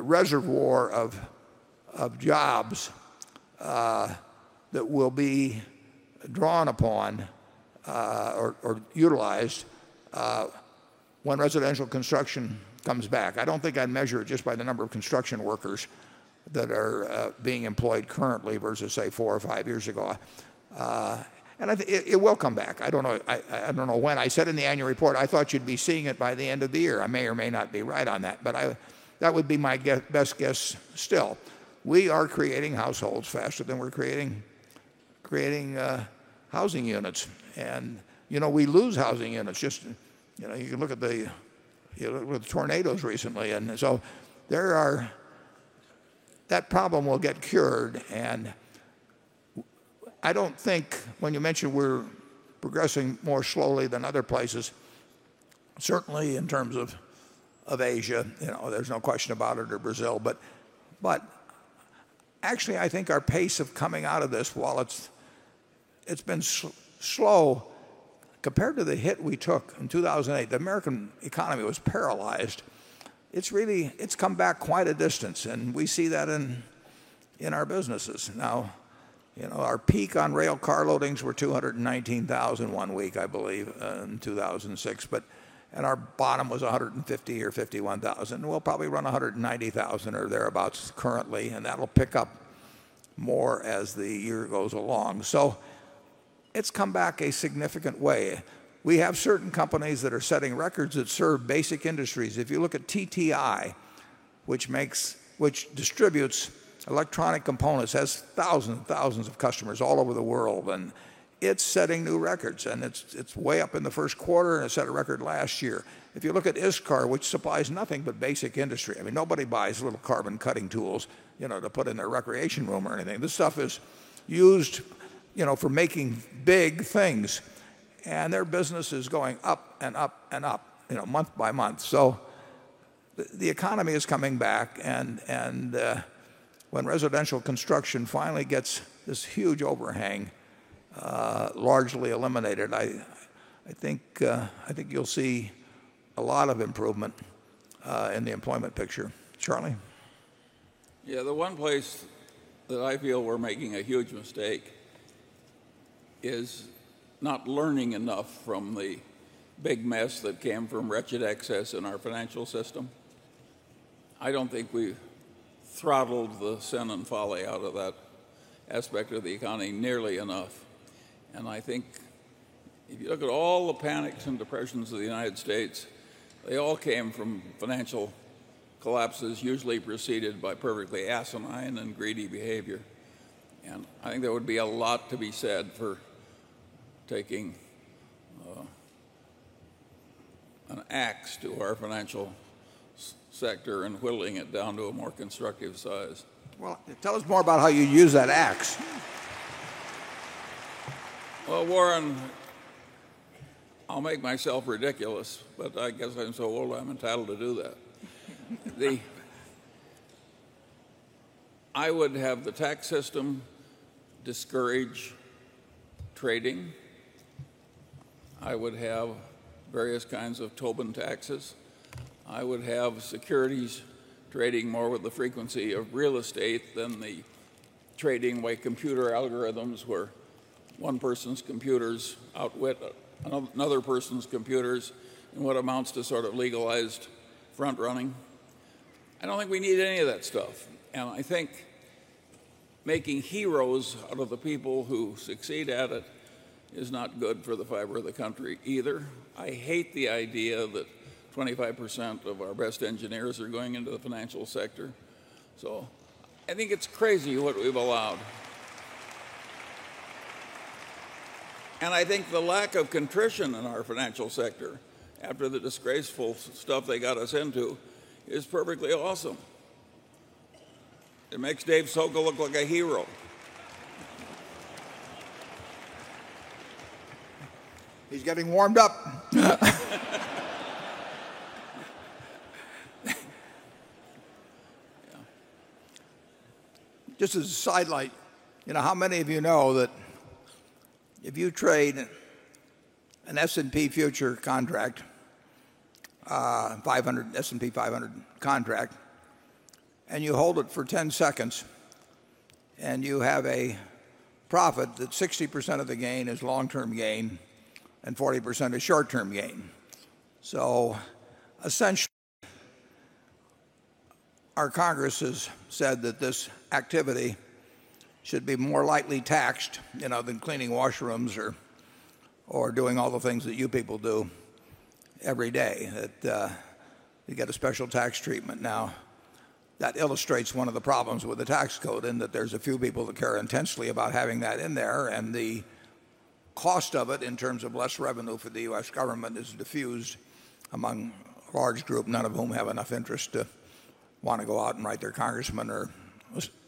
A: reservoir of jobs that will be drawn upon or utilized when residential construction comes back. I don't think I'd measure it just by the number of construction workers that are being employed currently versus, say, four or five years ago. I think it will come back. I don't know when. I said in the annual report, I thought you'd be seeing it by the end of the year. I may or may not be right on that, but that would be my best guess still. We are creating households faster than we're creating housing units. We lose housing units. You can look at the, with tornadoes recently. That problem will get cured. I don't think when you mentioned we're progressing more slowly than other places, certainly in terms of Asia, there's no question about it, or Brazil. Actually, I think our pace of coming out of this, while it's been slow compared to the hit we took in 2008, the American economy was paralyzed. It's really, it's come back quite a distance. We see that in our businesses. Our peak on rail car loadings were 219,000 one week, I believe, in 2006. Our bottom was 150,000 or 151,000. We'll probably run 190,000 or thereabouts currently. That'll pick up more as the year goes along. It's come back a significant way. We have certain companies that are setting records that serve basic industries. If you look at TTI, which distributes electronic components, has thousands and thousands of customers all over the world. It's setting new records. It's way up in the first quarter and it set a record last year. If you look at ISCAR, which supplies nothing but basic industry, nobody buys little carbon cutting tools to put in their recreation room or anything. This stuff is used for making big things. Their business is going up and up and up, month by month. The economy is coming back. When residential construction finally gets this huge overhang largely eliminated, I think you'll see a lot of improvement in the employment picture. Charlie?
B: Yeah, the one place that I feel we're making a huge mistake is not learning enough from the big mess that came from wretched excess in our financial system. I don't think we throttled the sin and folly out of that aspect of the economy nearly enough. I think if you look at all the panics and depressions of the United States, they all came from financial collapses, usually preceded by perfectly asinine, ungreedy behavior. I think there would be a lot to be said for taking an axe to our financial sector and whittling it down to a more constructive size.
A: Tell us more about how you use that axe.
B: Warren, I'll make myself ridiculous, but I guess I'm so old I'm entitled to do that. I would have the tax system discourage trading. I would have various kinds of Tobin taxes. I would have securities trading more with the frequency of real estate than the trading by computer algorithms where one person's computers outwit another person's computers in what amounts to sort of legalized front running. I don't think we need any of that stuff. I think making heroes out of the people who succeed at it is not good for the fiber of the country either. I hate the idea that 25% of our best engineers are going into the financial sector. I think it's crazy what we've allowed. I think the lack of contrition in our financial sector after the disgraceful stuff they got us into is perfectly awesome. It makes David Sokol look like a hero.
A: He's getting warmed up. Just as a sidelight, you know, how many of you know that if you trade an S&P 500 future contract, 500 S&P 500 contract, and you hold it for 10 seconds, and you have a profit that 60% of the gain is long-term gain and 40% is short-term gain? Essentially, our Congress has said that this activity should be more lightly taxed, you know, than cleaning washrooms or doing all the things that you people do every day. You get a special tax treatment now. That illustrates one of the problems with the tax code in that there's a few people that care intensely about having that in there, and the cost of it in terms of less revenue for the U.S. government is diffused among a large group, none of whom have enough interest to want to go out and write their congressman or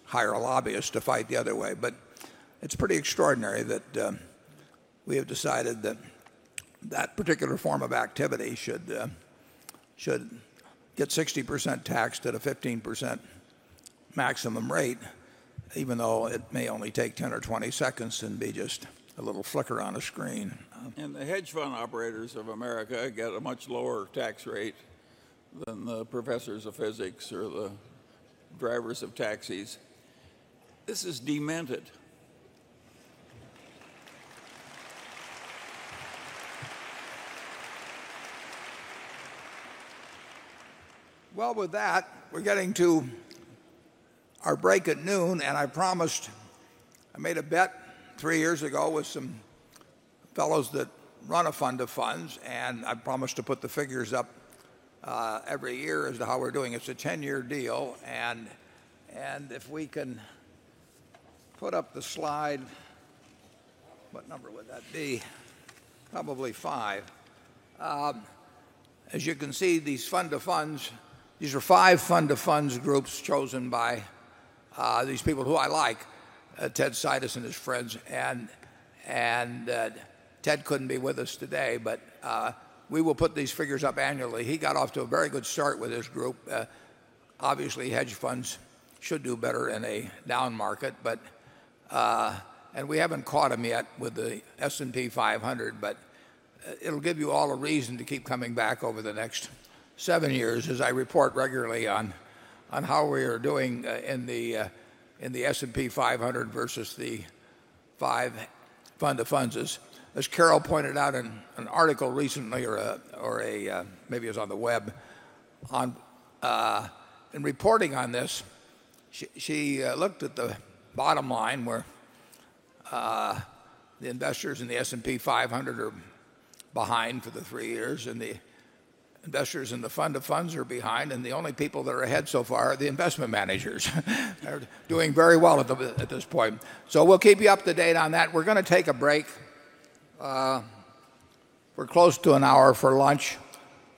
A: hire a lobbyist to fight the other way. It's pretty extraordinary that we have decided that that particular form of activity should get 60% taxed at a 15% maximum rate, even though it may only take 10 or 20 seconds and be just a little flicker on a screen.
B: The hedge fund operators of America get a much lower tax rate than the professors of physics or the drivers of taxis. This is demented.
A: With that, we're getting to our break at noon, and I promised, I made a bet three years ago with some fellows that run a fund of funds, and I promised to put the figures up every year as to how we're doing. It's a 10-year deal. If we can put up the slide, what number would that be? Probably five. As you can see, these fund of funds, these are five fund of funds groups chosen by these people who I like, Ted Sidis and his friends. Ted couldn't be with us today, but we will put these figures up annually. He got off to a very good start with his group. Obviously, hedge funds should do better in a down market, but we haven't caught them yet with the S&P 500, but it'll give you all a reason to keep coming back over the next seven years as I report regularly on how we are doing in the S&P 500 versus the five fund of funds. As Carol pointed out in an article recently, or maybe it was on the web, in reporting on this, she looked at the bottom line where the investors in the S&P 500 are behind for the three years, and the investors in the fund of funds are behind, and the only people that are ahead so far are the investment managers. They're doing very well at this point. We'll keep you up to date on that. We're going to take a break. We're close to an hour for lunch.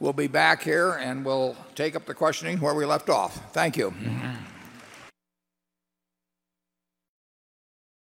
A: We'll be back here, and we'll take up the questioning where we left off. Thank you.